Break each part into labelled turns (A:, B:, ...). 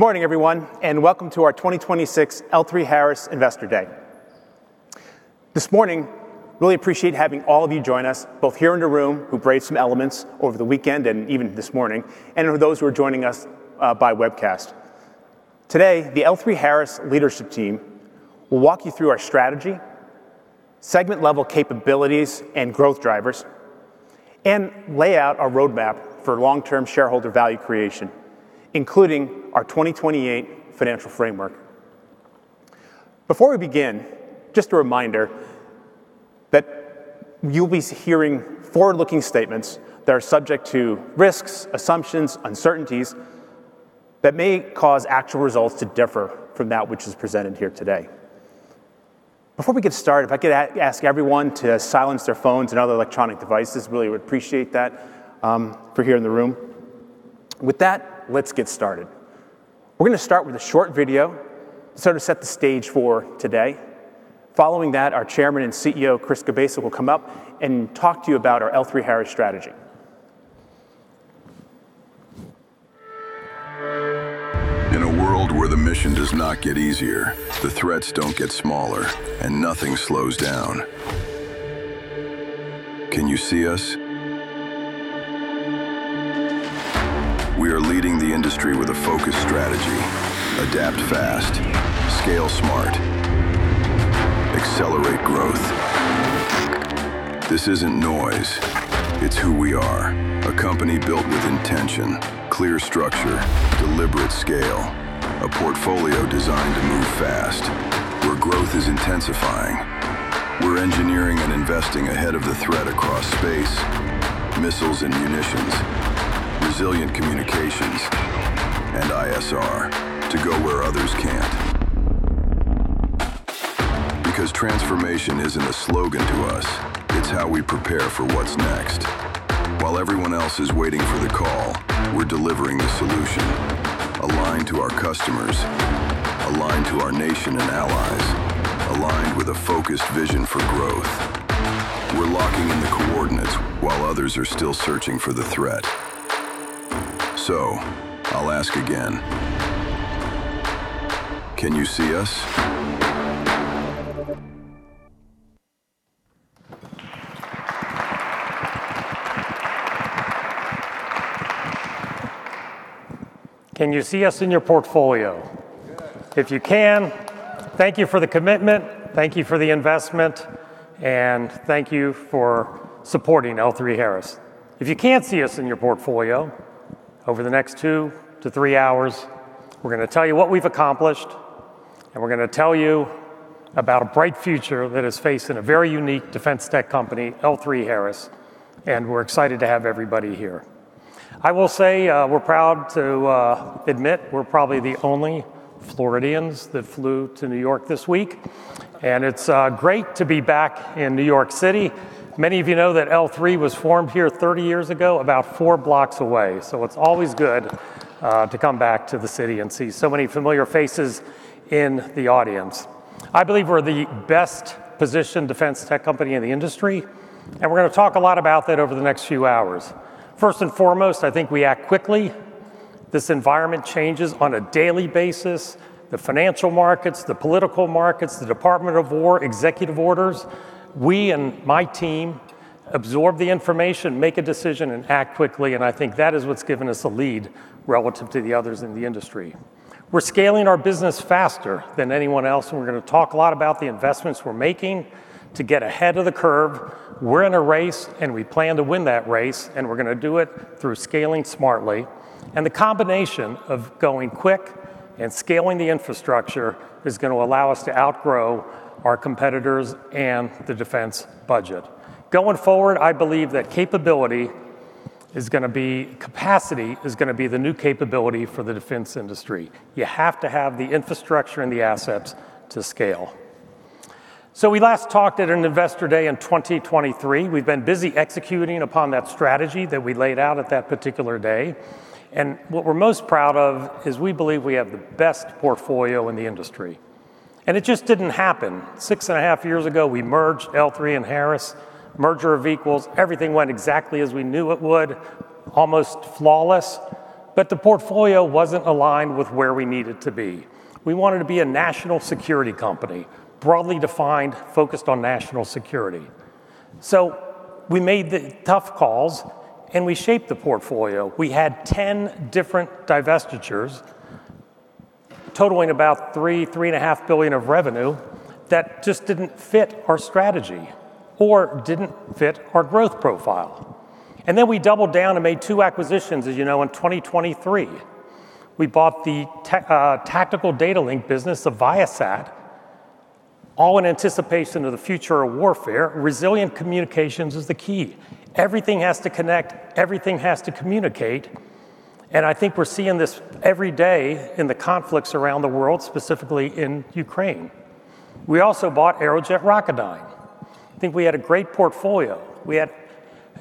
A: Good morning, everyone, welcome to our 2026 L3Harris Investor Day. This morning, really appreciate having all of you join us, both here in the room, who braved some elements over the weekend and even this morning, for those who are joining us by webcast. Today, the L3Harris leadership team will walk you through our strategy, segment-level capabilities, and growth drivers, and lay out our roadmap for long-term shareholder value creation, including our 2028 financial framework. Before we begin, just a reminder that you'll be hearing forward-looking statements that are subject to risks, assumptions, uncertainties, that may cause actual results to differ from that which is presented here today. Before we get started, if I could ask everyone to silence their phones and other electronic devices, really would appreciate that for here in the room. With that, let's get started. We're gonna start with a short video, sort of set the stage for today. Following that, our Chairman and CEO, Christopher Kubasik, will come up and talk to you about our L3Harris strategy.
B: In a world where the mission does not get easier, the threats don't get smaller, and nothing slows down, can you see us? We are leading the industry with a focused strategy: adapt fast, scale smart, accelerate growth. This isn't noise, it's who we are. A company built with intention, clear structure, deliberate scale, a portfolio designed to move fast, where growth is intensifying. We're engineering and investing ahead of the threat across space, missiles and munitions, resilient communications, and ISR, to go where others can't. Transformation isn't a slogan to us, it's how we prepare for what's next. While everyone else is waiting for the call, we're delivering the solution, aligned to our customers, aligned to our nation and allies, aligned with a focused vision for growth. We're locking in the coordinates while others are still searching for the threat. I'll ask again, can you see us?
C: Can you see us in your portfolio? If you can, thank you for the commitment, thank you for the investment, and thank you for supporting L3Harris. If you can't see us in your portfolio, over the next two to three hours, we're gonna tell you what we've accomplished, and we're gonna tell you about a bright future that is facing a very unique defense tech company, L3Harris, and we're excited to have everybody here. I will say, we're proud to admit we're probably the only Floridians that flew to New York this week, and it's great to be back in New York City. Many of you know that L3 was formed here 30 years ago, about four blocks away, so it's always good to come back to the city and see so many familiar faces in the audience. I believe we're the best-positioned defense tech company in the industry, and we're gonna talk a lot about that over the next few hours. First and foremost, I think we act quickly. This environment changes on a daily basis, the financial markets, the political markets, the Department of War, executive orders. We and my team absorb the information, make a decision, and act quickly, and I think that is what's given us a lead relative to the others in the industry. We're scaling our business faster than anyone else, and we're gonna talk a lot about the investments we're making to get ahead of the curve. We're in a race, and we plan to win that race, and we're gonna do it through scaling smartly. The combination of going quick and scaling the infrastructure is gonna allow us to outgrow our competitors and the defense budget. Going forward, I believe that capability is gonna be capacity is gonna be the new capability for the defense industry. You have to have the infrastructure and the assets to scale. We last talked at an Investor Day in 2023. We've been busy executing upon that strategy that we laid out at that particular day, what we're most proud of is we believe we have the best portfolio in the industry, it just didn't happen. Six and a half years ago, we merged L3 and Harris, merger of equals. Everything went exactly as we knew it would, almost flawless, the portfolio wasn't aligned with where we needed to be. We wanted to be a national security company, broadly defined, focused on national security. We made the tough calls, we shaped the portfolio. We had 10 different divestitures totaling about $3.5 billion of revenue that just didn't fit our strategy or didn't fit our growth profile. Then we doubled down and made two acquisitions, as you know, in 2023. We bought the Tactical Data Links business of Viasat, all in anticipation of the future of warfare. Resilient communications is the key. Everything has to connect, everything has to communicate, I think we're seeing this every day in the conflicts around the world, specifically in Ukraine. We also bought Aerojet Rocketdyne. I think we had a great portfolio. We had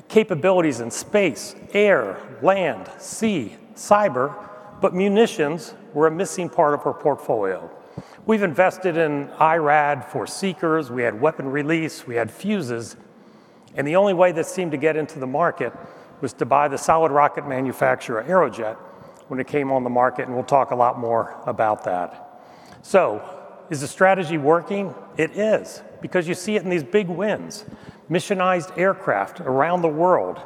C: capabilities in space, air, land, sea, cyber, but munitions were a missing part of our portfolio. We've invested in IRAD for seekers, we had weapon release, we had fuses. The only way that seemed to get into the market was to buy the solid rocket manufacturer, Aerojet, when it came on the market, and we'll talk a lot more about that. Is the strategy working? It is, because you see it in these big wins, missionized aircraft around the world,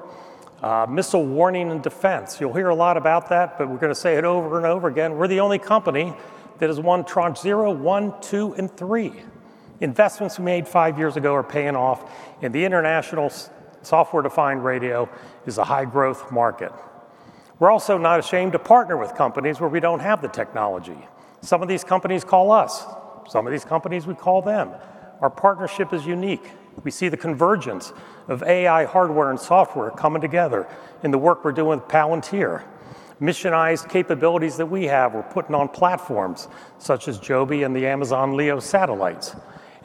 C: missile warning and defense. You'll hear a lot about that, but we're gonna say it over and over again. We're the only company that has won Tranche 0, 1, 2, and 3. Investments we made five years ago are paying off, and the international software-defined radio is a high-growth market. We're also not ashamed to partner with companies where we don't have the technology. Some of these companies call us. Some of these companies, we call them. Our partnership is unique. We see the convergence of AI hardware and software coming together in the work we're doing with Palantir. Missionized capabilities that we have, we're putting on platforms such as Joby and the Amazon Leo satellites.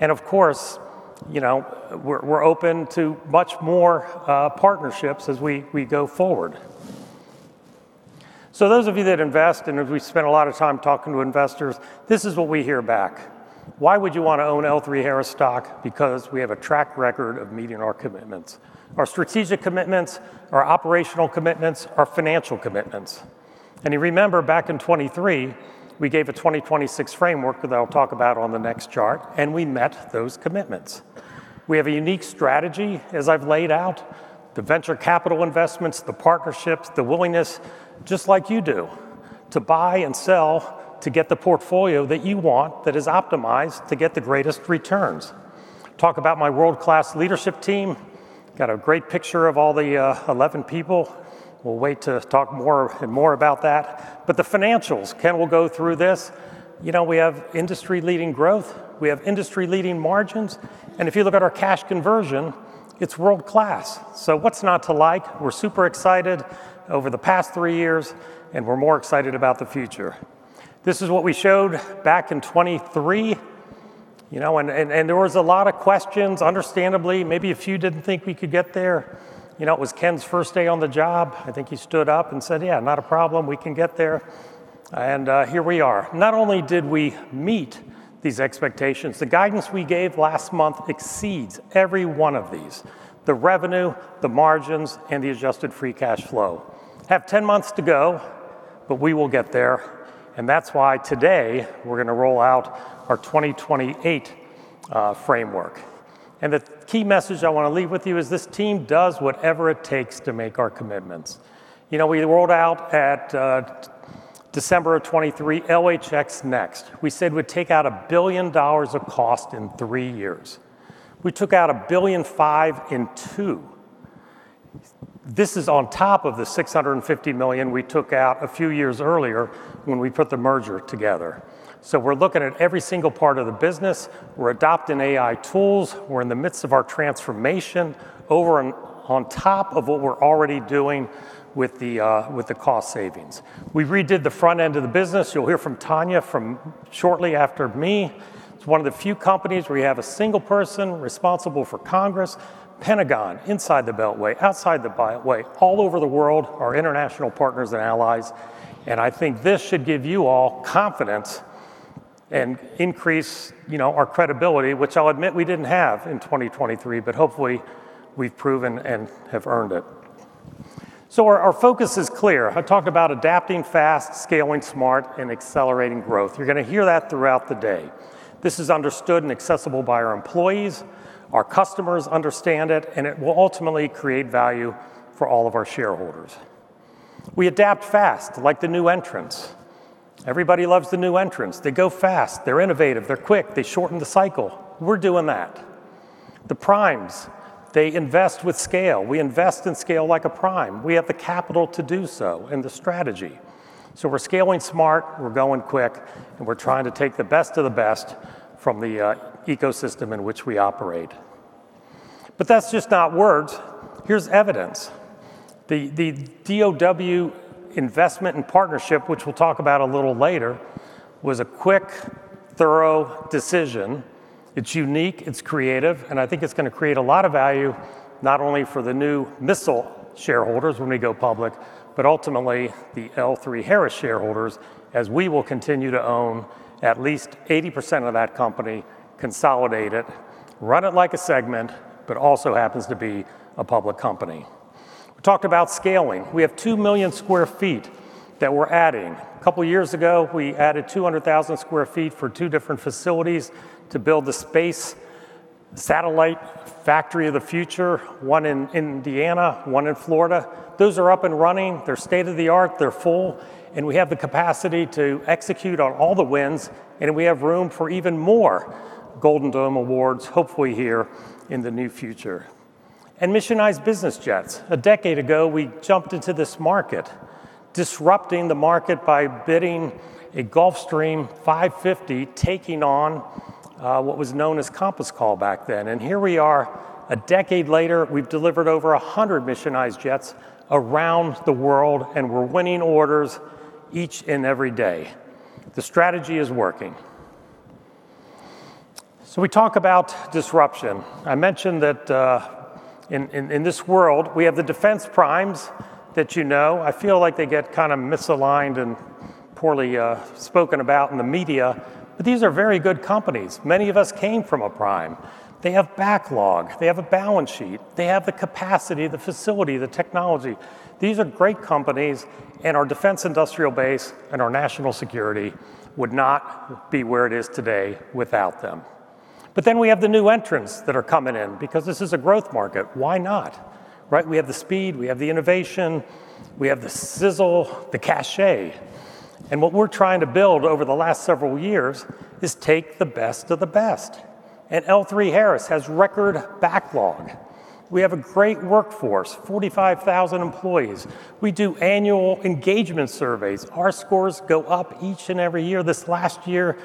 C: Of course, you know, we're open to much more partnerships as we go forward. Those of you that invest, and as we spend a lot of time talking to investors, this is what we hear back. Why would you wanna own L3Harris stock? Because we have a track record of meeting our commitments, our strategic commitments, our operational commitments, our financial commitments. You remember, back in 2023, we gave a 2026 framework that I'll talk about on the next chart, and we met those commitments. We have a unique strategy, as I've laid out, the venture capital investments, the partnerships, the willingness, just like you do, to buy and sell to get the portfolio that you want, that is optimized to get the greatest returns. Talk about my world-class leadership team. Got a great picture of all the 11 people. We'll wait to talk more and more about that. The financials, Ken will go through this. You know, we have industry-leading growth, we have industry-leading margins, and if you look at our cash conversion, it's world-class. What's not to like? We're super excited over the past three years, and we're more excited about the future. This is what we showed back in 2023, you know, there was a lot of questions, understandably. Maybe a few didn't think we could get there. You know, it was Ken's first day on the job. I think he stood up and said, "Yeah, not a problem. We can get there," and here we are. Not only did we meet these expectations, the guidance we gave last month exceeds every one of these, the revenue, the margins, and the adjusted free cash flow. Have 10 months to go, but we will get there, and that's why today we're gonna roll out our 2028 framework. The key message I wanna leave with you is this team does whatever it takes to make our commitments. You know, we rolled out at December of 2023, LHX NeXt. We said we'd take out $1 billion of cost in three years. We took out $1.5 billion in two. This is on top of the $650 million we took out a few years earlier when we put the merger together. We're looking at every single part of the business. We're adopting AI tools. We're in the midst of our transformation over and on top of what we're already doing with the cost savings. We redid the front end of the business. You'll hear from Tania shortly after me. It's one of the few companies where you have a single person responsible for Congress, Pentagon, inside the Beltway, outside the Beltway, all over the world, our international partners and allies. I think this should give you all confidence and increase, you know, our credibility, which I'll admit we didn't have in 2023. Hopefully, we've proven and have earned it. Our focus is clear. I talk about adapting fast, scaling smart, and accelerating growth. You're going to hear that throughout the day. This is understood and accessible by our employees, our customers understand it, and it will ultimately create value for all of our shareholders. We adapt fast, like the new entrants. Everybody loves the new entrants. They go fast, they're innovative, they're quick, they shorten the cycle. We're doing that. The primes, they invest with scale. We invest in scale like a prime. We have the capital to do so and the strategy. We're scaling smart, we're going quick, and we're trying to take the best of the best from the ecosystem in which we operate. That's just not words. Here's evidence. The DOW investment and partnership, which we'll talk about a little later, was a quick, thorough decision. It's unique, it's creative, and I think it's gonna create a lot of value, not only for the new missile shareholders when we go public, but ultimately the L3Harris shareholders, as we will continue to own at least 80% of that company, consolidate it, run it like a segment, but also happens to be a public company. We talked about scaling. We have 2 million sq ft that we're adding. A couple years ago, we added 200,000 sq ft for two different facilities to build the space satellite factory of the future, one in Indiana, one in Florida. Those are up and running. They're state-of-the-art, they're full, and we have the capacity to execute on all the wins, and we have room for even more Golden Dome awards, hopefully here in the near future. Missionized business jets. A decade ago, we jumped into this market, disrupting the market by bidding a Gulfstream G550, taking on what was known as Compass Call back then. Here we are, a decade later, we've delivered over 100 missionized jets around the world. We're winning orders each and every day. The strategy is working. We talk about disruption. I mentioned that in this world, we have the defense primes that you know. I feel like they get kind of misaligned and poorly spoken about in the media, but these are very good companies. Many of us came from a prime. They have backlog, they have a balance sheet, they have the capacity, the facility, the technology. These are great companies. Our defense industrial base and our national security would not be where it is today without them. We have the new entrants that are coming in because this is a growth market. Why not? Right? We have the speed, we have the innovation, we have the sizzle, the cachet, and what we're trying to build over the last several years is take the best of the best. L3Harris has record backlog. We have a great workforce, 45,000 employees. We do annual engagement surveys. Our scores go up each and every year. This last year,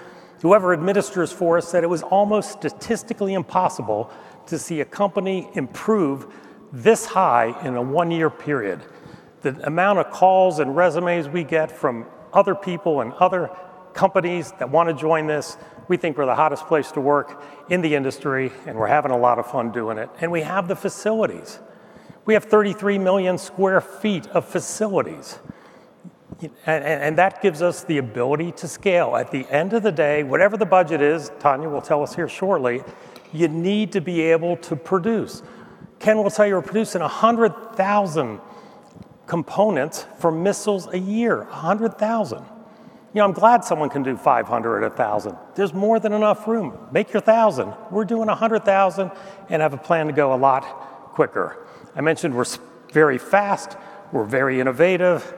C: whoever administers for us said it was almost statistically impossible to see a company improve this high in a one-year period. The amount of calls and resumes we get from other people and other companies that wanna join this, we think we're the hottest place to work in the industry, and we're having a lot of fun doing it. We have the facilities. We have 33 million sq ft of facilities, and that gives us the ability to scale. At the end of the day, whatever the budget is, Tania will tell us here shortly, you need to be able to produce. Ken will tell you we're producing 100,000 components for missiles a year, 100,000. You know, I'm glad someone can do 500 or 1,000. There's more than enough room. Make your 1,000. We're doing 100,000 and have a plan to go a lot quicker. I mentioned we're very fast, we're very innovative,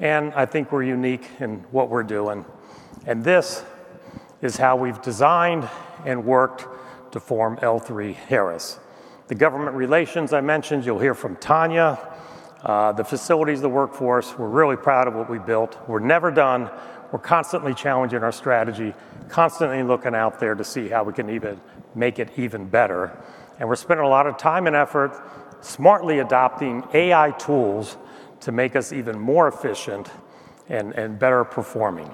C: and I think we're unique in what we're doing, and this is how we've designed and worked to form L3Harris. The government relations I mentioned, you'll hear from Tania. The facilities, the workforce, we're really proud of what we built. We're never done. We're constantly challenging our strategy, constantly looking out there to see how we can even make it even better, and we're spending a lot of time and effort smartly adopting AI tools to make us even more efficient and better performing.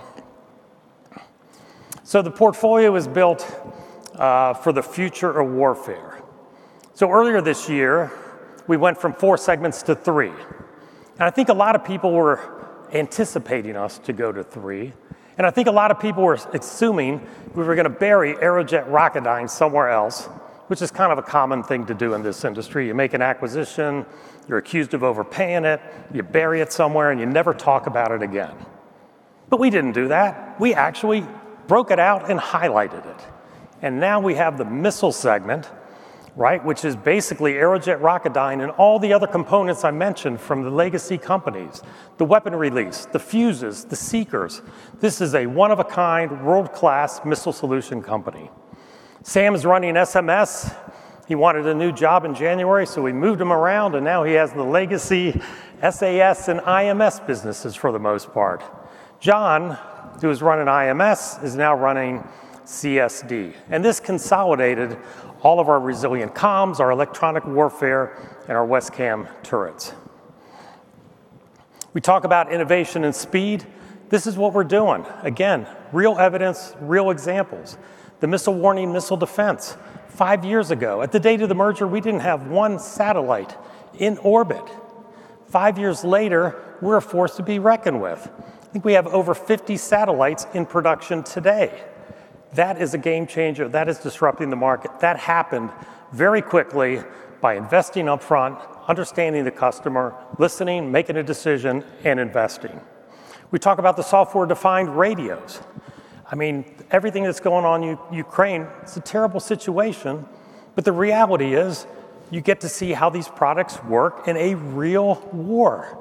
C: The portfolio is built for the future of warfare. Earlier this year, we went from four segments to three, and I think a lot of people were anticipating us to go to three, and I think a lot of people were assuming we were gonna bury Aerojet Rocketdyne somewhere else, which is kind of a common thing to do in this industry. You make an acquisition, you're accused of overpaying it, you bury it somewhere, and you never talk about it again. We didn't do that. We actually broke it out and highlighted it, and now we have the missile segment, right? Which is basically Aerojet Rocketdyne and all the other components I mentioned from the legacy companies, the weapon release, the fuses, the seekers. This is a one-of-a-kind, world-class Missile Solutions company. Sam is running SMS. He wanted a new job in January, so we moved him around, and now he has the legacy SAS and IMS businesses for the most part. Jon, who was running IMS, is now running CSD, and this consolidated all of our resilient comms, our electronic warfare, and our WESCAM turrets. We talk about innovation and speed. This is what we're doing. Again, real evidence, real examples. The missile warning, missile defense. Five years ago, at the date of the merger, we didn't have one satellite in orbit. Five years later, we're a force to be reckoned with. I think we have over 50 satellites in production today. That is a game changer. That is disrupting the market. That happened very quickly by investing upfront, understanding the customer, listening, making a decision, and investing. We talk about the software-defined radios. I mean, everything that's going on in Ukraine, it's a terrible situation, the reality is, you get to see how these products work in a real war,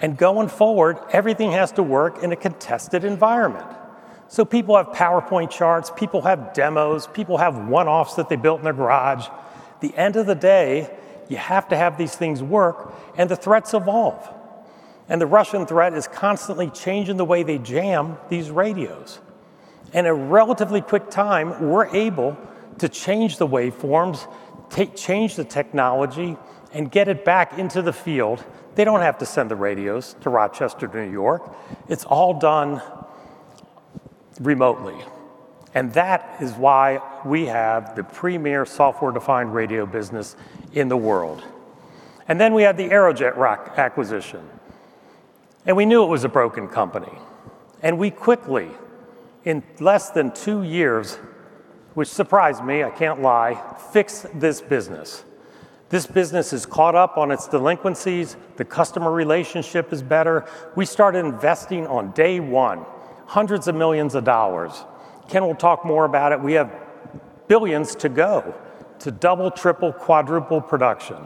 C: and going forward, everything has to work in a contested environment. People have PowerPoint charts, people have demos, people have one-offs that they built in their garage. The end of the day, you have to have these things work, and the threats evolve, and the Russian threat is constantly changing the way they jam these radios. In a relatively quick time, we're able to change the waveforms, change the technology, and get it back into the field. They don't have to send the radios to Rochester, New York. It's all done remotely, and that is why we have the premier software-defined radio business in the world. Then we had the Aerojet Rock acquisition, and we knew it was a broken company, and we quickly, in less than two years, which surprised me, I can't lie, fixed this business. This business has caught up on its delinquencies. The customer relationship is better. We started investing on day one, hundreds of millions of dollars. Ken will talk more about it. We have billions to go to double, triple, quadruple production.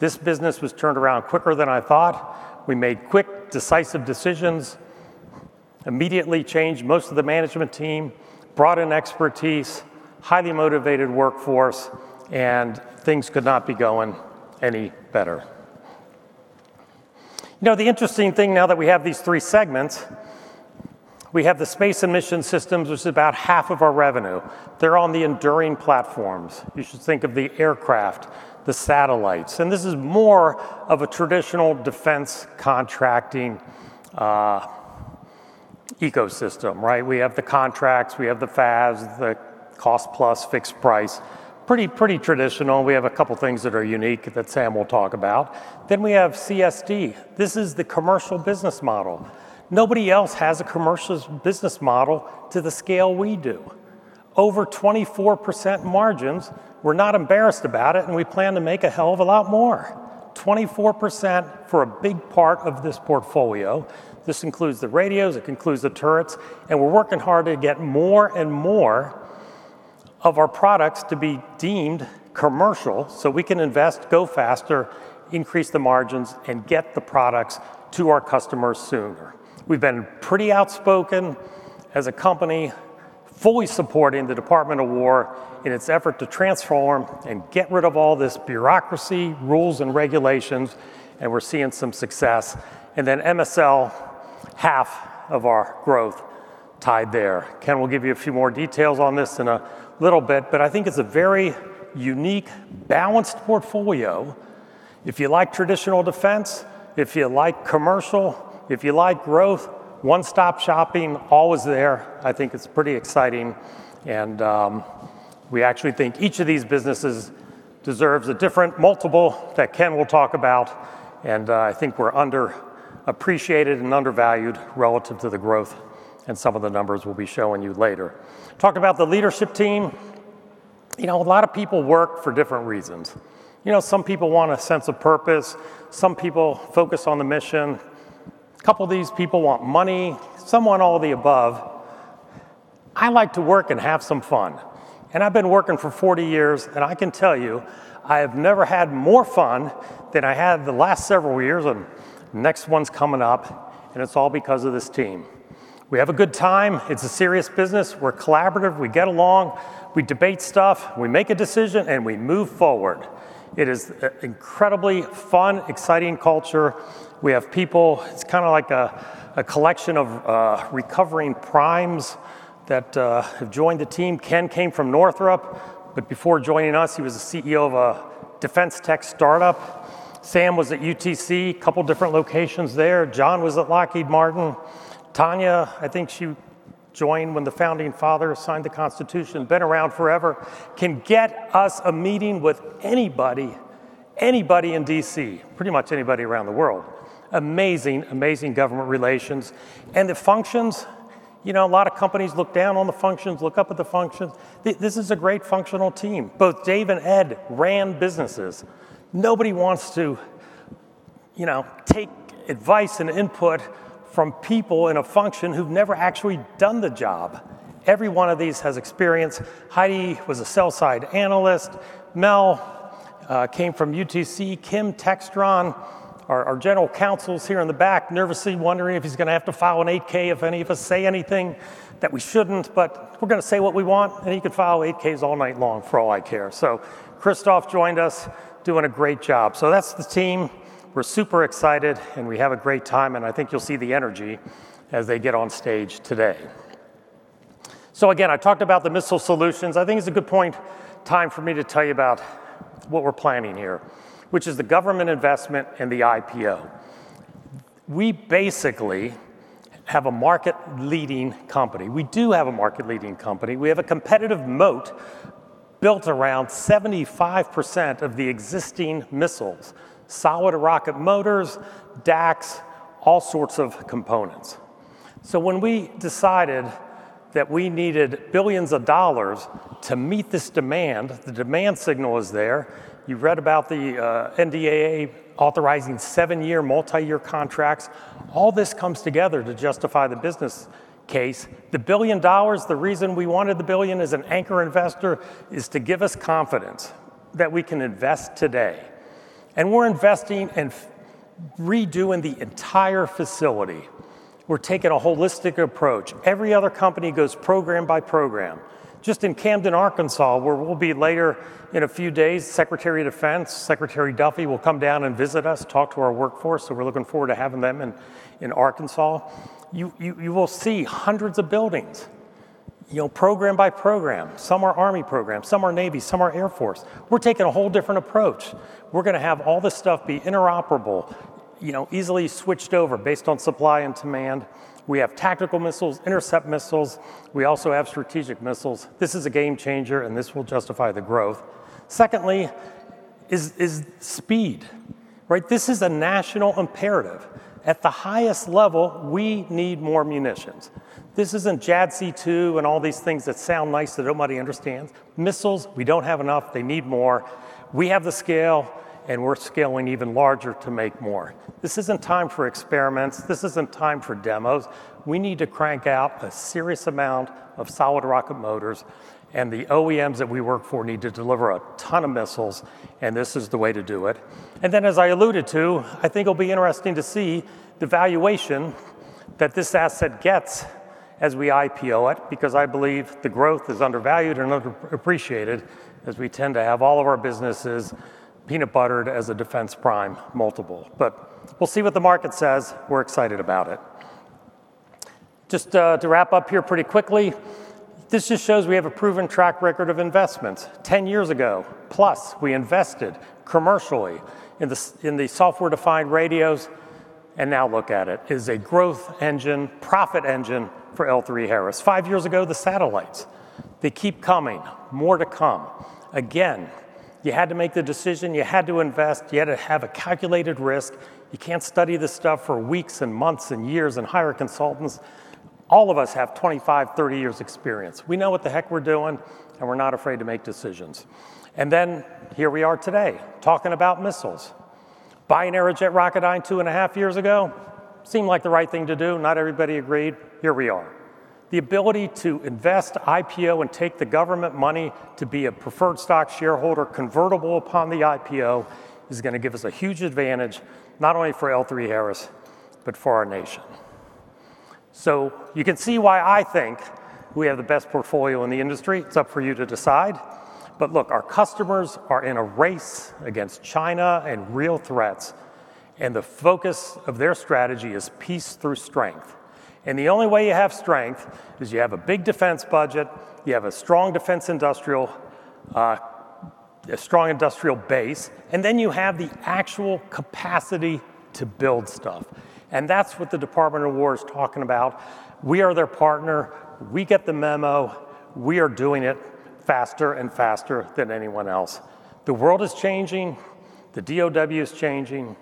C: This business was turned around quicker than I thought. We made quick, decisive decisions, immediately changed most of the management team, brought in expertise, highly motivated workforce, and things could not be going any better. You know, the interesting thing, now that we have these three segments, we have the Space & Mission Systems, which is about half of our revenue. They're on the enduring platforms. You should think of the aircraft, the satellites, and this is more of a traditional defense contracting ecosystem, right? We have the contracts, we have the FAS, the cost plus fixed price. Pretty traditional. We have a couple things that are unique that Sam will talk about. We have CSD. This is the commercial business model. Nobody else has a commercial business model to the scale we do. Over 24% margins, we're not embarrassed about it, and we plan to make a hell of a lot more. 24% for a big part of this portfolio. This includes the radios, it includes the turrets. We're working hard to get more and more of our products to be deemed commercial, so we can invest, go faster, increase the margins, and get the products to our customers sooner. We've been pretty outspoken as a company, fully supporting the Department of War in its effort to transform and get rid of all this bureaucracy, rules, and regulations. We're seeing some success. MSL, half of our growth tied there. Ken will give you a few more details on this in a little bit. I think it's a very unique, balanced portfolio. If you like traditional defense, if you like commercial, if you like growth, one-stop shopping, all is there. I think it's pretty exciting, and we actually think each of these businesses deserves a different multiple that Ken will talk about, and I think we're underappreciated and undervalued relative to the growth and some of the numbers we'll be showing you later. Talk about the leadership team. You know, a lot of people work for different reasons. You know, some people want a sense of purpose, some people focus on the mission, a couple of these people want money, some want all the above. I like to work and have some fun, and I've been working for 40 years, and I can tell you, I have never had more fun than I had the last several years, and the next one's coming up, and it's all because of this team. We have a good time. It's a serious business. We're collaborative. We get along, we debate stuff, we make a decision, and we move forward. It is a incredibly fun, exciting culture. We have people. It's kinda like a collection of recovering primes that have joined the team. Ken came from Northrop, but before joining us, he was a CEO of a defense tech startup. Sam was at UTC, couple different locations there. John was at Lockheed Martin. Tania, I think she joined when the Founding Fathers signed the Constitution, been around forever, can get us a meeting with anybody in D.C., pretty much anybody around the world. Amazing, amazing government relations. The functions, you know, a lot of companies look down on the functions, look up at the functions. This is a great functional team. Both Dave and Ed ran businesses. Nobody wants to, you know, take advice and input from people in a function who've never actually done the job. Every one of these has experience. Heidi was a sell-side analyst. Mel came from UTC. Kim, Textron. Our General Counsel's here in the back, nervously wondering if he's gonna have to file an 8-K if any of us say anything that we shouldn't, but we're gonna say what we want, and he can file 8-Ks all night long for all I care. Christoph joined us, doing a great job. That's the team. We're super excited, and we have a great time, and I think you'll see the energy as they get on stage today. Again, I talked about the Missile Solutions. I think it's a good point, time for me to tell you about what we're planning here, which is the government investment and the IPO. We basically have a market-leading company. We do have a market-leading company. We have a competitive moat built around 75% of the existing missiles, solid rocket motors, DACS, all sorts of components. When we decided that we needed billions of dollars to meet this demand, the demand signal is there. You've read about the NDAA authorizing seven-year, multi-year contracts. All this comes together to justify the business case. The $1 billion, the reason we wanted the $1 billion as an anchor investor, is to give us confidence that we can invest today, and we're investing in redoing the entire facility. We're taking a holistic approach. Every other company goes program by program. Just in Camden, Arkansas, where we'll be later in a few days, Secretary of Defense, Secretary Duffy, will come down and visit us, talk to our workforce, so we're looking forward to having them in Arkansas. You will see hundreds of buildings, you know, program by program. Some are Army programs, some are Navy, some are Air Force. We're taking a whole different approach. We're gonna have all this stuff be interoperable, you know, easily switched over based on supply and demand. We have tactical missiles, intercept missiles, we also have strategic missiles. This is a game changer, and this will justify the growth. Secondly is speed, right? This is a national imperative. At the highest level, we need more munitions. This isn't JADC2 and all these things that sound nice that nobody understands. Missiles, we don't have enough, they need more. We have the scale, we're scaling even larger to make more. This isn't time for experiments. This isn't time for demos. We need to crank out a serious amount of solid rocket motors, the OEMs that we work for need to deliver a ton of missiles, and this is the way to do it. Then, as I alluded to, I think it'll be interesting to see the valuation that this asset gets as we IPO it, because I believe the growth is undervalued and underappreciated, as we tend to have all of our businesses peanut buttered as a defense prime multiple. We'll see what the market says. We're excited about it. Just to wrap up here pretty quickly, this just shows we have a proven track record of investment 10 years ago, plus, we invested commercially in the software-defined radios, and now look at it. It is a growth engine, profit engine for L3Harris. Five years ago, the satellites, they keep coming. More to come. Again. You had to make the decision, you had to invest, you had to have a calculated risk. You can't study this stuff for weeks and months and years, and hire consultants. All of us have 25, 30 years experience. We know what the heck we're doing, and we're not afraid to make decisions. Here we are today, talking about missiles. Buying Aerojet Rocketdyne 2 and a half years ago, seemed like the right thing to do, not everybody agreed, here we are. The ability to invest, IPO, and take the government money to be a preferred stock shareholder, convertible upon the IPO, is gonna give us a huge advantage, not only for L3Harris, but for our nation. You can see why I think we have the best portfolio in the industry. It's up for you to decide. Look, our customers are in a race against China and real threats, and the focus of their strategy is peace through strength. The only way you have strength, is you have a big defense budget, you have a strong defense industrial, a strong industrial base, and then you have the actual capacity to build stuff, and that's what the Department of War is talking about. We are their partner, we get the memo, we are doing it faster and faster than anyone else. The world is changing, the DOW is changing.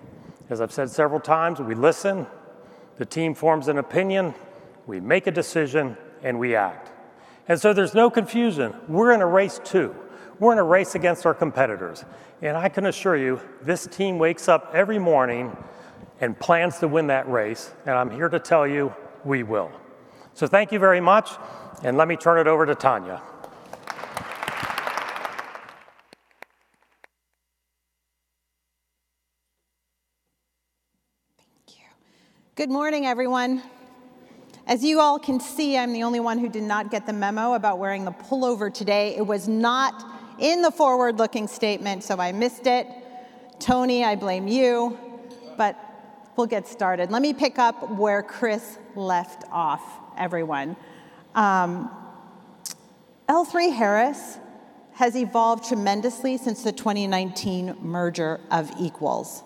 C: As I've said several times, we listen, the team forms an opinion, we make a decision, and we act. There's no confusion, we're in a race, too. We're in a race against our competitors, and I can assure you, this team wakes up every morning and plans to win that race, and I'm here to tell you, we will. Thank you very much, and let me turn it over to Tania.
D: Thank you. Good morning, everyone. As you all can see, I'm the only one who did not get the memo about wearing a pullover today. It was not in the forward-looking statement. I missed it. Tony, I blame you. We'll get started. Let me pick up where Chris left off, everyone. L3Harris has evolved tremendously since the 2019 merger of equals.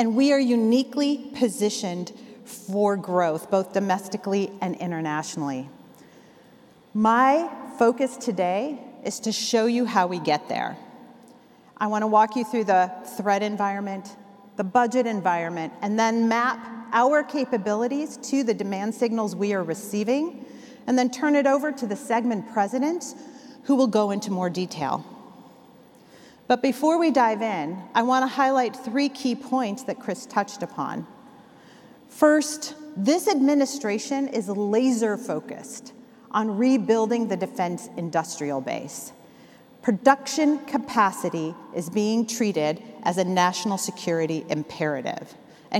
D: We are uniquely positioned for growth, both domestically and internationally. My focus today is to show you how we get there. I wanna walk you through the threat environment, the budget environment, and then map our capabilities to the demand signals we are receiving, and then turn it over to the segment president, who will go into more detail. Before we dive in, I wanna highlight three key points that Chris touched upon. First, this administration is laser-focused on rebuilding the defense industrial base. Production capacity is being treated as a national security imperative.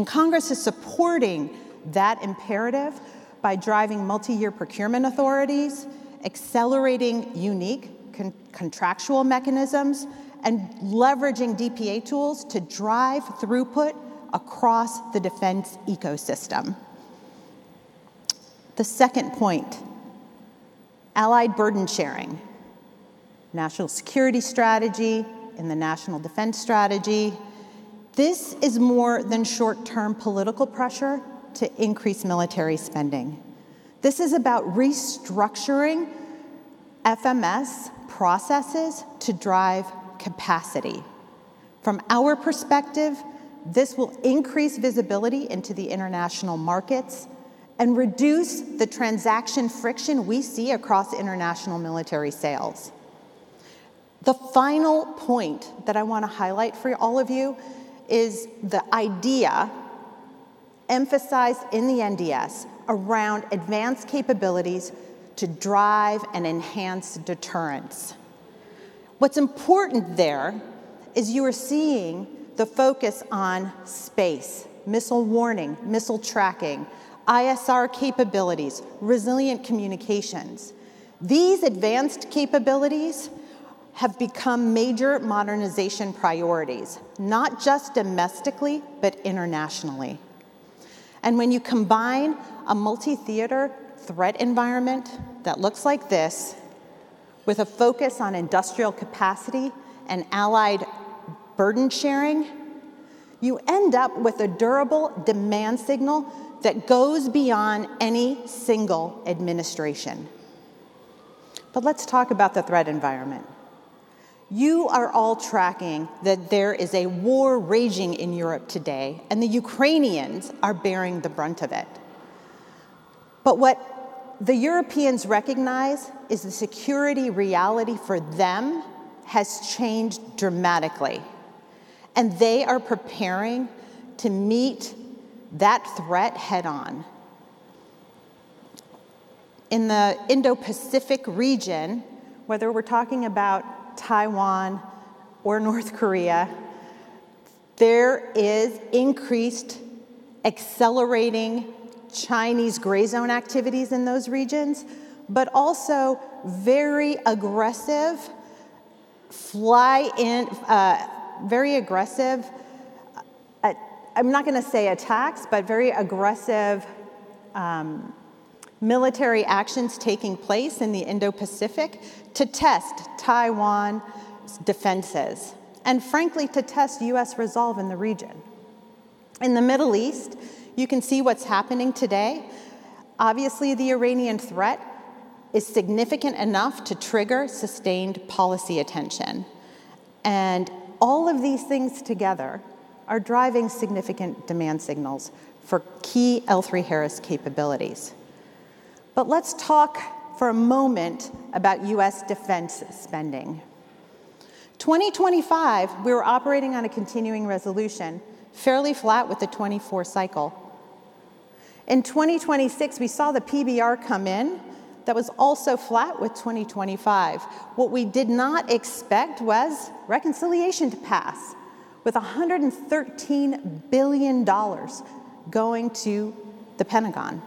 D: Congress is supporting that imperative by driving multi-year procurement authorities, accelerating unique contractual mechanisms, and leveraging DPA tools to drive throughput across the defense ecosystem. The second point, allied burden sharing, national security strategy, and the National Defense Strategy. This is more than short-term political pressure to increase military spending. This is about restructuring FMS processes to drive capacity. From our perspective, this will increase visibility into the international markets. Reduce the transaction friction we see across international military sales. The final point that I wanna highlight for all of you, is the idea emphasized in the NDS around advanced capabilities to drive and enhance deterrence. What's important there, is you are seeing the focus on space, missile warning, missile tracking, ISR capabilities, resilient communications. These advanced capabilities have become major modernization priorities, not just domestically, but internationally. When you combine a multi-theater threat environment that looks like this, with a focus on industrial capacity and allied burden sharing, you end up with a durable demand signal that goes beyond any single administration. Let's talk about the threat environment. You are all tracking that there is a war raging in Europe today, and the Ukrainians are bearing the brunt of it. What the Europeans recognize, is the security reality for them has changed dramatically, and they are preparing to meet that threat head-on. In the Indo-Pacific region, whether we're talking about Taiwan or North Korea, there is increased accelerating Chinese gray zone activities in those regions, but also very aggressive fly in. Very aggressive, I'm not gonna say attacks, but very aggressive military actions taking place in the Indo-Pacific to test Taiwan's defenses, and frankly, to test U.S. resolve in the region. In the Middle East, you can see what's happening today. Obviously, the Iranian threat is significant enough to trigger sustained policy attention. All of these things together are driving significant demand signals for key L3Harris capabilities. Let's talk for a moment about U.S. defense spending. 2025, we were operating on a continuing resolution, fairly flat with the 2024 cycle. In 2026, we saw the PBR come in, that was also flat with 2025. What we did not expect was reconciliation to pass, with $113 billion going to the Pentagon.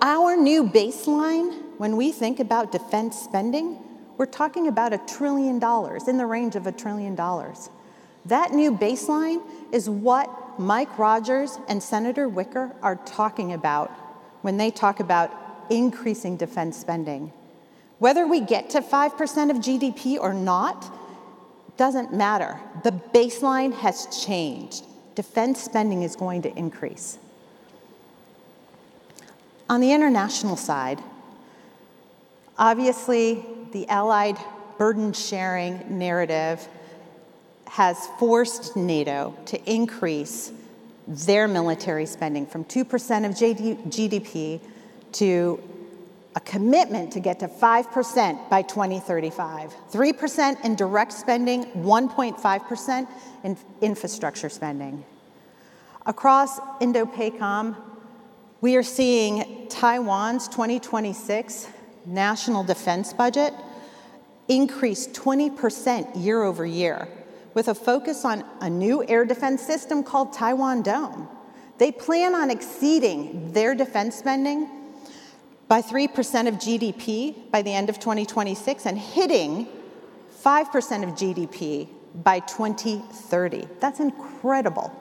D: Our new baseline, when we think about defense spending, we're talking about $1 trillion, in the range of $1 trillion. That new baseline is what Mike Rogers and Senator Wicker are talking about when they talk about increasing defense spending. Whether we get to 5% of GDP or not, doesn't matter. The baseline has changed. Defense spending is going to increase. On the international side, obviously, the allied burden-sharing narrative has forced NATO to increase their military spending from 2% of GDP to a commitment to get to 5% by 2035, 3% in direct spending, 1.5% in infrastructure spending. Across INDOPACOM, we are seeing Taiwan's 2026 national defense budget increase 20% year-over-year, with a focus on a new air defense system called Taiwan Dome. They plan on exceeding their defense spending by 3% of GDP by the end of 2026 and hitting 5% of GDP by 2030. That's incredible.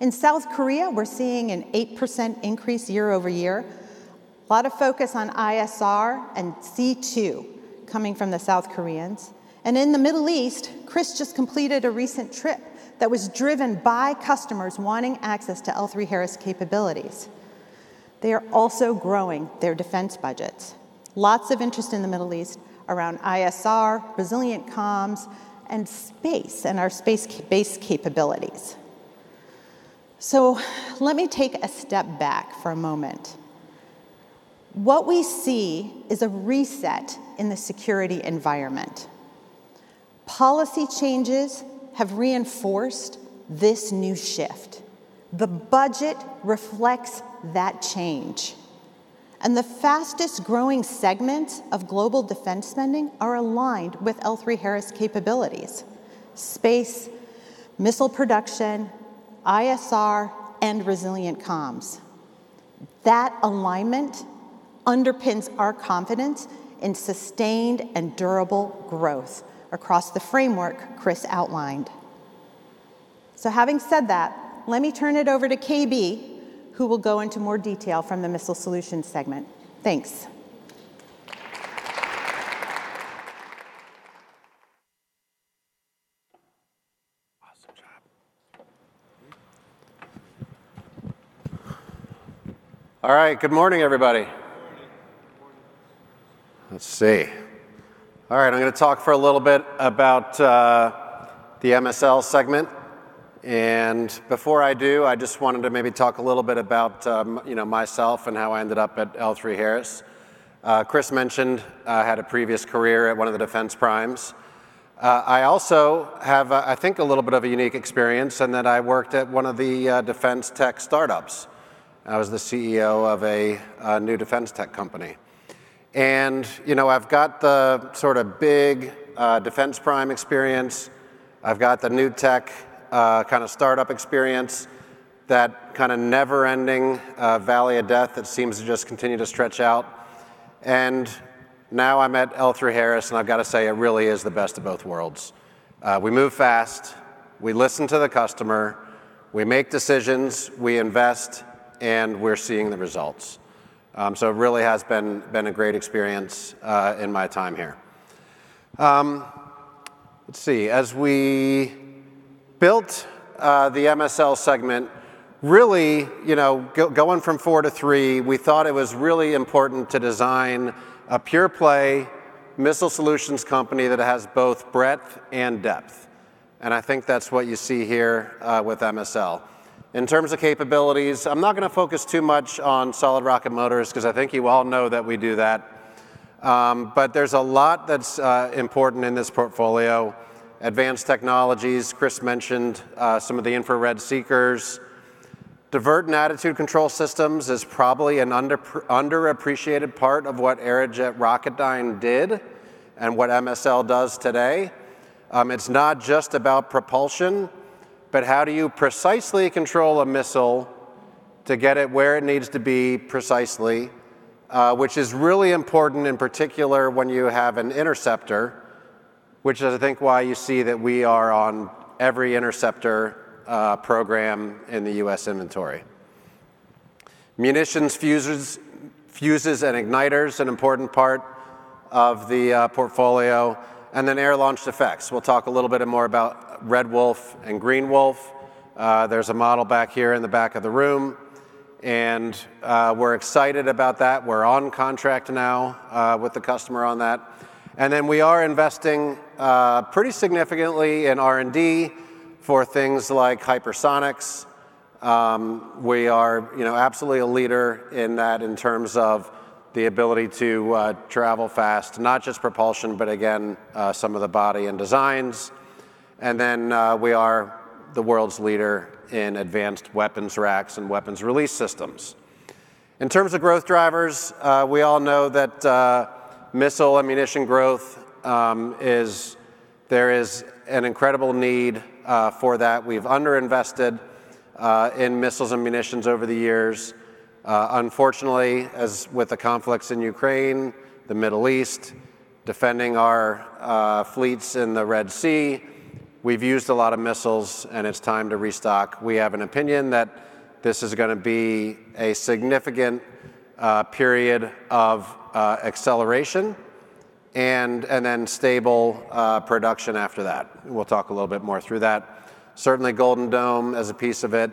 D: In South Korea, we're seeing an 8% increase year-over-year. A lot of focus on ISR and C2 coming from the South Koreans. In the Middle East, Chris just completed a recent trip that was driven by customers wanting access to L3Harris capabilities. They are also growing their defense budgets. Lots of interest in the Middle East around ISR, resilient comms, and space, and our space-based capabilities. Let me take a step back for a moment. What we see is a reset in the security environment. Policy changes have reinforced this new shift. The budget reflects that change. The fastest-growing segments of global defense spending are aligned with L3Harris capabilities: space, missile production, ISR, and resilient comms. That alignment underpins our confidence in sustained and durable growth across the framework Chris outlined. Having said that, let me turn it over to KB, who will go into more detail from the Missile Solutions segment. Thanks.
E: Awesome job. All right, good morning, everybody. Let's see. All right, I'm gonna talk for a little bit about the MSL segment. Before I do, I just wanted to maybe talk a little bit about, you know, myself and how I ended up at L3Harris. Chris mentioned, I had a previous career at one of the defense primes. I also have, I think, a little bit of a unique experience in that I worked at one of the defense tech startups. I was the CEO of a new defense tech company. You know, I've got the sorta big defense prime experience, I've got the new tech kinda startup experience, that kinda never-ending valley of death that seems to just continue to stretch out. Now I'm at L3Harris, and I've got to say, it really is the best of both worlds. We move fast, we listen to the customer, we make decisions, we invest, we're seeing the results. It really has been a great experience in my time here. Let's see. As we built the MSL segment, really, you know, going from 4-3, we thought it was really important to design a pure play Missile Solutions company that has both breadth and depth, and I think that's what you see here with MSL. In terms of capabilities, I'm not gonna focus too much on solid rocket motors, 'cause I think you all know that we do that, but there's a lot that's important in this portfolio. Advanced technologies, Chris mentioned some of the infrared seekers. Divert and attitude control systems is probably an underappreciated part of what Aerojet Rocketdyne did and what MSL does today. It's not just about propulsion, but how do you precisely control a missile to get it where it needs to be precisely, which is really important, in particular, when you have an interceptor, which is, I think, why you see that we are on every interceptor program in the U.S. inventory. Munitions, fuses and igniters, an important part of the portfolio, air-launched effects. We'll talk a little bit more about Red Wolf and Green Wolf. There's a model back here in the back of the room, and we're excited about that. We're on contract now with the customer on that. We are investing pretty significantly in R&D for things like hypersonics. We are, you know, absolutely a leader in that in terms of the ability to travel fast, not just propulsion, but again, some of the body and designs. We are the world's leader in advanced weapons racks and weapons release systems. In terms of growth drivers, we all know that missile ammunition growth, there is an incredible need for that. We've underinvested in missiles and munitions over the years. Unfortunately, as with the conflicts in Ukraine, the Middle East, defending our fleets in the Red Sea, we've used a lot of missiles, and it's time to restock. We have an opinion that this is gonna be a significant period of acceleration and then stable production after that. We'll talk a little bit more through that. Certainly, Golden Dome is a piece of it.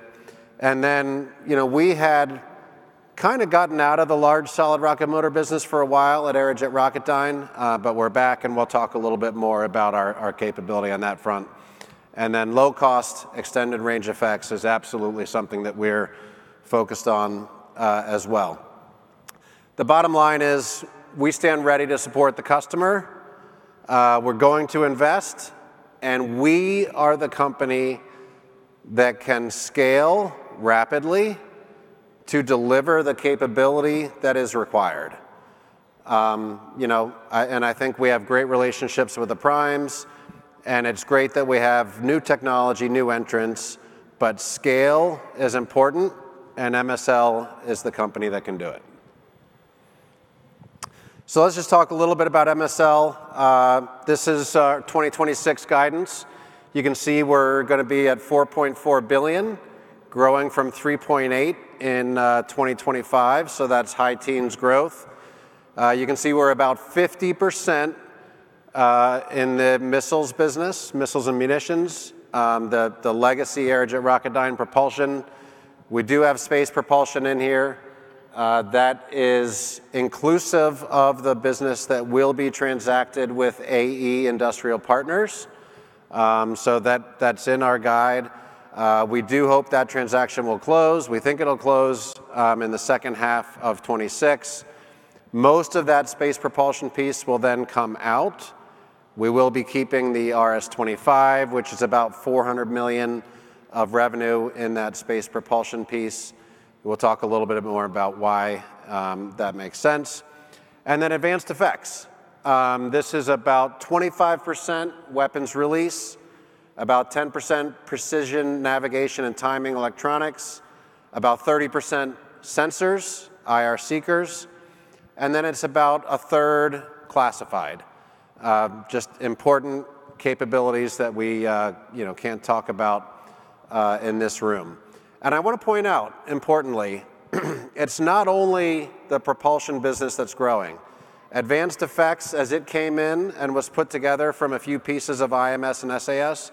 E: You know, we had kinda gotten out of the large solid rocket motor business for a while at Aerojet Rocketdyne, but we're back, and we'll talk a little bit more about our capability on that front. Low cost, extended range effects is absolutely something that we're focused on as well. The bottom line is, we stand ready to support the customer, we're going to invest, and we are the company that can scale rapidly to deliver the capability that is required. You know, I, and I think we have great relationships with the primes, and it's great that we have new technology, new entrants, but scale is important, and MSL is the company that can do it. Let's just talk a little bit about MSL. This is our 2026 guidance. You can see we're gonna be at $4.4 billion, growing from $3.8 billion in 2025, That's high teens growth. You can see we're about 50% in the missiles business, missiles and munitions, the legacy Aerojet Rocketdyne propulsion. We do have space propulsion in here, that is inclusive of the business that will be transacted with AE Industrial Partners. That's in our guide. We do hope that transaction will close. We think it'll close in the second half of 2026. Most of that space propulsion piece will then come out. We will be keeping the RS-25, which is about $400 million of revenue in that space propulsion piece. We'll talk a little bit more about why that makes sense. Advanced effects. This is about 25% weapons release, about 10% precision, navigation, and timing electronics, about 30% sensors, IR seekers, it's about a third classified. Just important capabilities that we, you know, can't talk about in this room. I wanna point out, importantly, it's not only the propulsion business that's growing. Advanced effects, as it came in and was put together from a few pieces of IMS and SAS,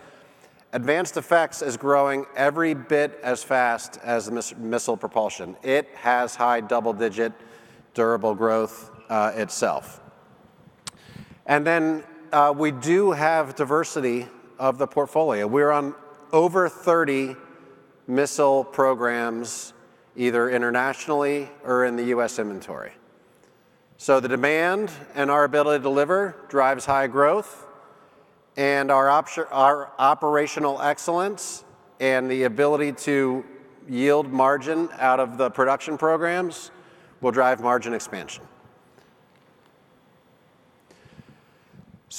E: advanced effects is growing every bit as fast as missile propulsion. It has high double-digit, durable growth itself. We do have diversity of the portfolio. We're on over 30 missile programs, either internationally or in the U.S. inventory. The demand and our ability to deliver drives high growth, and our operational excellence and the ability to yield margin out of the production programs will drive margin expansion.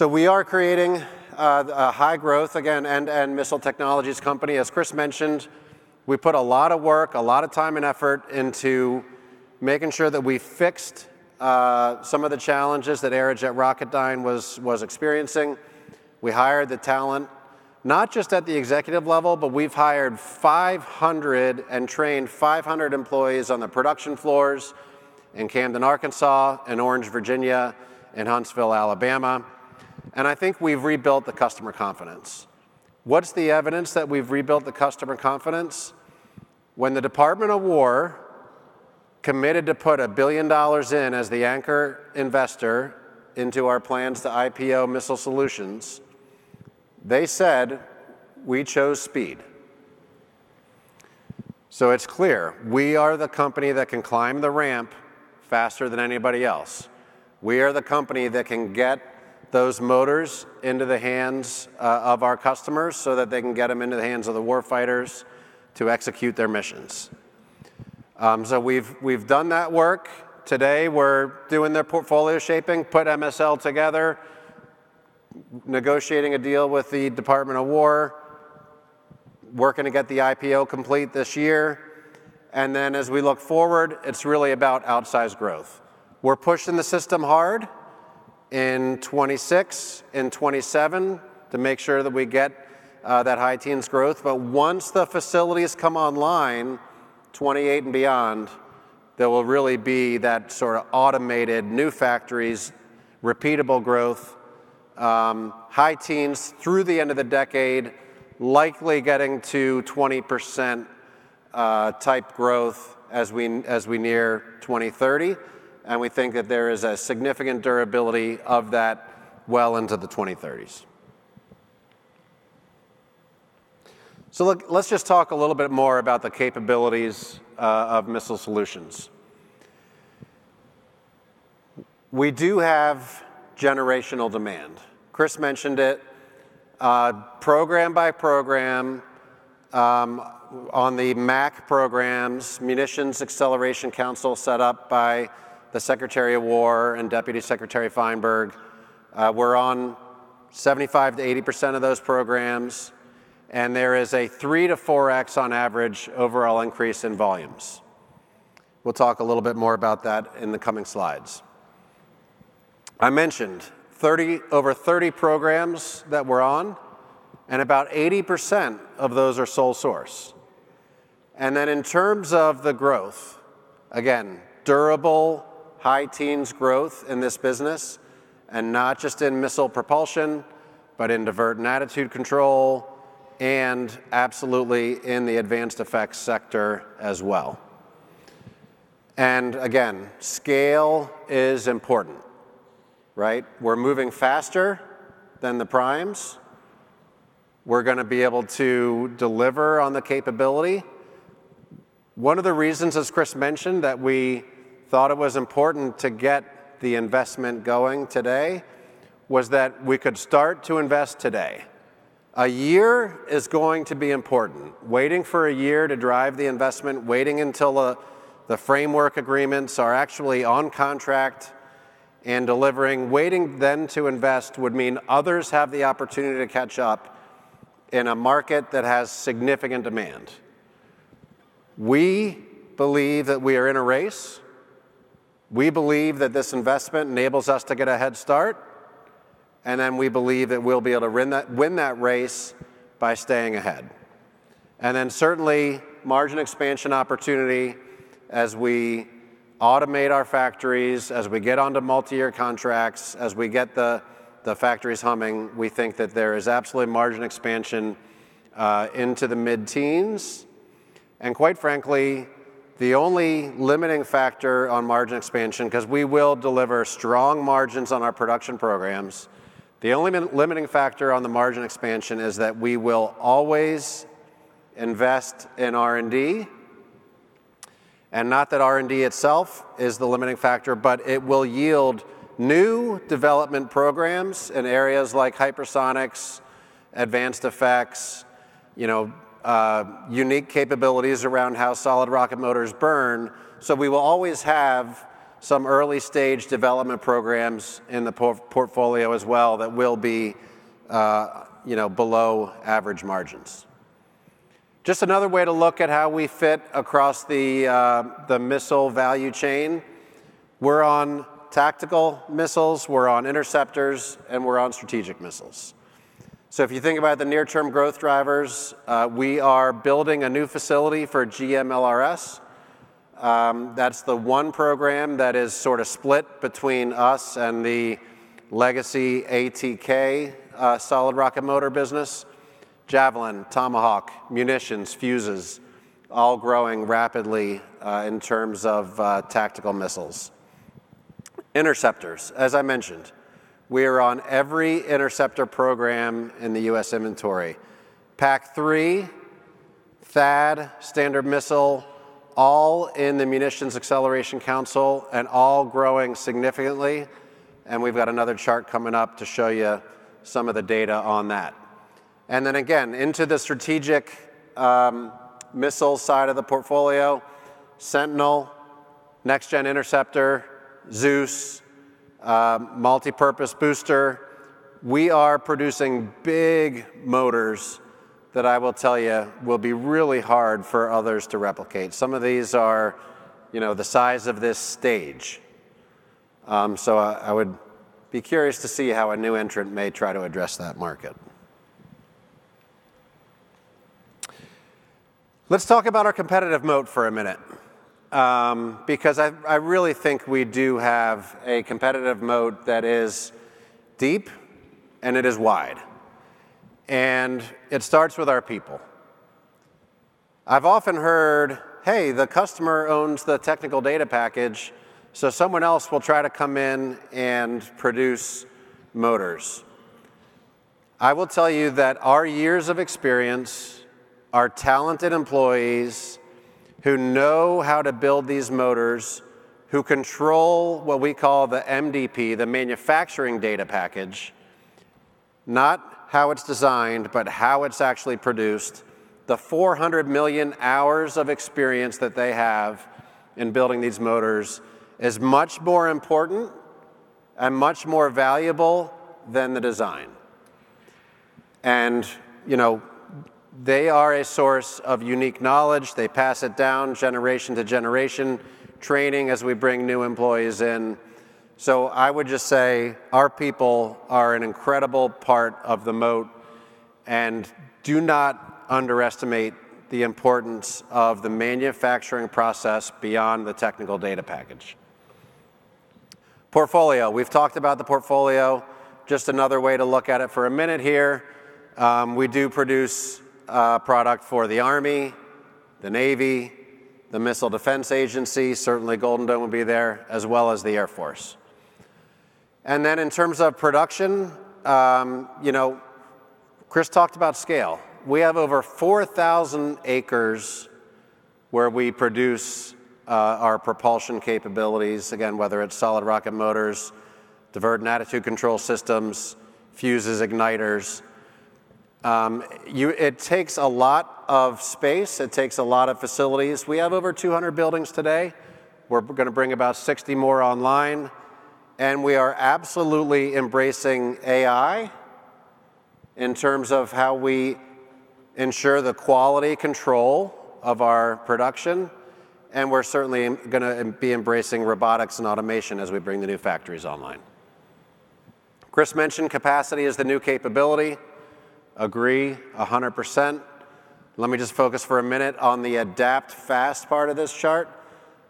E: We are creating a high growth, again, end-to-end missile technologies company. As Chris mentioned, we put a lot of work, a lot of time and effort into making sure that we fixed some of the challenges that Aerojet Rocketdyne was experiencing. We hired the talent, not just at the executive level, but we've hired 500 and trained 500 employees on the production floors in Camden, Arkansas, in Orange, Virginia, in Huntsville, Alabama, and I think we've rebuilt the customer confidence. What's the evidence that we've rebuilt the customer confidence? When the Department of War committed to put $1 billion in as the anchor investor into our plans to IPO Missile Solutions, they said, "We chose speed." It's clear, we are the company that can climb the ramp faster than anybody else. We are the company that can get those motors into the hands of our customers, so that they can get them into the hands of the war fighters to execute their missions. We've done that work. Today, we're doing the portfolio shaping, put MSL together, negotiating a deal with the Department of War, working to get the IPO complete this year, and then as we look forward, it's really about outsized growth. We're pushing the system in 2026 and 2027 to make sure that we get that high teens growth. Once the facilities come online, 2028 and beyond, there will really be that sort of automated new factories, repeatable growth, high teens through the end of the decade, likely getting to 20% type growth as we near 2030. We think that there is a significant durability of that well into the 2030s. Look, let's just talk a little bit more about the capabilities of Missile Solutions. We do have generational demand. Chris mentioned it, program by program, on the MAC programs, Munitions Acceleration Council, set up by the Secretary of War and Deputy Secretary Feinberg. We're on 75%-80% of those programs, and there is a 3-4x on average overall increase in volumes. We'll talk a little bit more about that in the coming slides. I mentioned 30, over 30 programs that we're on, and about 80% of those are sole source. In terms of the growth, again, durable, high teens growth in this business, not just in missile propulsion, but in divert and attitude control and absolutely in the advanced effects sector as well. Again, scale is important, right? We're moving faster than the primes. We're gonna be able to deliver on the capability. One of the reasons, as Chris mentioned, that we thought it was important to get the investment going today, was that we could start to invest today. A year is going to be important. Waiting for a year to drive the investment, waiting until the framework agreements are actually on contract and delivering, waiting then to invest, would mean others have the opportunity to catch up in a market that has significant demand. We believe that we are in a race, we believe that this investment enables us to get a head start, and then we believe that we'll be able to win that race by staying ahead. Certainly, margin expansion opportunity as we automate our factories, as we get onto multi-year contracts, as we get the factories humming, we think that there is absolutely margin expansion into the mid-teens. Quite frankly, the only limiting factor on margin expansion, 'cause we will deliver strong margins on our production programs, the only limiting factor on the margin expansion is that we will always invest in R&D. Not that R&D itself is the limiting factor, but it will yield new development programs in areas like hypersonics, advanced effects, you know, unique capabilities around how solid rocket motors burn. We will always have some early-stage development programs in the portfolio as well that will be, you know, below average margins. Just another way to look at how we fit across the missile value chain. We're on tactical missiles, we're on interceptors, and we're on strategic missiles. If you think about the near-term growth drivers, we are building a new facility for GMLRS. That's the one program that is sort of split between us and the legacy ATK solid rocket motor business. Javelin, Tomahawk, munitions, fuses, all growing rapidly in terms of tactical missiles. Interceptors, as I mentioned, we are on every interceptor program in the U.S. inventory. PAC-3, THAAD, Standard Missile, all in the Munitions Acceleration Council and all growing significantly, and we've got another chart coming up to show you some of the data on that. Again, into the strategic missile side of the portfolio, Sentinel, Next-Gen Interceptor, Zeus, multipurpose booster. We are producing big motors that I will tell you will be really hard for others to replicate. Some of these are, you know, the size of this stage. I would be curious to see how a new entrant may try to address that market. Let's talk about our competitive moat for a minute because I really think we do have a competitive moat that is deep and it is wide, and it starts with our people. I've often heard, "Hey, the customer owns the technical data package, so someone else will try to come in and produce motors." I will tell you that our years of experience, our talented employees who know how to build these motors, who control what we call the MDP, the manufacturing data package, not how it's designed, but how it's actually produced, the 400 million hours of experience that they have in building these motors, is much more important and much more valuable than the design. You know, they are a source of unique knowledge. They pass it down generation to generation, training as we bring new employees in. I would just say our people are an incredible part of the moat, and do not underestimate the importance of the manufacturing process beyond the technical data package. Portfolio. We've talked about the portfolio, just another way to look at it for a minute here. We do produce product for the Army, the Navy, the Missile Defense Agency, certainly Golden Dome will be there, as well as the Air Force. In terms of production, you know, Chris talked about scale. We have over 4,000 acres where we produce our propulsion capabilities. Again, whether it's solid rocket motors, Divert and Attitude Control Systems, fuses, igniters. It takes a lot of space, it takes a lot of facilities. We have over 200 buildings today. We're gonna bring about 60 more online. We are absolutely embracing AI in terms of how we ensure the quality control of our production. We're certainly gonna be embracing robotics and automation as we bring the new factories online. Chris mentioned capacity is the new capability. Agree 100%. Let me just focus for a minute on the adapt fast part of this chart.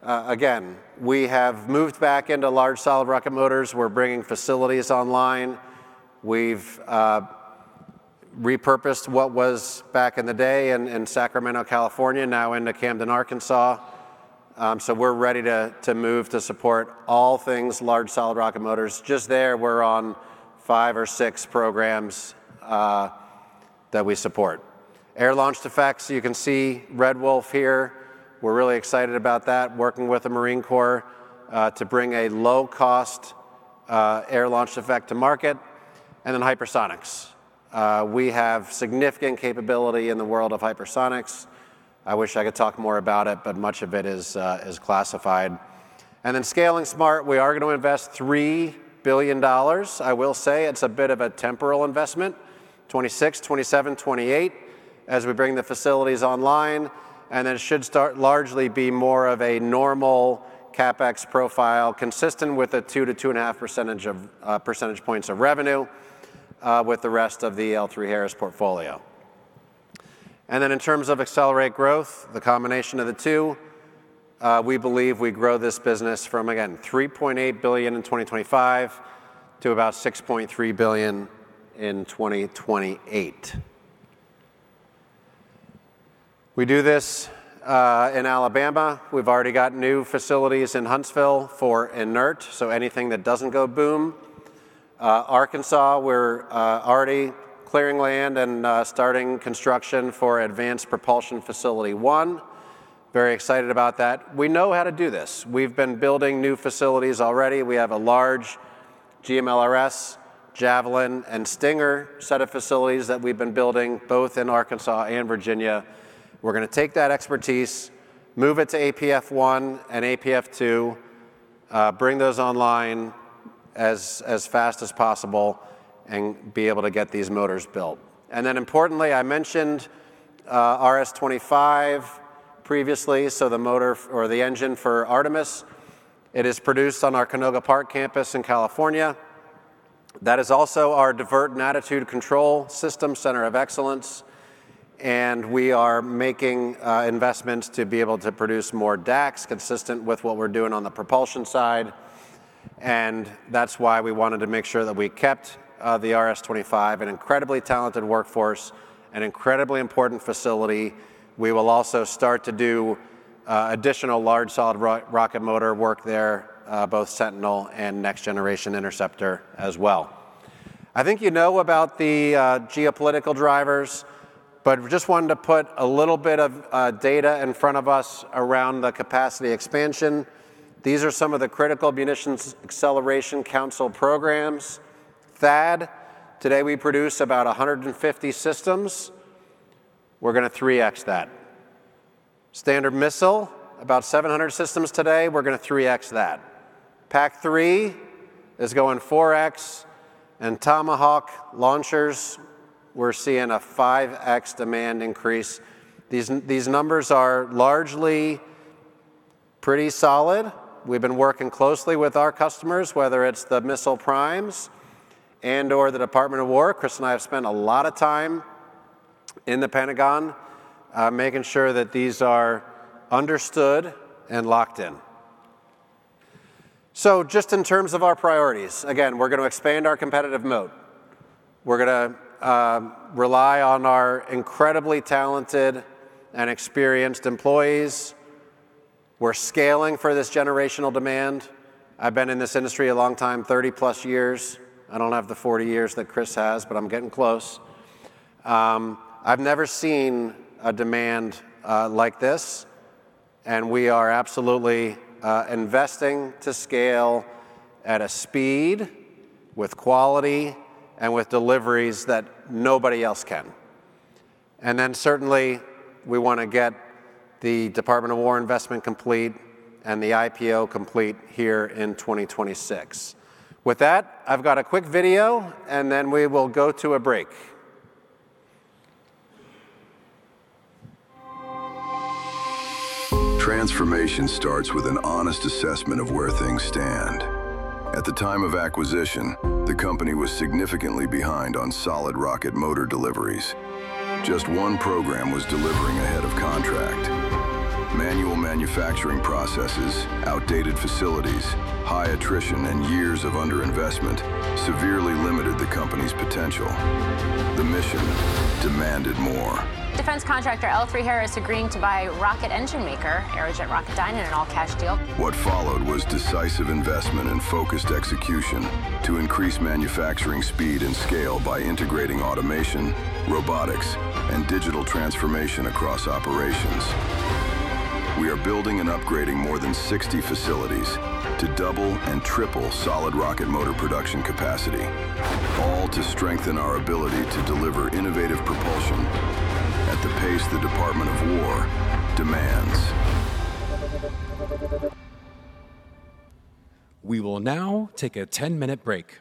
E: Again, we have moved back into large solid rocket motors. We're bringing facilities online. We've repurposed what was back in the day in Sacramento, California, now into Camden, Arkansas. We're ready to move to support all things large, solid rocket motors. Just there, we're on five or six programs that we support. Air-launched effects, you can see Red Wolf here. We're really excited about that, working with the Marine Corps to bring a low-cost air-launched effect to market, hypersonics. We have significant capability in the world of hypersonics. I wish I could talk more about it, much of it is classified. Scaling smart, we are gonna invest $3 billion. I will say it's a bit of a temporal investment, 2026, 2027, 2028, as we bring the facilities online, it should start, largely be more of a normal CapEx profile, consistent with a 2-2.5 percentage points of revenue with the rest of the L3Harris portfolio. In terms of accelerate growth, the combination of the two, we believe we grow this business from, again, $3.8 billion in 2025 to about $6.3 billion in 2028. We do this in Alabama. We've already got new facilities in Huntsville for inert, so anything that doesn't go boom. Arkansas, we're already clearing land and starting construction for Advanced Propulsion Facility 1. Very excited about that. We know how to do this. We've been building new facilities already. We have a large GMLRS, Javelin, and Stinger set of facilities that we've been building, both in Arkansas and Virginia. We're gonna take that expertise, move it to APF 1 and APF 2, bring those online as fast as possible, be able to get these motors built. Importantly, I mentioned RS-25 previously, so the motor, or the engine for Artemis, it is produced on our Canoga Park campus in California. That is also our divert and attitude control system, center of excellence, we are making investments to be able to produce more DACs consistent with what we're doing on the propulsion side, that's why we wanted to make sure that we kept the RS-25, an incredibly talented workforce, an incredibly important facility. We will also start to do additional large, solid rocket motor work there, both Sentinel and Next Generation Interceptor as well. I think you know about the geopolitical drivers, but just wanted to put a little bit of data in front of us around the capacity expansion. These are some of the Munitions Acceleration Council programs. THAAD, today we produce about 150 systems. We're gonna 3x that. Standard Missile, about 700 systems today, we're gonna 3x that. PAC-3 is going 4x, and Tomahawk launchers, we're seeing a 5x demand increase. These numbers are largely pretty solid. We've been working closely with our customers, whether it's the missile primes and/or the Department of War. Chris and I have spent a lot of time in the Pentagon, making sure that these are understood and locked in. Just in terms of our priorities, again, we're gonna expand our competitive moat. We're gonna rely on our incredibly talented and experienced employees. We're scaling for this generational demand. I've been in this industry a long time, 30 plus years. I don't have the 40 years that Chris has, but I'm getting close. I've never seen a demand like this, and we are absolutely investing to scale at a speed, with quality, and with deliveries that nobody else can. Certainly, we want to get the Department of War investment complete and the IPO complete here in 2026. With that, I've got a quick video, and then we will go to a break.
B: Transformation starts with an honest assessment of where things stand. At the time of acquisition, the company was significantly behind on solid rocket motor deliveries. Just one program was delivering ahead of contract. Manual manufacturing processes, outdated facilities, high attrition, and years of underinvestment severely limited the company's potential. The mission demanded more. Defense contractor L3Harris agreeing to buy rocket engine maker, Aerojet Rocketdyne, in an all-cash deal. What followed was decisive investment and focused execution to increase manufacturing speed and scale by integrating automation, robotics, and digital transformation across operations. We are building and upgrading more than 60 facilities to double and triple solid rocket motor production capacity, all to strengthen our ability to deliver innovative propulsion at the pace the Department of War demands.
F: We will now take a 10-minute break.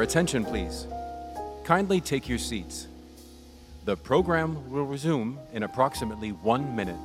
F: Your attention, please. Kindly take your seats. The program will resume in approximately one minute.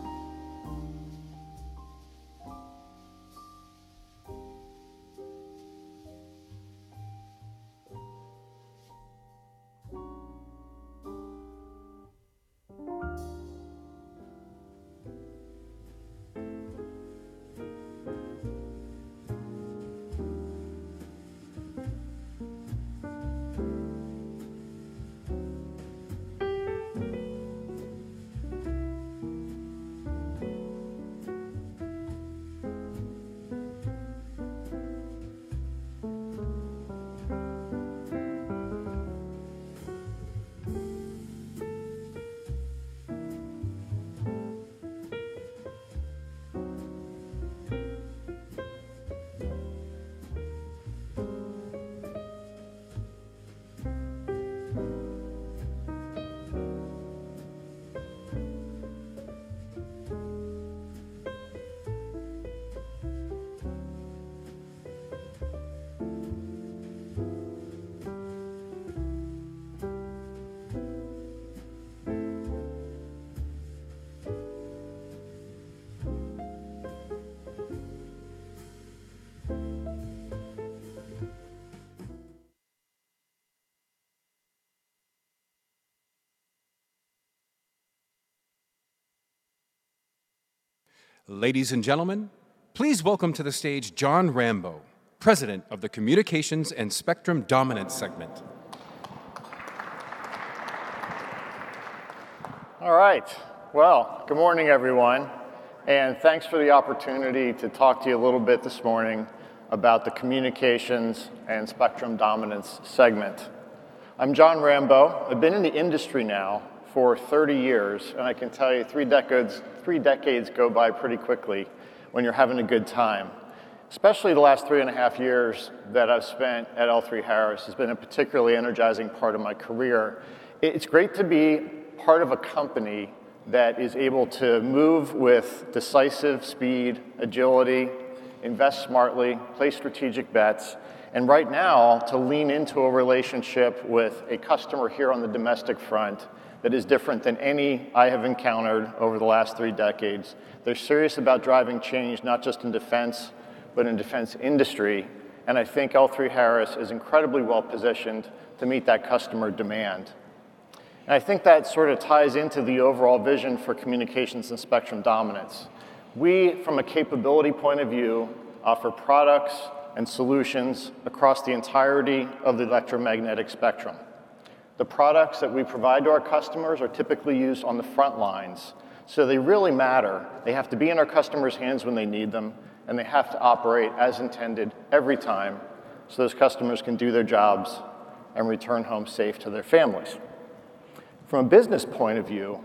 F: Ladies and gentlemen, please welcome to the stage Jon Rambeau, President of the Communications & Spectrum Dominance segment.
G: Good morning, everyone. Thanks for the opportunity to talk to you a little bit this morning about the Communications & Spectrum Dominance segment. I'm Jon Rambeau. I've been in the industry now for 30 years. I can tell you, three decades go by pretty quickly when you're having a good time. Especially the last three and a half years that I've spent at L3Harris has been a particularly energizing part of my career. It's great to be part of a company that is able to move with decisive speed, agility, invest smartly, place strategic bets. Right now, to lean into a relationship with a customer here on the domestic front that is different than any I have encountered over the last three decades. They're serious about driving change, not just in defense, but in defense industry. I think L3Harris is incredibly well-positioned to meet that customer demand. I think that sort of ties into the overall vision for Communications & Spectrum Dominance. We, from a capability point of view, offer products and solutions across the entirety of the electromagnetic spectrum. The products that we provide to our customers are typically used on the front lines, so they really matter. They have to be in our customers' hands when they need them, and they have to operate as intended every time, so those customers can do their jobs and return home safe to their families. From a business point of view,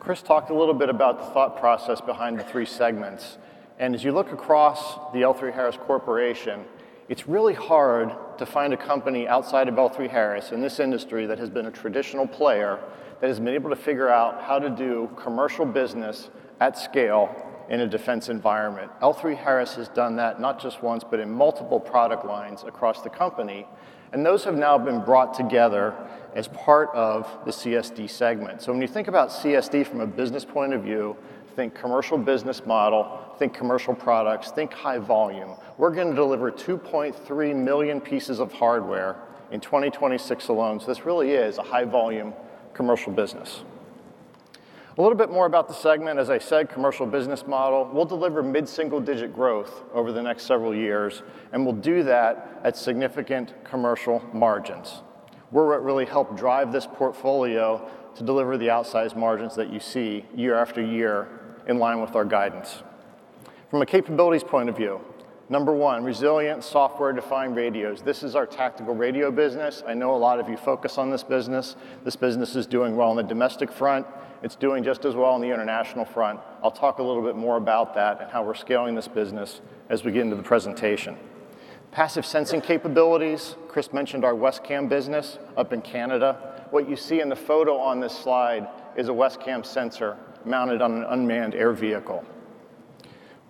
G: Chris talked a little bit about the thought process behind the three segments. As you look across the L3Harris Corporation, it's really hard to find a company outside of L3Harris in this industry that has been a traditional player, that has been able to figure out how to do commercial business at scale in a defense environment. L3Harris has done that not just once, but in multiple product lines across the company. Those have now been brought together as part of the CSD segment. When you think about CSD from a business point of view, think commercial business model, think commercial products, think high volume. We're gonna deliver 2.3 million pieces of hardware in 2026 alone. This really is a high-volume commercial business. A little bit more about the segment. As I said, commercial business model. We'll deliver mid-single-digit growth over the next several years. We'll do that at significant commercial margins. We're what really help drive this portfolio to deliver the outsized margins that you see year after year in line with our guidance. From a capabilities point of view, number one, resilient software-defined radios. This is our tactical radio business. I know a lot of you focus on this business. This business is doing well on the domestic front. It's doing just as well on the international front. I'll talk a little bit more about that and how we're scaling this business as we get into the presentation. Passive sensing capabilities, Chris mentioned our WESCAM business up in Canada. What you see in the photo on this slide is a WESCAM sensor mounted on an unmanned air vehicle.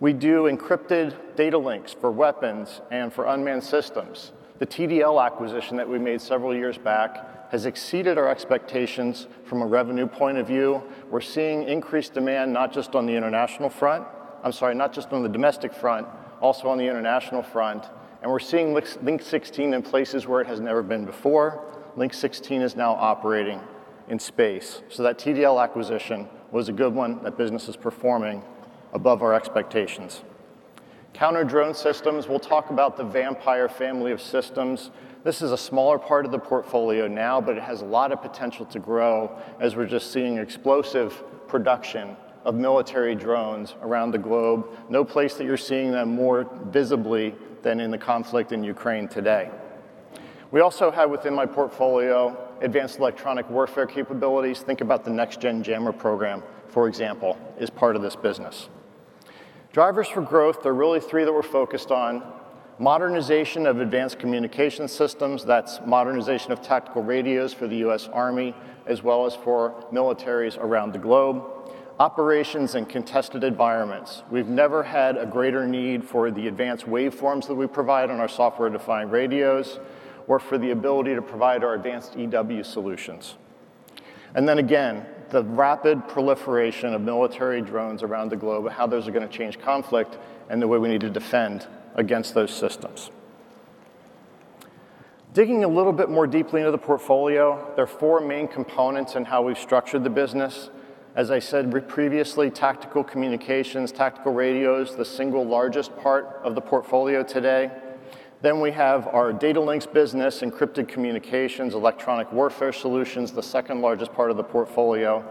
G: We do encrypted data links for weapons and for unmanned systems. The TDL acquisition that we made several years back has exceeded our expectations from a revenue point of view. We're seeing increased demand, not just on the international front... I'm sorry, not just on the domestic front, also on the international front, and we're seeing Link 16 in places where it has never been before. Link 16 is now operating in space. That TDL acquisition was a good one. That business is performing above our expectations. Counter-drone systems, we'll talk about the Vampire family of systems. This is a smaller part of the portfolio now. It has a lot of potential to grow as we're just seeing explosive production of military drones around the globe. No place that you're seeing them more visibly than in the conflict in Ukraine today. We also have, within my portfolio, advanced electronic warfare capabilities. Think about the Next Generation Jammer program, for example, is part of this business. Drivers for growth, there are really three that we're focused on: modernization of advanced communication systems, that's modernization of tactical radios for the U.S. Army, as well as for militaries around the globe. Operations in contested environments. We've never had a greater need for the advanced waveforms that we provide on our software-defined radios or for the ability to provide our advanced EW solutions. The rapid proliferation of military drones around the globe, how those are gonna change conflict, and the way we need to defend against those systems. Digging a little bit more deeply into the portfolio, there are four main components in how we've structured the business. As I said previously, tactical communications, tactical radio is the single largest part of the portfolio today. We have our data links business, encrypted communications, electronic warfare solutions, the second-largest part of the portfolio,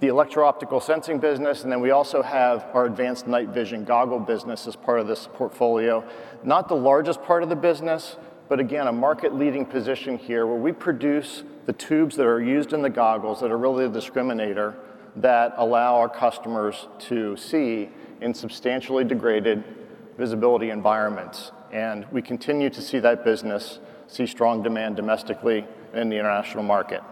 G: the electro-optical sensing business. We also have our advanced night vision goggle business as part of this portfolio. Not the largest part of the business, but again, a market-leading position here, where we produce the tubes that are used in the goggles that are really the discriminator, that allow our customers to see in substantially degraded visibility environments. We continue to see that business see strong demand domestically in the international market.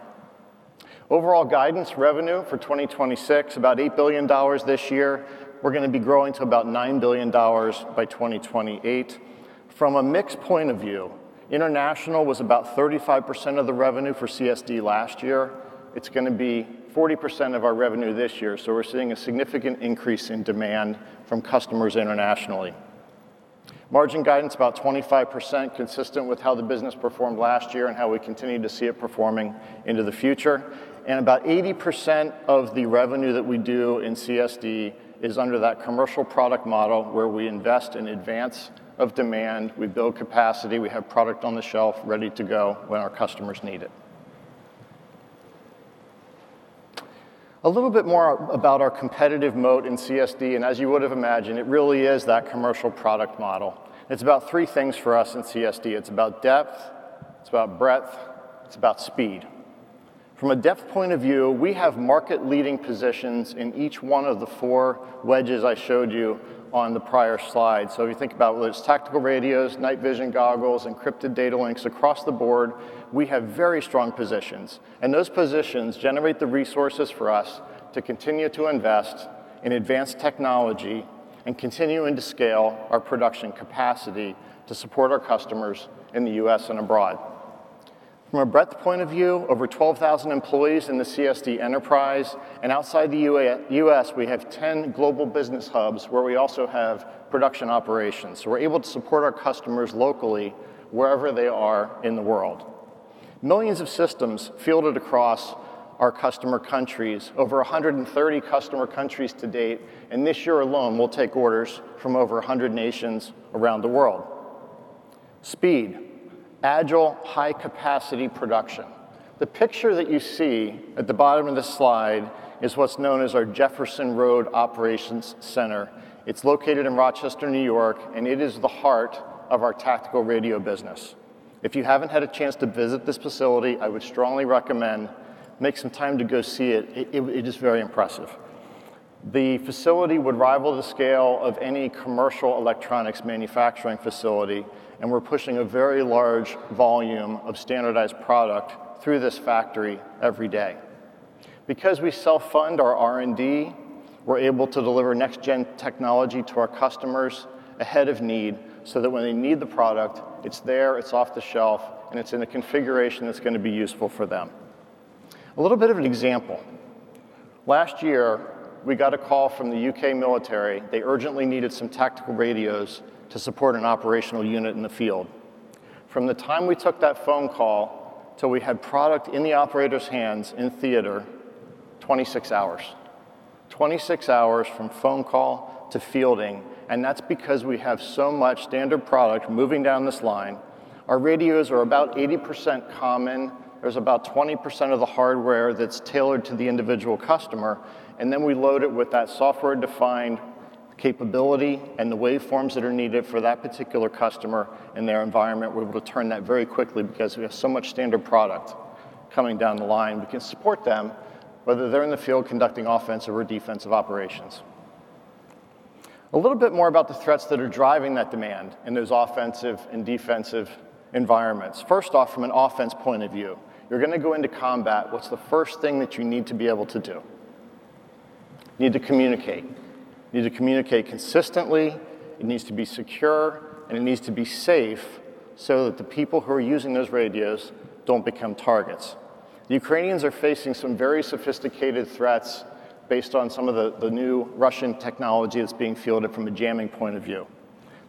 G: Overall guidance revenue for 2026, about $8 billion this year. We're gonna be growing to about $9 billion by 2028. From a mix point of view, international was about 35% of the revenue for CSD last year. It's gonna be 40% of our revenue this year. We're seeing a significant increase in demand from customers internationally. Margin guidance about 25%, consistent with how the business performed last year and how we continue to see it performing into the future. About 80% of the revenue that we do in CSD is under that commercial product model, where we invest in advance of demand, we build capacity, we have product on the shelf ready to go when our customers need it. A little bit more about our competitive moat in CSD, and as you would have imagined, it really is that commercial product model. It's about three things for us in CSD: it's about depth, it's about breadth, it's about speed. From a depth point of view, we have market-leading positions in each one of the four wedges I showed you on the prior slide. If you think about whether it's tactical radios, night vision goggles, encrypted data links, across the board, we have very strong positions, and those positions generate the resources for us to continue to invest in advanced technology and continuing to scale our production capacity to support our customers in the US and abroad. From a breadth point of view, over 12,000 employees in the CSD enterprise, and outside the US, we have 10 global business hubs, where we also have production operations. We're able to support our customers locally wherever they are in the world. Millions of systems fielded across our customer countries, over 130 customer countries to date. This year alone, we'll take orders from over 100 nations around the world. Speed, agile, high-capacity production. The picture that you see at the bottom of this slide is what's known as our Jefferson Road Operations Center. It's located in Rochester, New York. It is the heart of our tactical radio business. If you haven't had a chance to visit this facility, I would strongly recommend make some time to go see it. It is very impressive. The facility would rival the scale of any commercial electronics manufacturing facility. We're pushing a very large volume of standardized product through this factory every day. Because we self-fund our R&D, we're able to deliver next-gen technology to our customers ahead of need, so that when they need the product, it's there, it's off the shelf, and it's in a configuration that's gonna be useful for them. A little bit of an example. Last year, we got a call from the U.K. military. They urgently needed some tactical radios to support an operational unit in the field. From the time we took that phone call till we had product in the operator's hands in theater, 26 hours. 26 hours from phone call to fielding. That's because we have so much standard product moving down this line. Our radios are about 80% common. There's about 20% of the hardware that's tailored to the individual customer, and then we load it with that software-defined capability and the waveforms that are needed for that particular customer and their environment. We're able to turn that very quickly because we have so much standard product coming down the line. We can support them, whether they're in the field conducting offensive or defensive operations. A little bit more about the threats that are driving that demand in those offensive and defensive environments. First off, from an offense point of view, you're gonna go into combat, what's the first thing that you need to be able to do? You need to communicate. You need to communicate consistently, it needs to be secure, and it needs to be safe so that the people who are using those radios don't become targets. The Ukrainians are facing some very sophisticated threats based on some of the new Russian technology that's being fielded from a jamming point of view.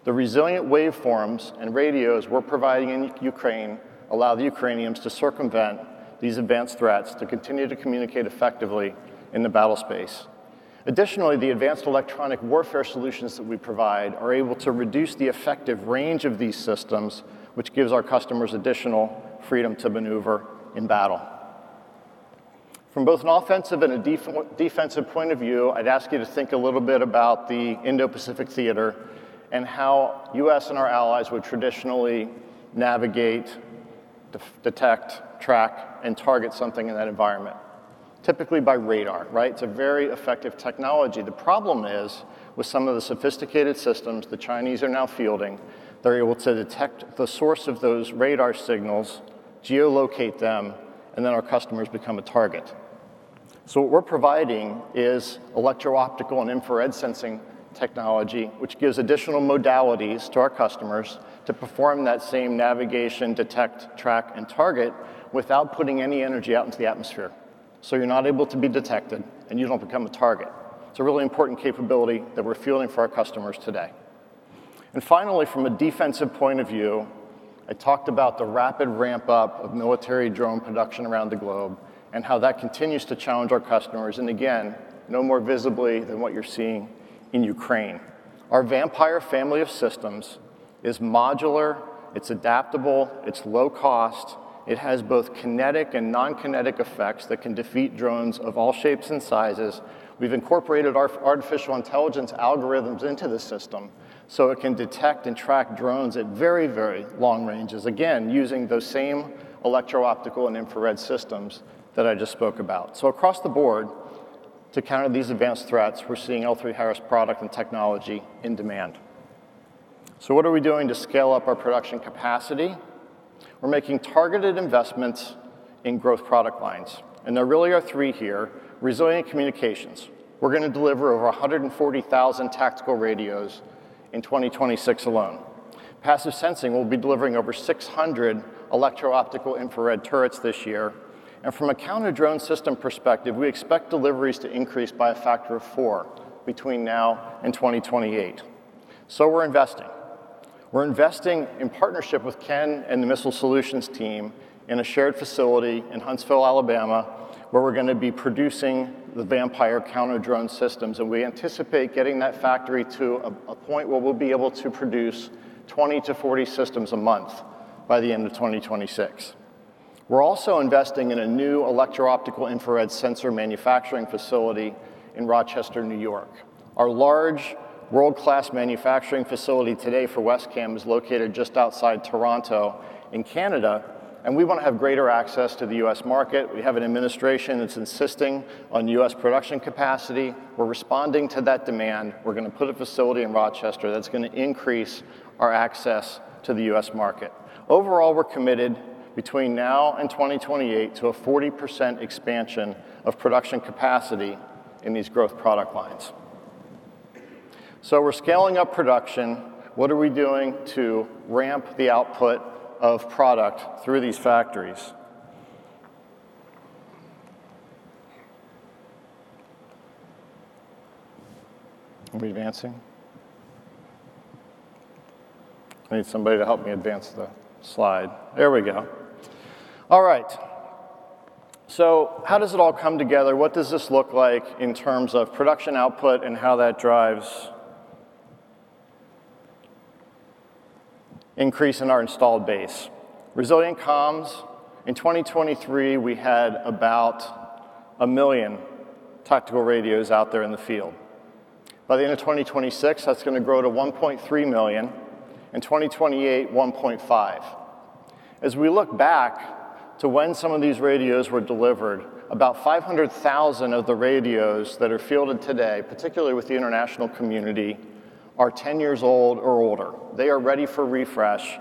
G: The resilient waveforms and radios we're providing in Ukraine allow the Ukrainians to circumvent these advanced threats, to continue to communicate effectively in the battle space. The advanced electronic warfare solutions that we provide are able to reduce the effective range of these systems, which gives our customers additional freedom to maneuver in battle. From both an offensive and a defensive point of view, I'd ask you to think a little bit about the Indo-Pacific Theater and how U.S. and our allies would traditionally navigate, detect, track, and target something in that environment. By radar, right? It's a very effective technology. The problem is, with some of the sophisticated systems the Chinese are now fielding, they're able to detect the source of those radar signals, geolocate them, and then our customers become a target. What we're providing is electro-optical and infrared sensing technology, which gives additional modalities to our customers to perform that same navigation, detect, track, and target without putting any energy out into the atmosphere. You're not able to be detected, and you don't become a target. It's a really important capability that we're fielding for our customers today. Finally, from a defensive point of view, I talked about the rapid ramp-up of military drone production around the globe and how that continues to challenge our customers, and again, no more visibly than what you're seeing in Ukraine. Our Vampire family of systems is modular, it's adaptable, it's low cost, it has both kinetic and non-kinetic effects that can defeat drones of all shapes and sizes. We've incorporated our artificial intelligence algorithms into the system, so it can detect and track drones at very, very long ranges, again, using those same electro-optical and infrared systems that I just spoke about. Across the board, to counter these advanced threats, we're seeing L3Harris product and technology in demand. What are we doing to scale up our production capacity? We're making targeted investments in growth product lines, and there really are three here. Resilient communications. We're gonna deliver over 140,000 tactical radios in 2026 alone. Passive sensing, we'll be delivering over 600 electro-optical infrared turrets this year. From a counter-drone system perspective, we expect deliveries to increase by a factor of four between now and 2028. We're investing. We're investing in partnership with Ken and the Missile Solutions team in a shared facility in Huntsville, Alabama, where we're gonna be producing the VAMPIRE counter-drone systems, and we anticipate getting that factory to a point where we'll be able to produce 20 to 40 systems a month by the end of 2026. We're also investing in a new electro-optical infrared sensor manufacturing facility in Rochester, New York. Our large, world-class manufacturing facility today for WESCAM is located just outside Toronto in Canada, and we wanna have greater access to the U.S. market. We have an administration that's insisting on U.S. production capacity. We're responding to that demand. We're gonna put a facility in Rochester that's gonna increase our access to the U.S. market. Overall, we're committed between now and 2028 to a 40% expansion of production capacity in these growth product lines. We're scaling up production. What are we doing to ramp the output of product through these factories? Are we advancing? I need somebody to help me advance the slide. There we go. All right. How does it all come together? What does this look like in terms of production output and how that drives increase in our installed base? Resilient comms, in 2023, we had about 1 million tactical radios out there in the field. By the end of 2026, that's gonna grow to 1.3 million, in 2028, 1.5. As we look back to when some of these radios were delivered, about 500,000 of the radios that are fielded today, particularly with the international community, are 10 years old or older. They are ready for refresh.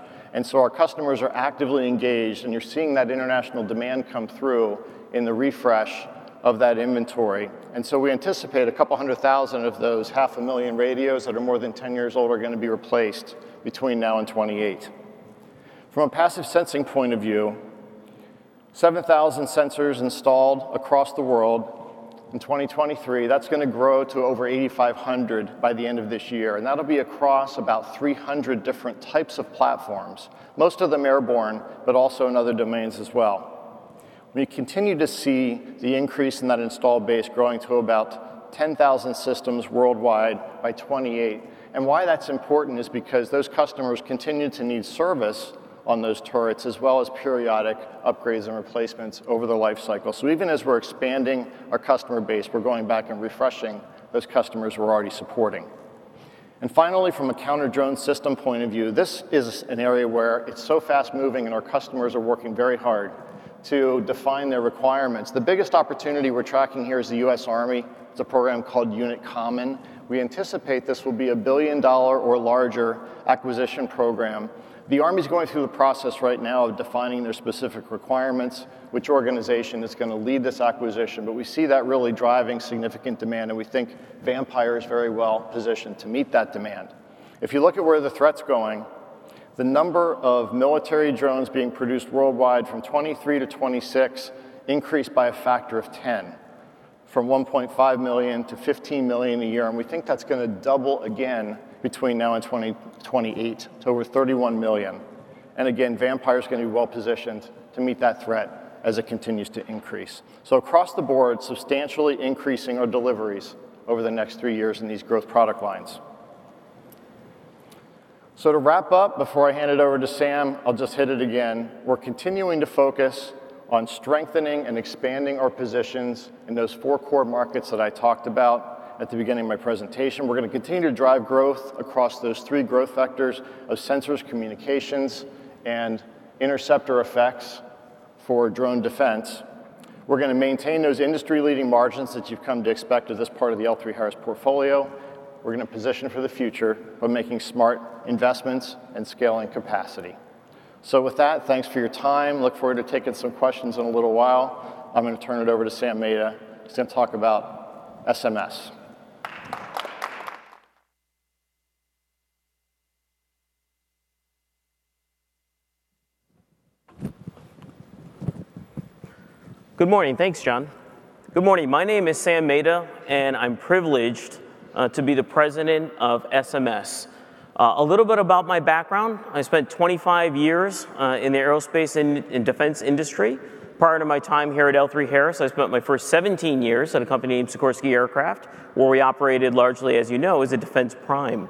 G: Our customers are actively engaged, and you're seeing that international demand come through in the refresh of that inventory. We anticipate a couple hundred thousand of those half a million radios that are more than 10 years old are gonna be replaced between now and 2028. From a passive sensing point of view, 7,000 sensors installed across the world in 2023, that's gonna grow to over 8,500 by the end of this year, and that'll be across about 300 different types of platforms, most of them airborne, but also in other domains as well. We continue to see the increase in that installed base growing to about 10,000 systems worldwide by 2028, and why that's important is because those customers continue to need service on those turrets, as well as periodic upgrades and replacements over the life cycle. Even as we're expanding our customer base, we're going back and refreshing those customers we're already supporting. Finally, from a counter-drone system point of view, this is an area where it's so fast-moving, and our customers are working very hard to define their requirements. The biggest opportunity we're tracking here is the U.S. Army. It's a program called Unit Common. We anticipate this will be a billion-dollar or larger acquisition program. The Army's going through a process right now of defining their specific requirements, which organization is gonna lead this acquisition. We see that really driving significant demand. We think Vampire is very well positioned to meet that demand. If you look at where the threat's going, the number of military drones being produced worldwide from 2023 to 2026 increased by a factor of 10, from 1.5-15 million a year. We think that's gonna double again between now and 2028 to over 31 million. Again, Vampire's gonna be well-positioned to meet that threat as it continues to increase. Across the board, substantially increasing our deliveries over the next three years in these growth product lines. To wrap up, before I hand it over to Sam, I'll just hit it again. We're continuing to focus on strengthening and expanding our positions in those four core markets that I talked about at the beginning of my presentation. We're gonna continue to drive growth across those three growth vectors of sensors, communications, and interceptor effects for drone defense. We're gonna maintain those industry-leading margins that you've come to expect as this part of the L3Harris portfolio. We're gonna position for the future by making smart investments and scaling capacity. With that, thanks for your time. Look forward to taking some questions in a little while. I'm gonna turn it over to Sam Mehta. He's gonna talk about SMS.
H: Good morning. Thanks, Jon. Good morning. My name is Sam Mehta, and I'm privileged to be the president of SMS. A little bit about my background: I spent 25 years in the aerospace and defense industry. Prior to my time here at L3Harris, I spent my first 17 years at a company named Sikorsky Aircraft, where we operated largely, as you know, as a defense prime.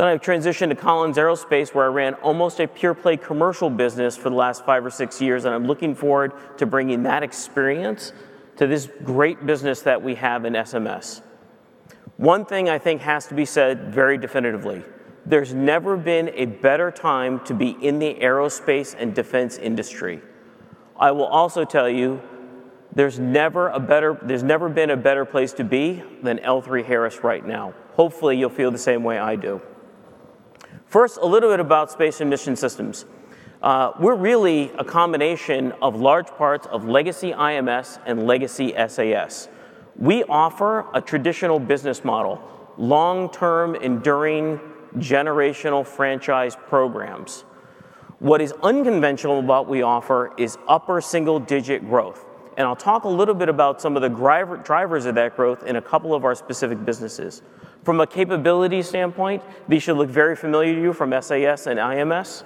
H: I transitioned to Collins Aerospace, where I ran almost a pure-play commercial business for the last five or six years, and I'm looking forward to bringing that experience to this great business that we have in SMS. One thing I think has to be said very definitively: there's never been a better time to be in the aerospace and defense industry. I will also tell you, there's never been a better place to be than L3Harris right now. Hopefully, you'll feel the same way I do. First, a little bit about Space and Mission Systems. We're really a combination of large parts of legacy IMS and legacy SAS. We offer a traditional business model, long-term, enduring, generational franchise programs. What is unconventional about what we offer is upper single-digit growth, and I'll talk a little bit about some of the drivers of that growth in a couple of our specific businesses. From a capability standpoint, these should look very familiar to you from SAS and IMS.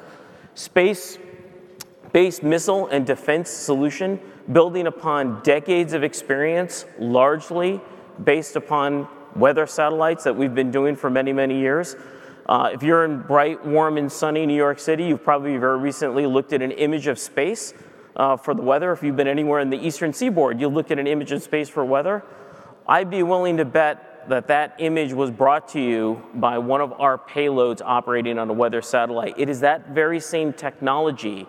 H: Space-based missile and defense solution, building upon decades of experience, largely based upon weather satellites that we've been doing for many, many years. If you're in bright, warm, and sunny New York City, you've probably very recently looked at an image of space for the weather. If you've been anywhere in the Eastern Seaboard, you've looked at an image of space for weather. I'd be willing to bet that that image was brought to you by one of our payloads operating on a weather satellite. It is that very same technology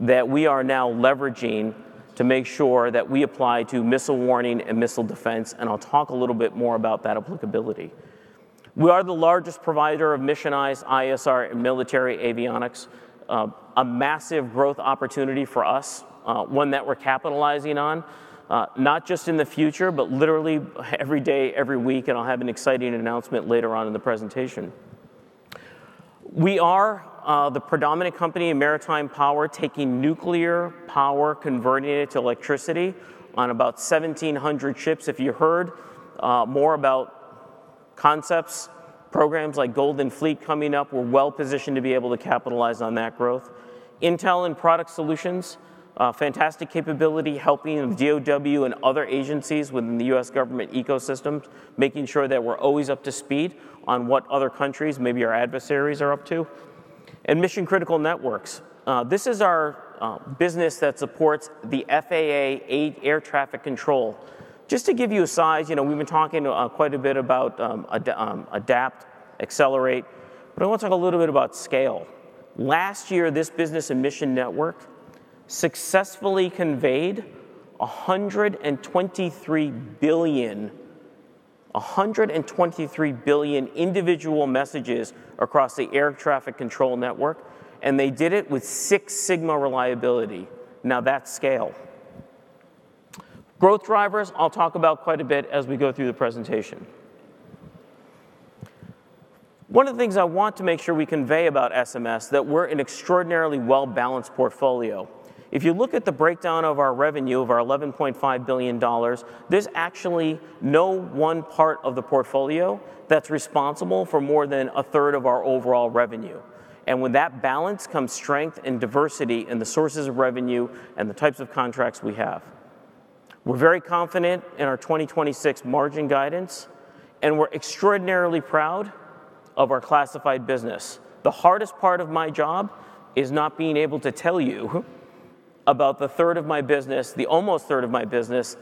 H: that we are now leveraging to make sure that we apply to missile warning and missile defense. I'll talk a little bit more about that applicability. We are the largest provider of missionized ISR and military avionics. A massive growth opportunity for us, one that we're capitalizing on, not just in the future, but literally every day, every week. I'll have an exciting announcement later on in the presentation. We are the predominant company in maritime power, taking nuclear power, converting it to electricity on about 1,700 ships. If you heard more about concepts, programs like Golden Fleet coming up, we're well-positioned to be able to capitalize on that growth. Intel and product solutions, a fantastic capability, helping of DOW and other agencies within the U.S. government ecosystem, making sure that we're always up to speed on what other countries, maybe our adversaries, are up to. Mission-critical networks. This is our business that supports the FAA air traffic control. Just to give you a size, you know, we've been talking quite a bit about adapt, accelerate, but I want to talk a little bit about scale. Last year, this business emission network successfully conveyed 123 billion individual messages across the air traffic control network, they did it with Six Sigma reliability. That's scale. Growth drivers, I'll talk about quite a bit as we go through the presentation. One of the things I want to make sure we convey about SMS, that we're an extraordinarily well-balanced portfolio. If you look at the breakdown of our revenue, of our $11.5 billion, there's actually no one part of the portfolio that's responsible for more than a third of our overall revenue. With that balance comes strength and diversity in the sources of revenue and the types of contracts we have. We're very confident in our 2026 margin guidance, we're extraordinarily proud of our classified business. The hardest part of my job is not being able to tell you about the third of my business, the almost third of my business,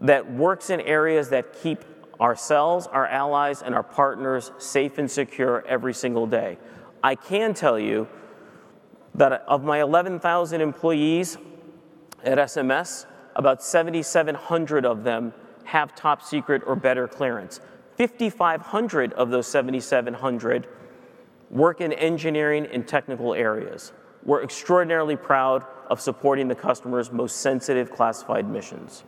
H: that works in areas that keep ourselves, our allies, and our partners safe and secure every single day. I can tell you that of my 11,000 employees at SMS, about 7,700 of them have top secret or better clearance. 5,500 of those 7,700 work in engineering and technical areas. We're extraordinarily proud of supporting the customer's most sensitive classified missions.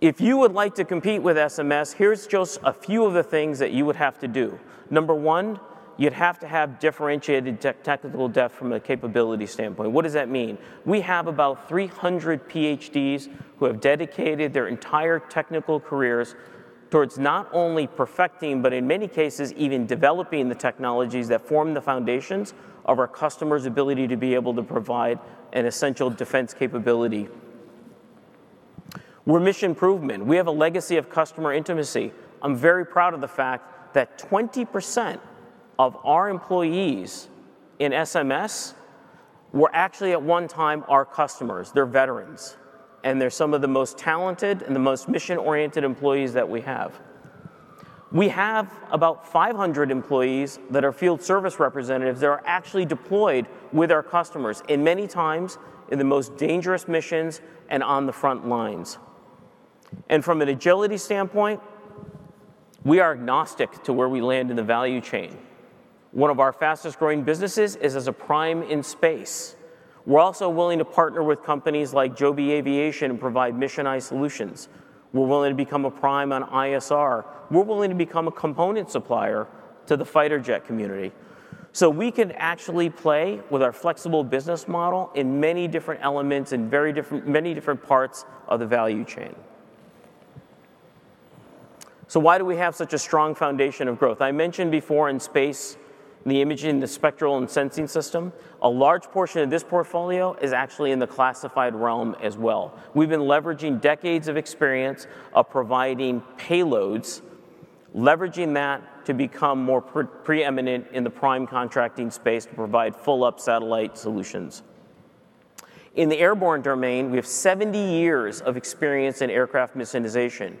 H: If you would like to compete with SMS, here's just a few of the things that you would have to do. Number one, you'd have to have differentiated tech, technical depth from a capability standpoint. What does that mean? We have about 300 PhDs who have dedicated their entire technical careers towards not only perfecting, but in many cases, even developing the technologies that form the foundations of our customers' ability to be able to provide an essential defense capability. We're mission improvement. We have a legacy of customer intimacy. I'm very proud of the fact that 20% of our employees in SMS were actually, at one time, our customers. They're veterans, and they're some of the most talented and the most mission-oriented employees that we have. We have about 500 employees that are field service representatives that are actually deployed with our customers, in many times, in the most dangerous missions and on the front lines. From an agility standpoint, we are agnostic to where we land in the value chain. One of our fastest-growing businesses is as a prime in space. We're also willing to partner with companies like Joby Aviation and provide missionized solutions. We're willing to become a prime on ISR. We're willing to become a component supplier to the fighter jet community. We can actually play with our flexible business model in many different elements and many different parts of the value chain. Why do we have such a strong foundation of growth? I mentioned before in space, the imaging, the spectral, and sensing system, a large portion of this portfolio is actually in the classified realm as well. We've been leveraging decades of experience of providing payloads, leveraging that to become more preeminent in the prime contracting space to provide full up satellite solutions. In the airborne domain, we have 70 years of experience in aircraft missionization,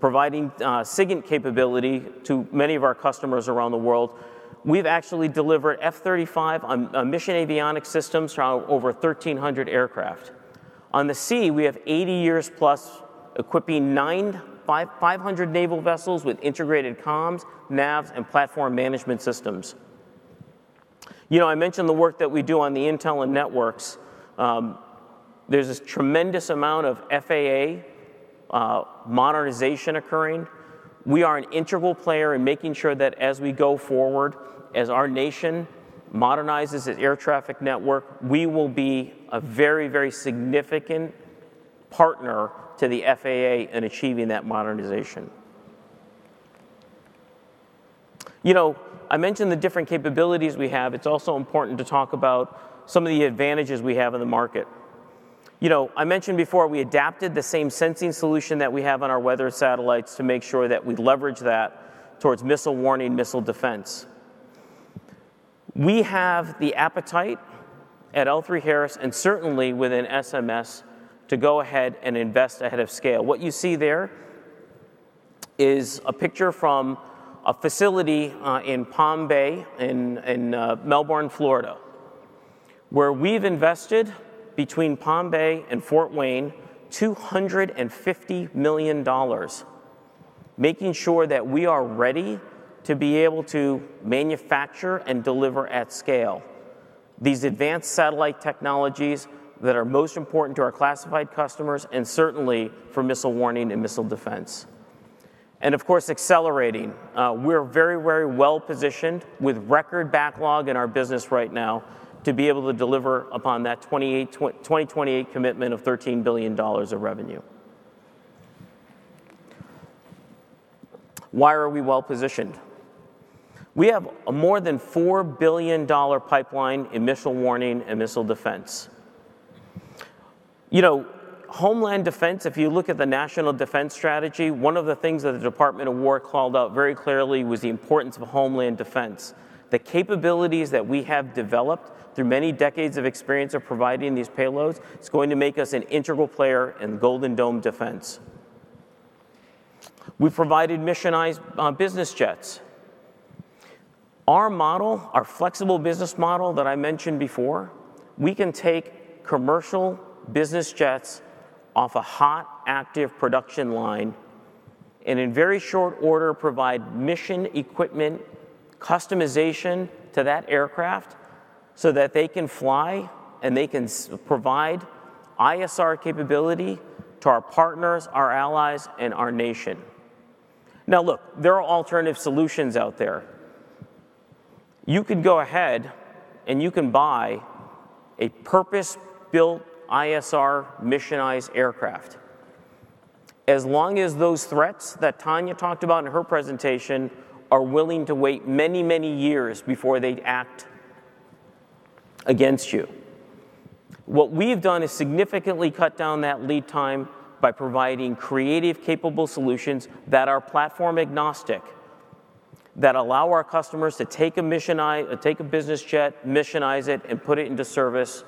H: providing SIGINT capability to many of our customers around the world. We've actually delivered F-35 on mission avionics systems throughout over 1,300 aircraft. On the sea, we have 80 years plus equipping 500 naval vessels with integrated comms, navs, and platform management systems. You know, I mentioned the work that we do on the intel and networks. There's this tremendous amount of FAA modernization occurring. We are an integral player in making sure that as we go forward, as our nation modernizes its air traffic network, we will be a very, very significant partner to the FAA in achieving that modernization. You know, I mentioned the different capabilities we have. It's also important to talk about some of the advantages we have in the market. You know, I mentioned before, we adapted the same sensing solution that we have on our weather satellites to make sure that we leverage that towards missile warning, missile defense. We have the appetite at L3Harris, and certainly within SMS, to go ahead and invest ahead of scale. What you see there is a picture from a facility in Palm Bay, in Melbourne, Florida, where we've invested between Palm Bay and Fort Wayne, $250 million, making sure that we are ready to be able to manufacture and deliver at scale these advanced satellite technologies that are most important to our classified customers, and certainly for missile warning and missile defense. Of course, accelerating. We're very well-positioned, with record backlog in our business right now, to be able to deliver upon that 2028 commitment of $13 billion of revenue. Why are we well-positioned? We have a more than $4 billion pipeline in missile warning and missile defense. You know, homeland defense, if you look at the National Defense Strategy, one of the things that the Department of War called out very clearly was the importance of homeland defense. The capabilities that we have developed through many decades of experience of providing these payloads, is going to make us an integral player in Golden Dome defense. We've provided missionized business jets. Our model, our flexible business model that I mentioned before, we can take commercial business jets off a hot, active production line, in very short order, provide mission equipment, customization to that aircraft, so that they can fly, they can provide ISR capability to our partners, our allies, and our nation. Look, there are alternative solutions out there. You could go ahead, you can buy a purpose-built ISR missionized aircraft. As long as those threats that Tania talked about in her presentation are willing to wait many, many years before they act against you. What we've done is significantly cut down that lead time by providing creative, capable solutions that are platform-agnostic, that allow our customers to take a business jet, missionize it, put it into service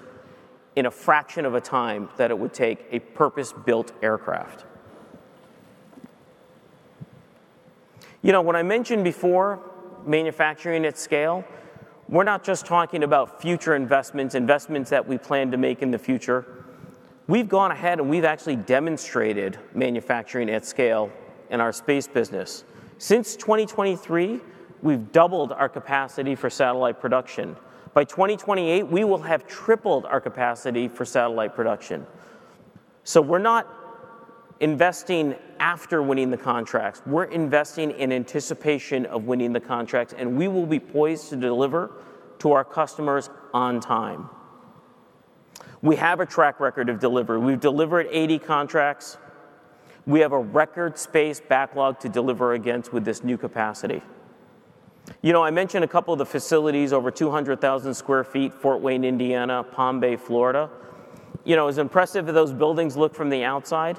H: in a fraction of a time that it would take a purpose-built aircraft. You know, when I mentioned before, manufacturing at scale, we're not just talking about future investments that we plan to make in the future. We've gone ahead, we've actually demonstrated manufacturing at scale in our space business. Since 2023, we've doubled our capacity for satellite production. By 2028, we will have tripled our capacity for satellite production. We're not investing after winning the contracts, we're investing in anticipation of winning the contracts. We will be poised to deliver to our customers on time. We have a track record of delivery. We've delivered 80 contracts. We have a record space backlog to deliver against with this new capacity. You know, I mentioned a couple of the facilities, over 200,000 sq ft, Fort Wayne, Indiana, Palm Bay, Florida. You know, as impressive as those buildings look from the outside,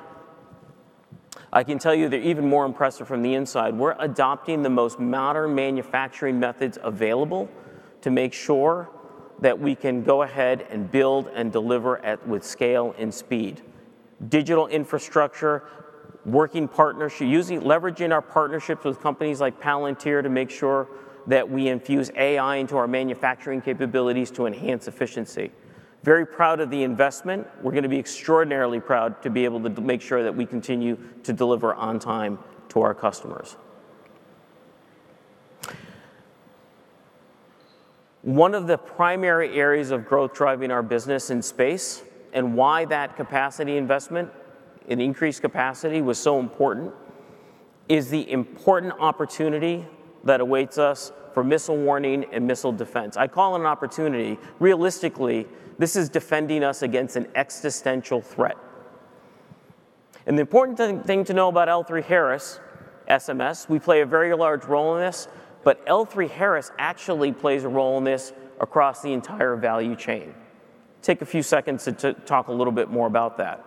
H: I can tell you they're even more impressive from the inside. We're adopting the most modern manufacturing methods available to make sure that we can go ahead and build and deliver with scale and speed. Digital infrastructure, working partnership, leveraging our partnerships with companies like Palantir to make sure that we infuse AI into our manufacturing capabilities to enhance efficiency. Very proud of the investment. We're gonna be extraordinarily proud to be able to make sure that we continue to deliver on time to our customers. One of the primary areas of growth driving our business in space, and why that capacity investment and increased capacity was so important, is the important opportunity that awaits us for missile warning and missile defense. I call it an opportunity. Realistically, this is defending us against an existential threat. The important thing to know about L3Harris, SMS, we play a very large role in this, but L3Harris actually plays a role in this across the entire value chain. Take a few seconds to talk a little bit more about that.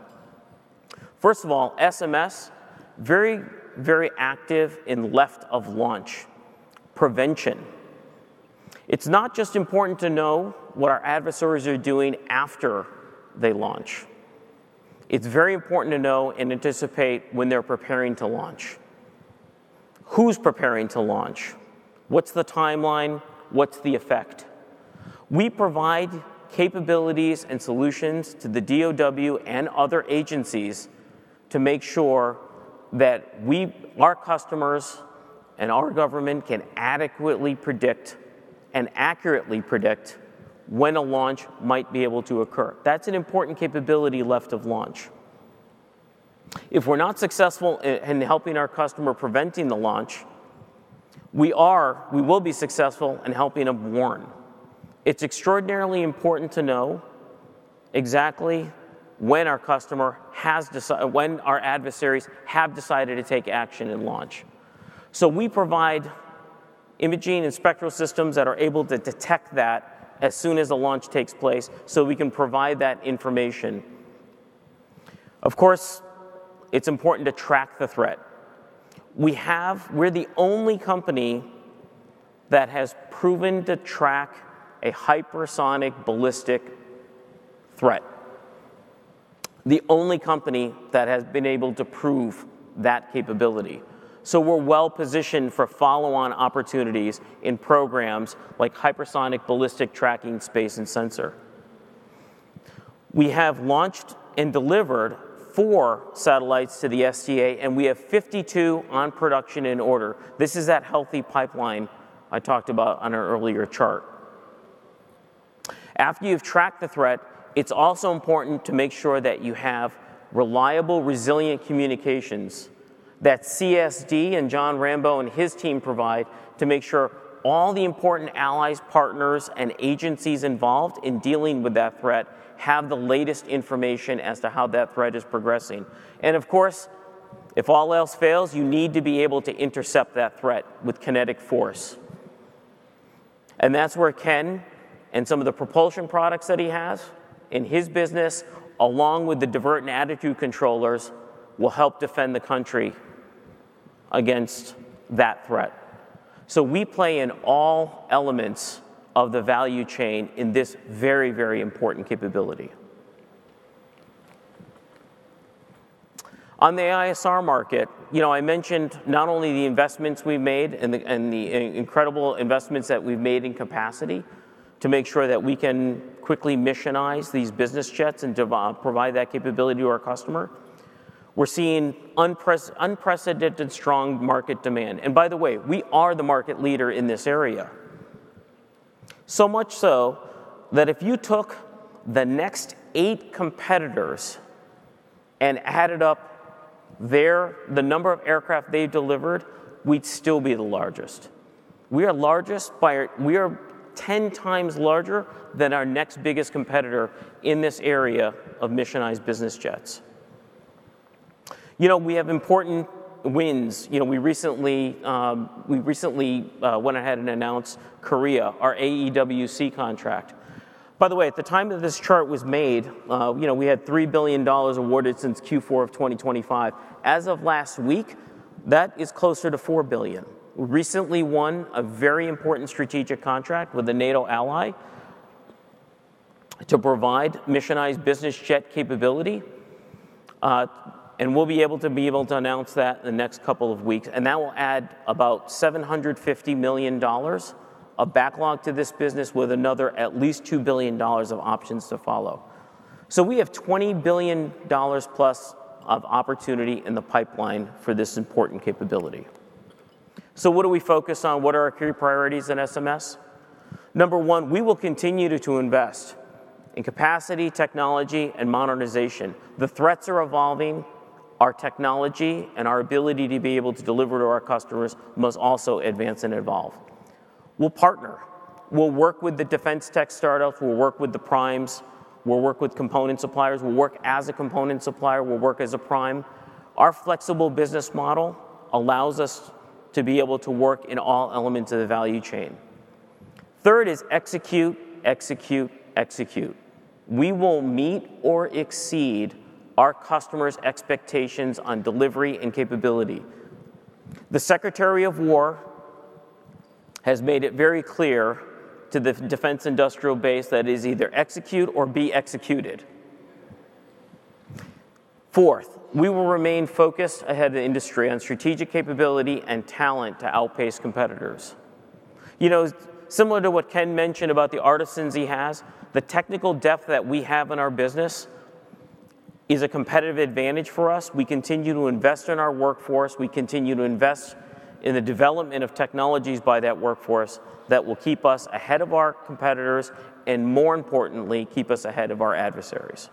H: First of all, SMS, very active in left of launch, prevention. It's not just important to know what our adversaries are doing after they launch. It's very important to know and anticipate when they're preparing to launch. Who's preparing to launch? What's the timeline? What's the effect? We provide capabilities and solutions to the DOW and other agencies to make sure that we, our customers, and our government can adequately predict and accurately predict when a launch might be able to occur. That's an important capability left of launch. If we're not successful in helping our customer preventing the launch, we will be successful in helping them warn. It's extraordinarily important to know exactly when our adversaries have decided to take action and launch. We provide imaging and spectral systems that are able to detect that as soon as a launch takes place, so we can provide that information. Of course, it's important to track the threat. We're the only company that has proven to track a hypersonic ballistic threat, the only company that has been able to prove that capability. We're well-positioned for follow-on opportunities in programs like Hypersonic and Ballistic Tracking Space Sensor. We have launched and delivered four satellites to the SDA, and we have 52 on production in order. This is that healthy pipeline I talked about on our earlier chart. After you've tracked the threat, it's also important to make sure that you have reliable, resilient communications that CSD and Jon Rambeau and his team provide, to make sure all the important allies, partners, and agencies involved in dealing with that threat have the latest information as to how that threat is progressing. Of course, if all else fails, you need to be able to intercept that threat with kinetic force. That's where Ken and some of the propulsion products that he has in his business, along with the divert and attitude controllers, will help defend the country against that threat. We play in all elements of the value chain in this very, very important capability. On the ISR market, you know, I mentioned not only the investments we've made and the incredible investments that we've made in capacity to make sure that we can quickly missionize these business jets and provide that capability to our customer. We're seeing unprecedented strong market demand. By the way, we are the market leader in this area. Much so that if you took the next 8 competitors and added up the number of aircraft they delivered, we'd still be the largest. We are 10 times larger than our next biggest competitor in this area of missionized business jets. You know, we have important wins. You know, we recently went ahead and announced Korea, our AEWC contract. By the way, at the time that this chart was made, you know, we had $3 billion awarded since Q4 of 2025. As of last week, that is closer to $4 billion. We recently won a very important strategic contract with a NATO ally to provide missionized business jet capability, and we'll be able to announce that in the next couple of weeks, and that will add about $750 million of backlog to this business, with another at least $2 billion of options to follow. We have $20 billion plus of opportunity in the pipeline for this important capability. What do we focus on? What are our key priorities in SMS? Number one, we will continue to invest in capacity, technology, and modernization. The threats are evolving. Our technology and our ability to be able to deliver to our customers must also advance and evolve. We'll partner. We'll work with the defense tech startups. We'll work with the primes. We'll work with component suppliers. We'll work as a component supplier. We'll work as a prime. Our flexible business model allows us to be able to work in all elements of the value chain. Third is execute, execute. We will meet or exceed our customers' expectations on delivery and capability. The Secretary of War has made it very clear to the defense industrial base that it is either execute or be executed. Fourth, we will remain focused ahead of the industry on strategic capability and talent to outpace competitors. You know, similar to what Ken mentioned about the artisans he has, the technical depth that we have in our business is a competitive advantage for us. We continue to invest in our workforce. We continue to invest in the development of technologies by that workforce that will keep us ahead of our competitors, and more importantly, keep us ahead of our adversaries.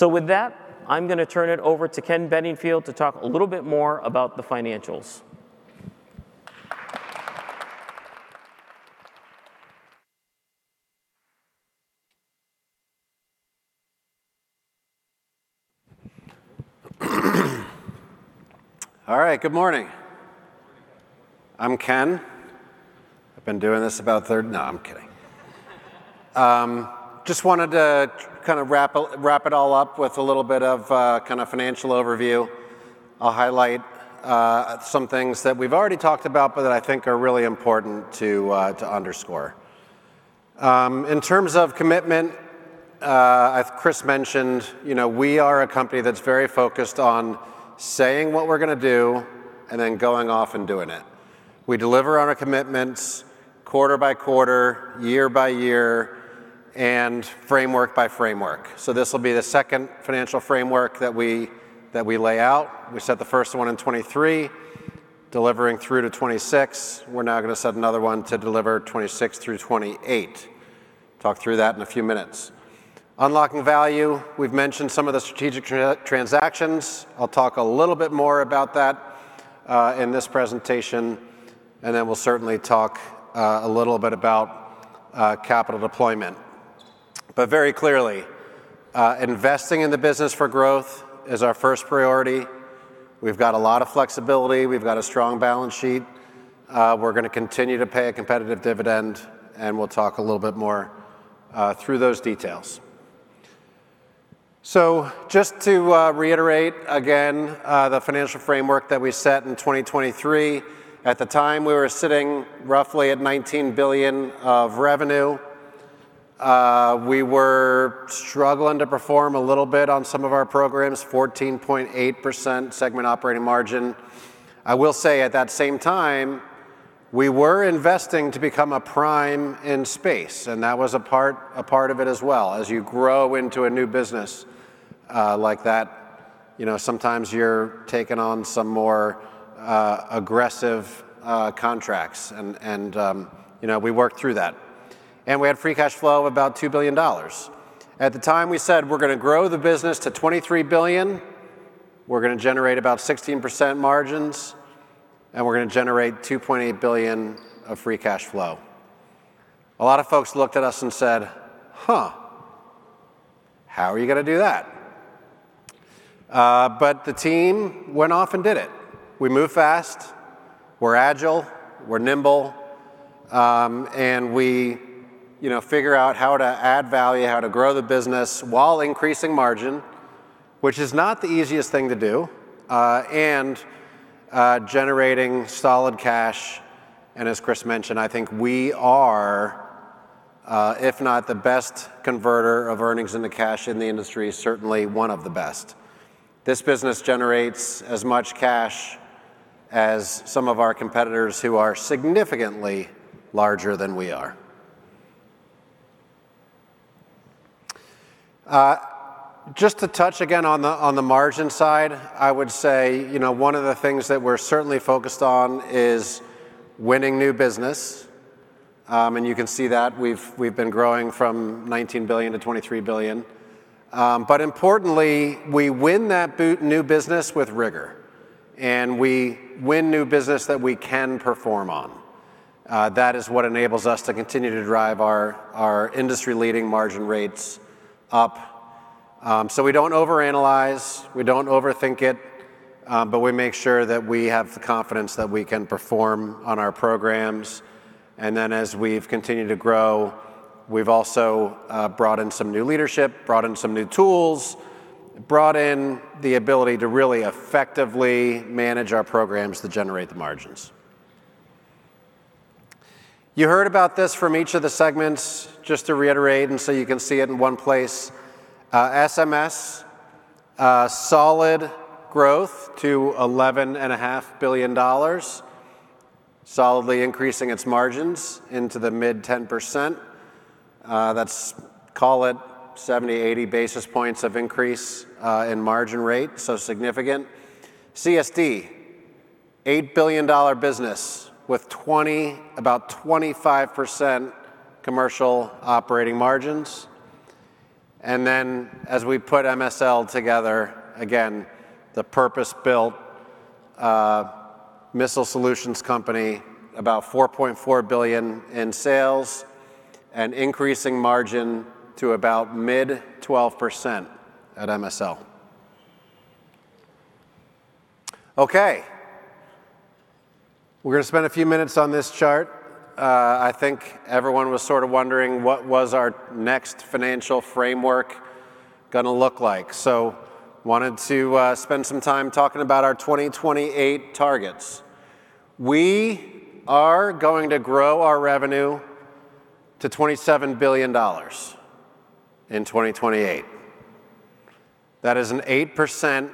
H: With that, I'm gonna turn it over to Ken Bedingfield to talk a little bit more about the financials.
E: All right. Good morning. I'm Ken. I've been doing this about No, I'm kidding. Just wanted to kind of wrap it all up with a little bit of kind of financial overview. I'll highlight some things that we've already talked about, but that I think are really important to underscore. In terms of commitment, as Chris mentioned, you know, we are a company that's very focused on saying what we're gonna do, and then going off and doing it. We deliver on our commitments quarter by quarter, year by year, and framework by framework. This will be the second financial framework that we lay out. We set the first one in 2023, delivering through to 2026. We're now gonna set another one to deliver 2026 through 2028. Talk through that in a few minutes. Unlocking value, we've mentioned some of the strategic transactions. I'll talk a little bit more about that in this presentation. We'll certainly talk a little bit about capital deployment. Very clearly, investing in the business for growth is our first priority. We've got a lot of flexibility. We've got a strong balance sheet. We're gonna continue to pay a competitive dividend. We'll talk a little bit more through those details. Just to reiterate again, the financial framework that we set in 2023, at the time, we were sitting roughly at $19 billion of revenue. We were struggling to perform a little bit on some of our programs, 14.8% segment operating margin. I will say, at that same time, we were investing to become a prime in space, and that was a part of it as well. As you grow into a new business, like that, you know, sometimes you're taking on some more aggressive contracts, and, you know, we worked through that. We had free cash flow of about $2 billion. At the time, we said, "We're gonna grow the business to $23 billion, we're gonna generate about 16% margins, and we're gonna generate $2.8 billion of free cash flow." A lot of folks looked at us and said: "Huh? How are you gonna do that?" The team went off and did it. We move fast, we're agile, we're nimble, and we, you know, figure out how to add value, how to grow the business while increasing margin, which is not the easiest thing to do, and generating solid cash. As Chris mentioned, I think we are, if not the best converter of earnings into cash in the industry, certainly one of the best. This business generates as much cash as some of our competitors who are significantly larger than we are. Just to touch again on the, on the margin side, I would say, you know, one of the things that we're certainly focused on is winning new business. You can see that we've been growing from $19 billion to $23 billion. Importantly, we win that boot new business with rigor, and we win new business that we can perform on. That is what enables us to continue to drive our industry-leading margin rates up. We don't overanalyze, we don't overthink it, but we make sure that we have the confidence that we can perform on our programs. As we've continued to grow, we've also brought in some new leadership, brought in some new tools, brought in the ability to really effectively manage our programs to generate the margins. You heard about this from each of the segments, just to reiterate, so you can see it in one place. SMS, solid growth to $11.5 billion, solidly increasing its margins into the mid-10%. That's call it 70, 80 basis points of increase in margin rate, so significant. CSD, $8 billion business with about 25% commercial operating margins. As we put MSL together, again, the purpose-built, Missile Solutions company, about $4.4 billion in sales and increasing margin to about mid-12% at MSL. Okay. We're gonna spend a few minutes on this chart. I think everyone was sort of wondering what was our next financial framework gonna look like. Wanted to spend some time talking about our 2028 targets. We are going to grow our revenue to $27 billion in 2028. That is an 8%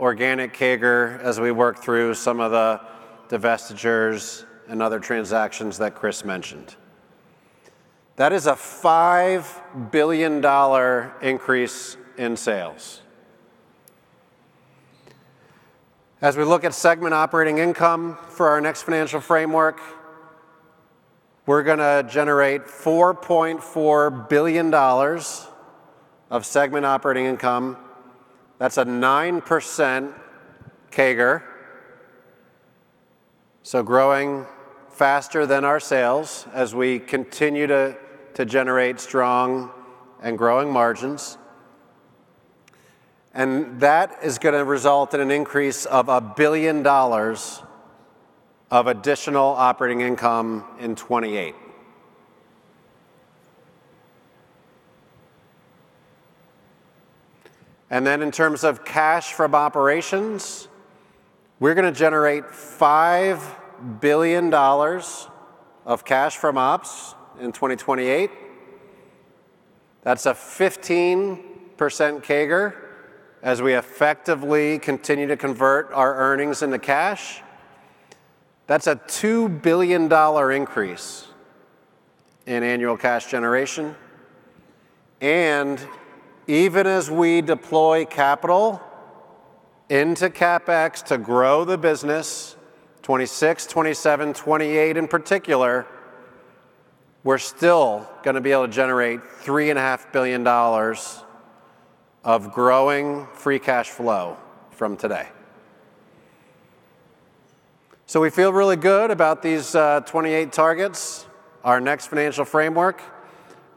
E: organic CAGR as we work through some of the divestitures and other transactions that Chris mentioned. That is a $5 billion increase in sales. As we look at segment operating income for our next financial framework, we're gonna generate $4.4 billion of segment operating income. That's a 9% CAGR, growing faster than our sales as we continue to generate strong and growing margins. That is gonna result in an increase of $1 billion of additional operating income in 2028. In terms of cash from operations, we're gonna generate $5 billion of cash from ops in 2028. That's a 15% CAGR, as we effectively continue to convert our earnings into cash. That's a $2 billion increase in annual cash generation. Even as we deploy capital into CapEx to grow the business, 2026, 2027, 2028 in particular, we're still gonna be able to generate three and a half billion dollars of growing free cash flow from today. We feel really good about these 2028 targets, our next financial framework.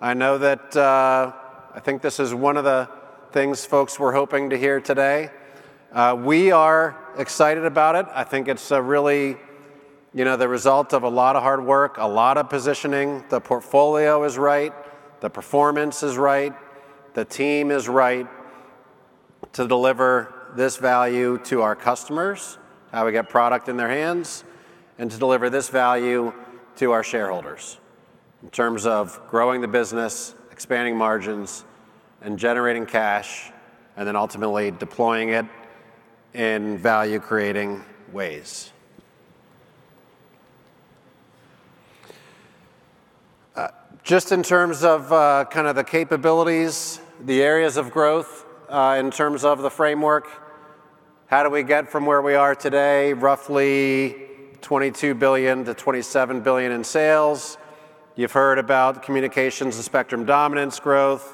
E: I know that, I think this is one of the things folks were hoping to hear today. We are excited about it. I think it's really, you know, the result of a lot of hard work, a lot of positioning. The portfolio is right, the performance is right, the team is right to deliver this value to our customers, how we get product in their hands, and to deliver this value to our shareholders in terms of growing the business, expanding margins, and generating cash, and then ultimately deploying it in value-creating ways. Just in terms of kind of the capabilities, the areas of growth, in terms of the framework, how do we get from where we are today, roughly $22-$27 billion in sales? You've heard about Communications & Spectrum Dominance growth.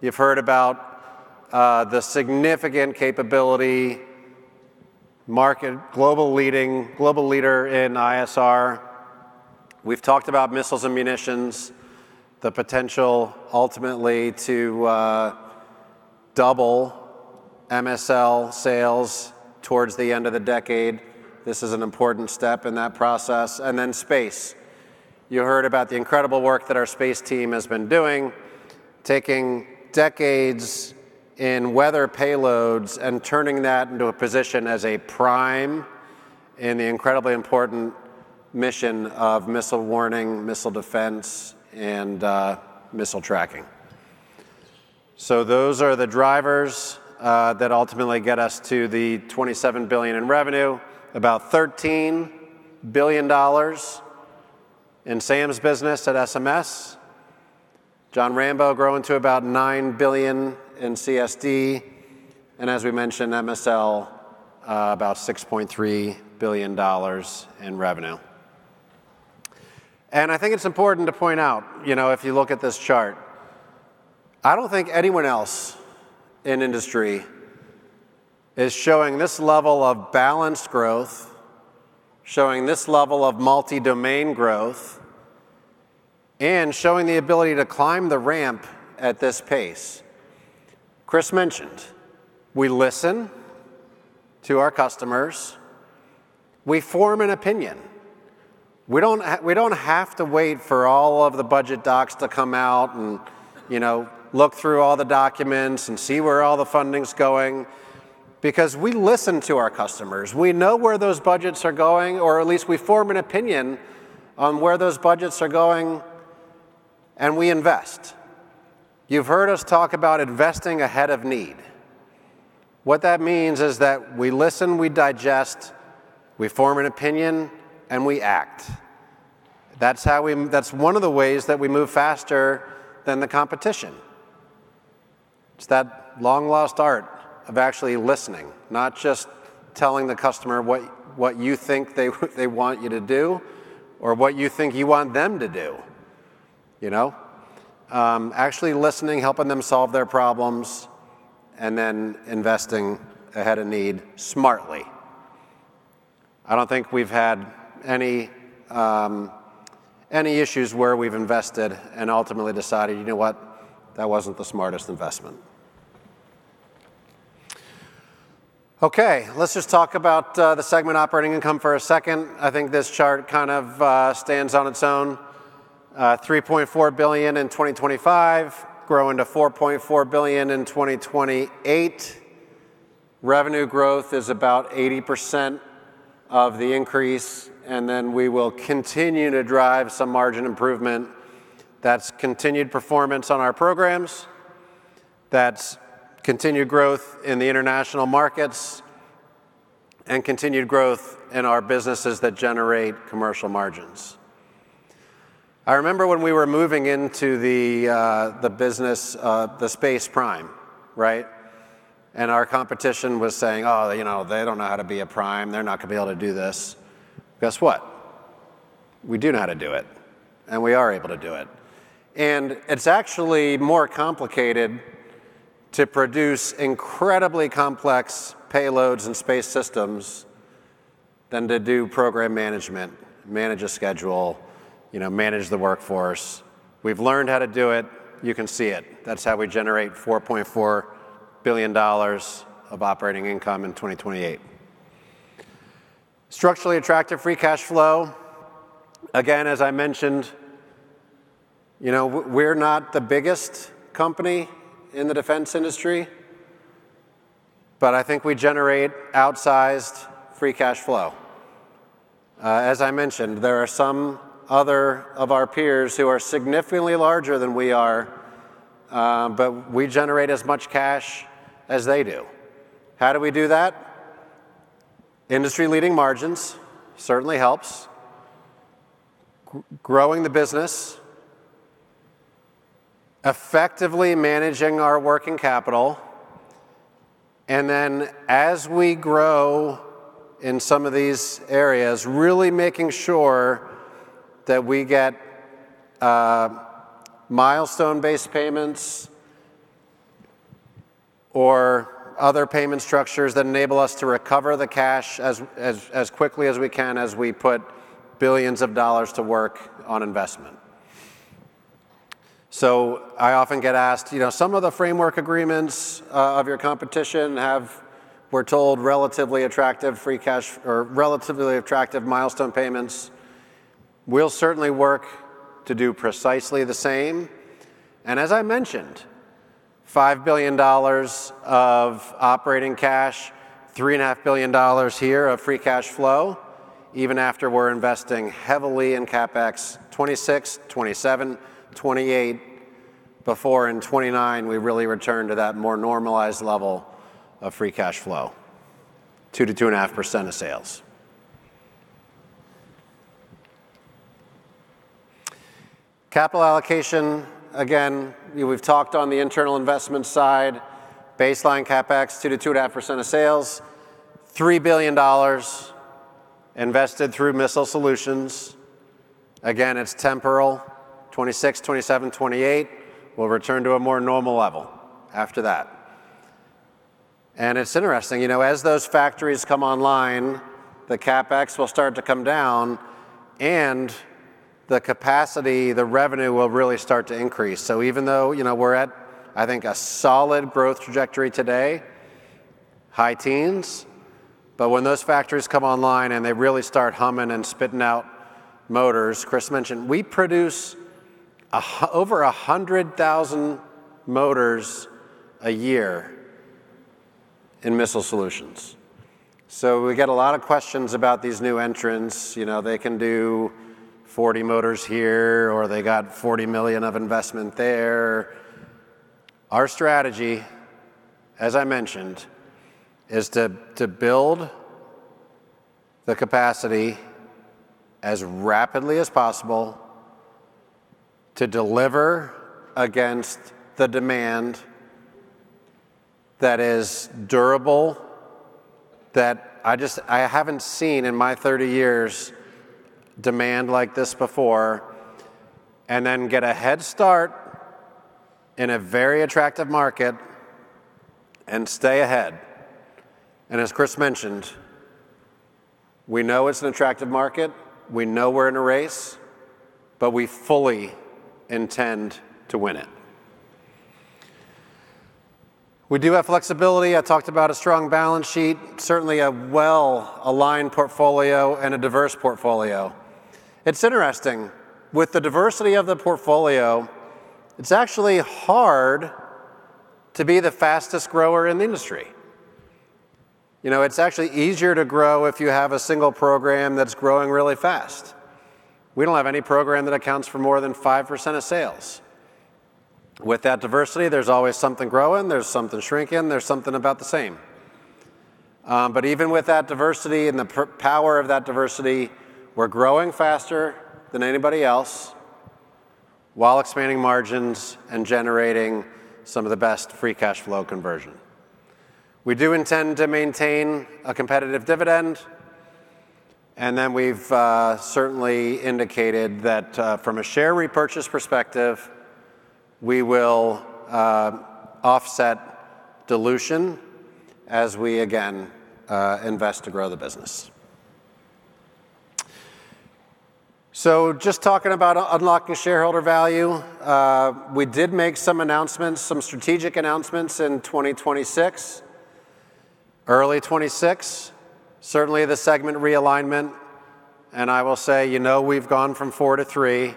E: You've heard about the significant capability, market, global leader in ISR. We've talked about missiles and munitions, the potential ultimately to double MSL sales towards the end of the decade. This is an important step in that process. Then space. You heard about the incredible work that our space team has been doing, taking decades in weather payloads and turning that into a position as a prime in the incredibly important mission of missile warning, missile defense, and missile tracking. Those are the drivers that ultimately get us to the $27 billion in revenue, about $13 billion in Sam's business at SMS, Jon Rambeau growing to about $9 billion in CSD, and as we mentioned, MSL, about $6.3 billion in revenue. I think it's important to point out, you know, if you look at this chart, I don't think anyone else in industry is showing this level of balanced growth, showing this level of multi-domain growth, and showing the ability to climb the ramp at this pace. Chris mentioned, we listen to our customers, we form an opinion. We don't have to wait for all of the budget docs to come out and, you know, look through all the documents and see where all the funding's going, because we listen to our customers. We know where those budgets are going, or at least we form an opinion on where those budgets are going, and we invest. You've heard us talk about investing ahead of need. What that means is that we listen, we digest, we form an opinion, and we act. That's one of the ways that we move faster than the competition. It's that long-lost art of actually listening, not just telling the customer what you think they want you to do or what you think you want them to do, you know? Actually listening, helping them solve their problems, investing ahead of need smartly. I don't think we've had any issues where we've invested and ultimately decided, "You know what? That wasn't the smartest investment." Okay, let's just talk about the segment operating income for a second. I think this chart kind of stands on its own. $3.4 billion in 2025, growing to $4.4 billion in 2028. Revenue growth is about 80% of the increase, we will continue to drive some margin improvement. That's continued performance on our programs, that's continued growth in the international markets, and continued growth in our businesses that generate commercial margins. I remember when we were moving into the business, the space prime, right? Our competition was saying, "Oh, you know, they don't know how to be a prime. They're not gonna be able to do this." Guess what? We do know how to do it, and we are able to do it. It's actually more complicated to produce incredibly complex payloads and space systems than to do program management, manage a schedule, you know, manage the workforce. We've learned how to do it. You can see it. That's how we generate $4.4 billion of operating income in 2028. structurally attractive free cash flow. As I mentioned, you know, we're not the biggest company in the defense industry, but I think we generate outsized free cash flow. As I mentioned, there are some other of our peers who are significantly larger than we are, we generate as much cash as they do. How do we do that? Industry-leading margins certainly helps. Growing the business, effectively managing our working capital, and then as we grow in some of these areas, really making sure that we get milestone-based payments or other payment structures that enable us to recover the cash as quickly as we can, as we put billions of dollars to work on investment. I often get asked, you know, some of the framework agreements of your competition have, we're told, relatively attractive free cash or relatively attractive milestone payments. We'll certainly work to do precisely the same. As I mentioned, $5 billion of operating cash, $3.5 billion here of free cash flow, even after we're investing heavily in CapEx, 2026, 2027, 2028, before in 2029, we really return to that more normalized level of free cash flow, 2%-2.5% of sales. Capital allocation, again, we've talked on the internal investment side, baseline CapEx, 2%-2.5% of sales, $3 billion invested through Missile Solutions. Again, it's temporal, 2026, 2027, 2028. We'll return to a more normal level after that. It's interesting, you know, as those factories come online, the CapEx will start to come down and the capacity, the revenue will really start to increase. Even though, you know, we're at, I think, a solid growth trajectory today, high teens, when those factories come online and they really start humming and spitting out motors. Chris mentioned, we produce over 100,000 motors a year in Missile Solutions. We get a lot of questions about these new entrants. You know, they can do 40 motors here, or they got $40 million of investment there. Our strategy, as I mentioned, is to build the capacity as rapidly as possible to deliver against the demand that is durable, that I haven't seen in my 30 years, demand like this before and then get a head start in a very attractive market and stay ahead. As Chris mentioned, we know it's an attractive market, we know we're in a race, but we fully intend to win it. We do have flexibility. I talked about a strong balance sheet, certainly a well-aligned portfolio and a diverse portfolio. It's interesting, with the diversity of the portfolio, it's actually hard to be the fastest grower in the industry. You know, it's actually easier to grow if you have a single program that's growing really fast. We don't have any program that accounts for more than 5% of sales. With that diversity, there's always something growing, there's something shrinking, there's something about the same. Even with that diversity and the power of that diversity, we're growing faster than anybody else while expanding margins and generating some of the best free cash flow conversion. We do intend to maintain a competitive dividend, we've certainly indicated that, from a share repurchase perspective, we will offset dilution as we again invest to grow the business. Just talking about unlocking shareholder value, we did make some announcements, some strategic announcements in 2026, early 2026, certainly the segment realignment, and I will say, you know, we've gone from 4-3.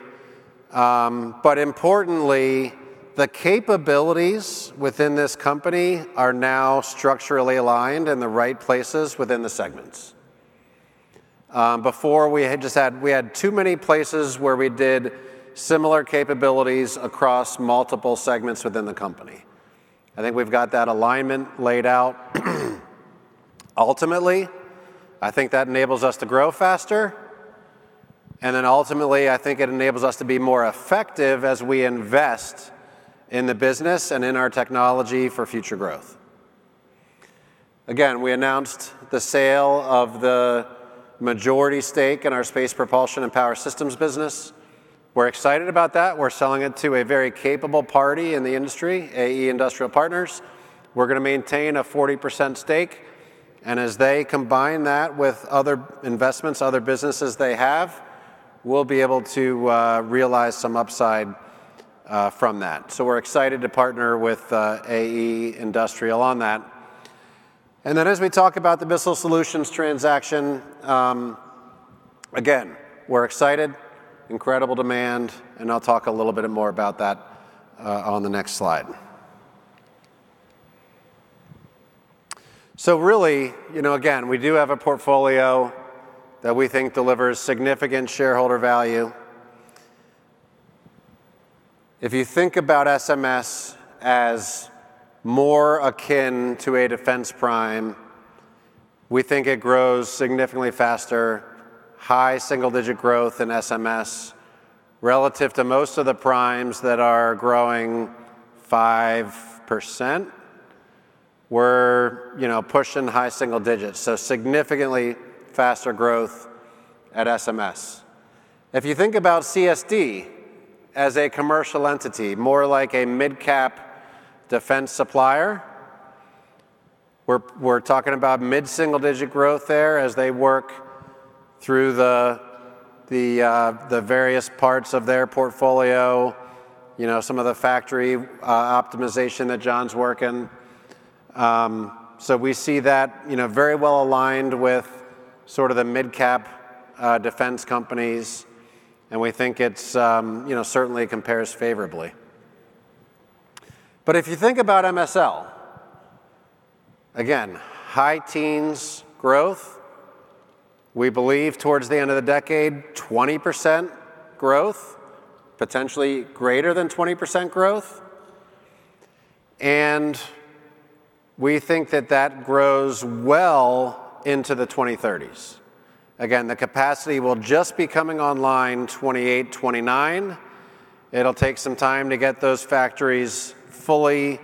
E: Importantly, the capabilities within this company are now structurally aligned in the right places within the segments. Before we had too many places where we did similar capabilities across multiple segments within the company. I think we've got that alignment laid out. Ultimately, I think that enables us to grow faster, and then ultimately, I think it enables us to be more effective as we invest in the business and in our technology for future growth. Again, we announced the sale of the majority stake in our Space Propulsion and Power Systems business. We're excited about that. We're selling it to a very capable party in the industry, AE Industrial Partners. We're gonna maintain a 40% stake, and as they combine that with other investments, other businesses we'll be able to realize some upside from that. We're excited to partner with AE Industrial on that. As we talk about the Missile Solutions transaction, again, we're excited, incredible demand, and I'll talk a little bit more about that on the next slide. Really, you know, again, we do have a portfolio that we think delivers significant shareholder value. If you think about SMS as more akin to a defense prime, we think it grows significantly faster, high single-digit growth in SMS, relative to most of the primes that are growing 5%. We're, you know, pushing high single digits, so significantly faster growth at SMS. If you think about CSD as a commercial entity, more like a midcap defense supplier, we're talking about mid-single-digit growth there as they work through the various parts of their portfolio, you know, some of the factory optimization that Jon's working. We see that, you know, very well aligned with sort of the midcap defense companies, and we think it's, you know, certainly compares favorably. If you think about MSL, again, high teens growth, we believe towards the end of the decade, 20% growth, potentially greater than 20% growth. We think that grows well into the 2030s. Again, the capacity will just be coming online, 2028, 2029. It'll take some time to get those factories fully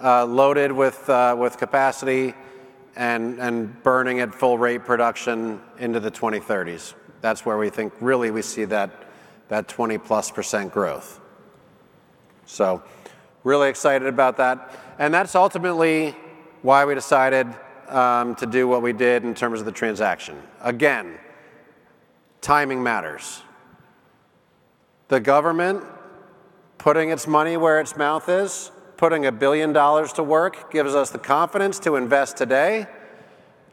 E: loaded with capacity and burning at full rate production into the 2030s. That's where we think really we see that +20% growth. Really excited about that, and that's ultimately why we decided to do what we did in terms of the transaction. Again, timing matters. The government putting its money where its mouth is, putting $1 billion to work, gives us the confidence to invest today,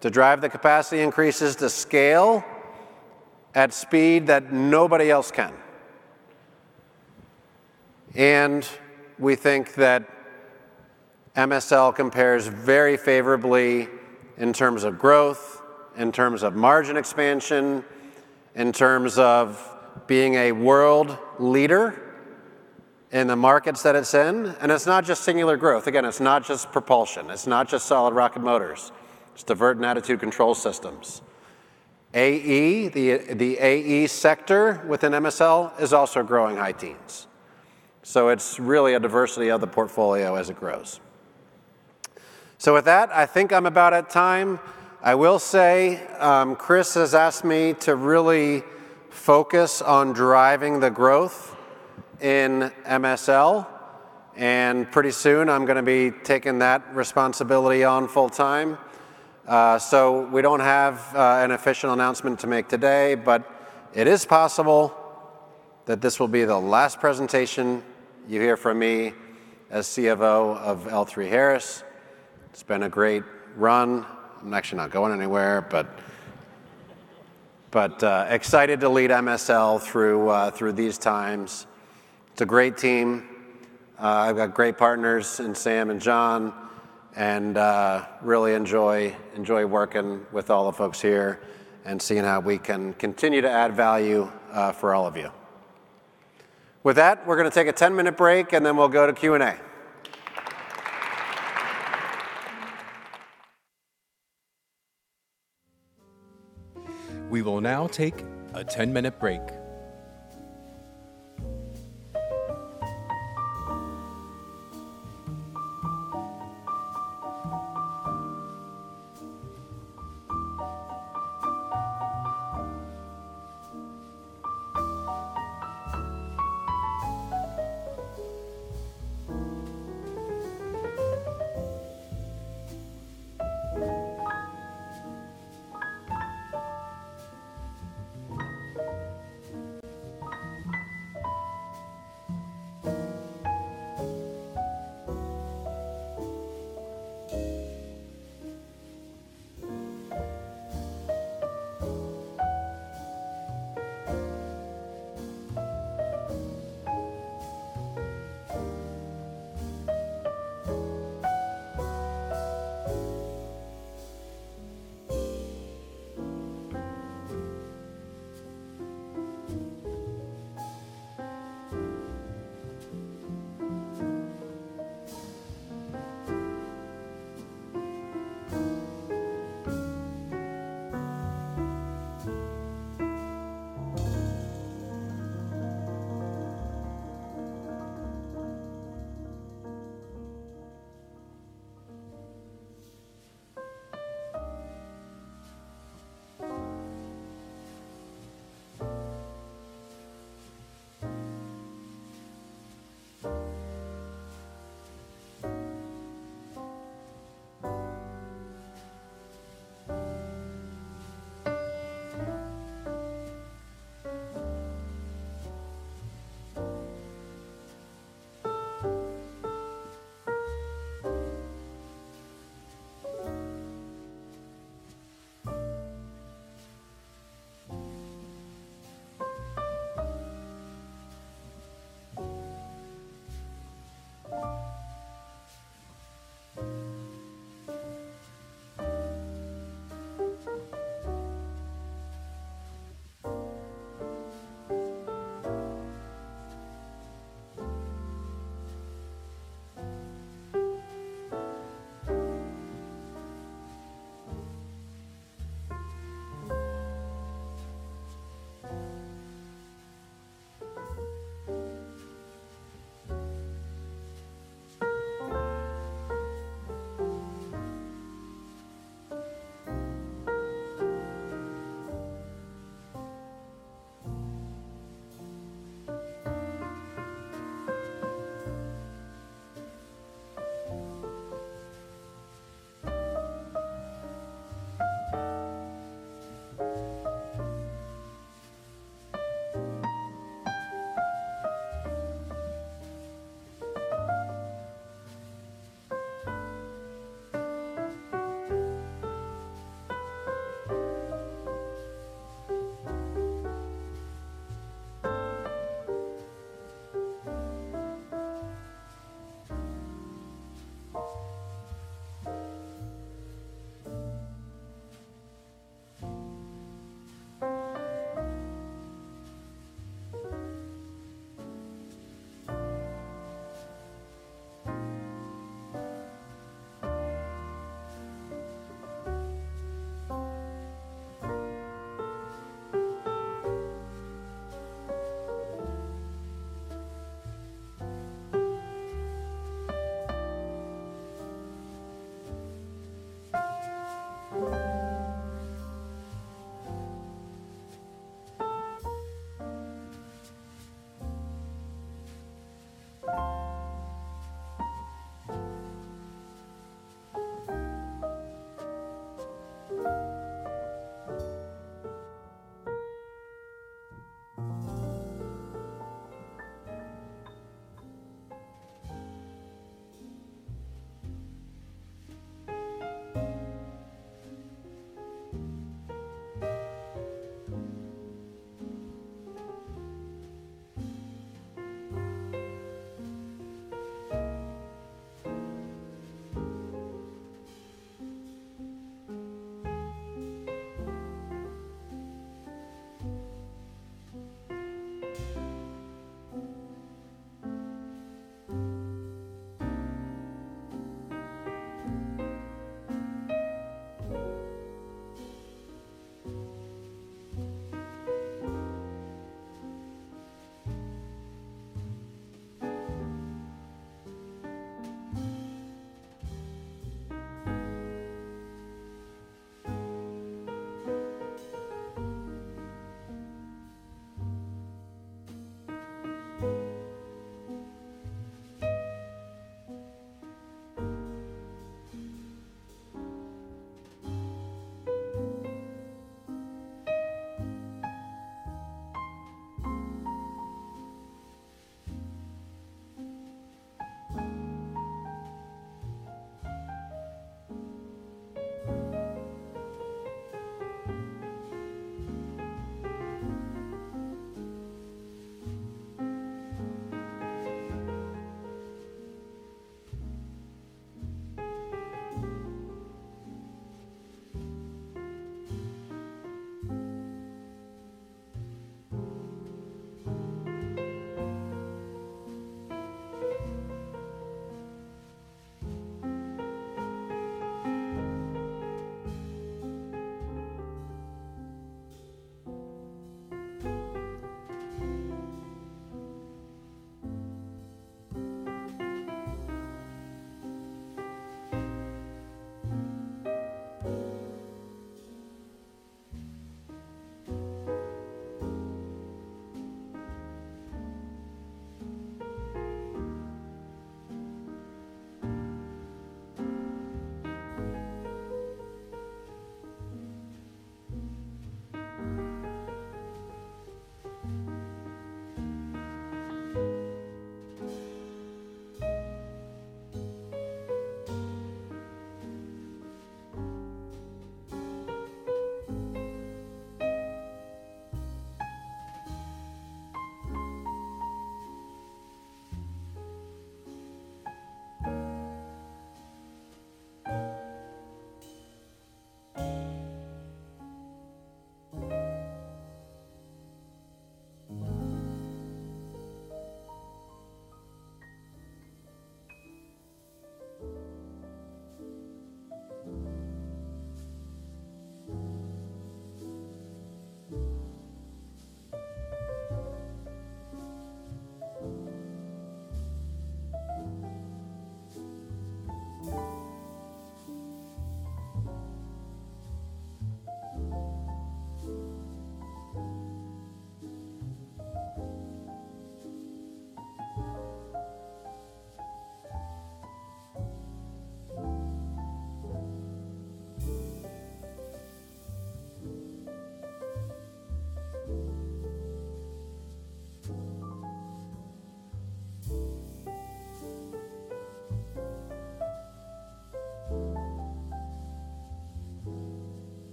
E: to drive the capacity increases to scale at speed that nobody else can. We think that MSL compares very favorably in terms of growth, in terms of margin expansion, in terms of being a world leader in the markets that it's in. It's not just singular growth. Again, it's not just propulsion, it's not just solid rocket motors, it's Divert and Attitude Control Systems. AE, the AE sector within MSL is also growing high teens, so it's really a diversity of the portfolio as it grows. With that, I think I'm about at time. I will say, Chris has asked me to really focus on driving the growth in MSL, and pretty soon I'm gonna be taking that responsibility on full time. We don't have an official announcement to make today, but it is possible that this will be the last presentation you hear from me as CFO of L3Harris. It's been a great run. I'm actually not going anywhere, but excited to lead MSL through these times. It's a great team. I've got great partners in Sam and John, and really enjoy working with all the folks here and seeing how we can continue to add value for all of you. With that, we're going to take a 10-minute break, and then we'll go to Q&A.
F: We will now take a 10-minute break.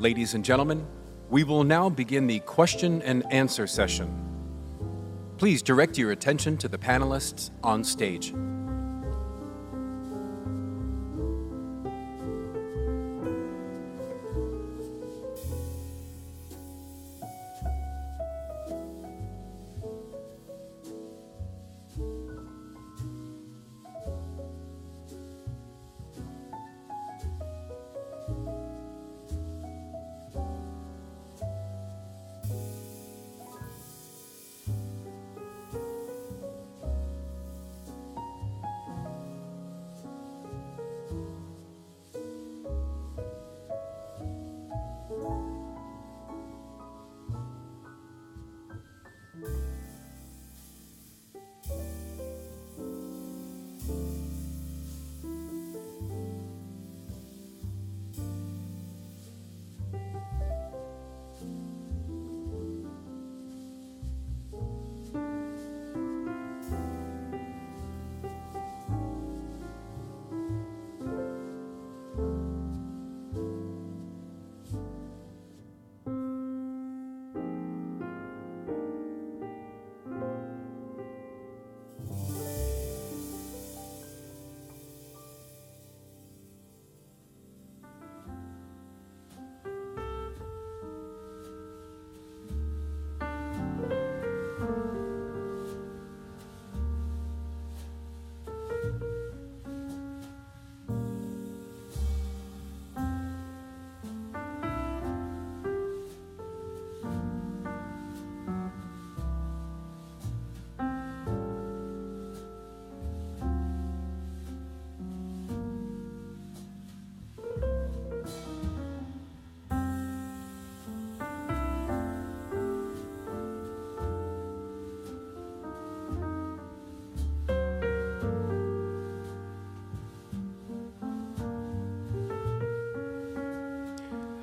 F: Ladies and gentlemen, we will now begin the question and answer session. Please direct your attention to the panelists on stage.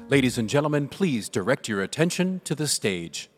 F: Ladies and gentlemen, please direct your attention to the stage.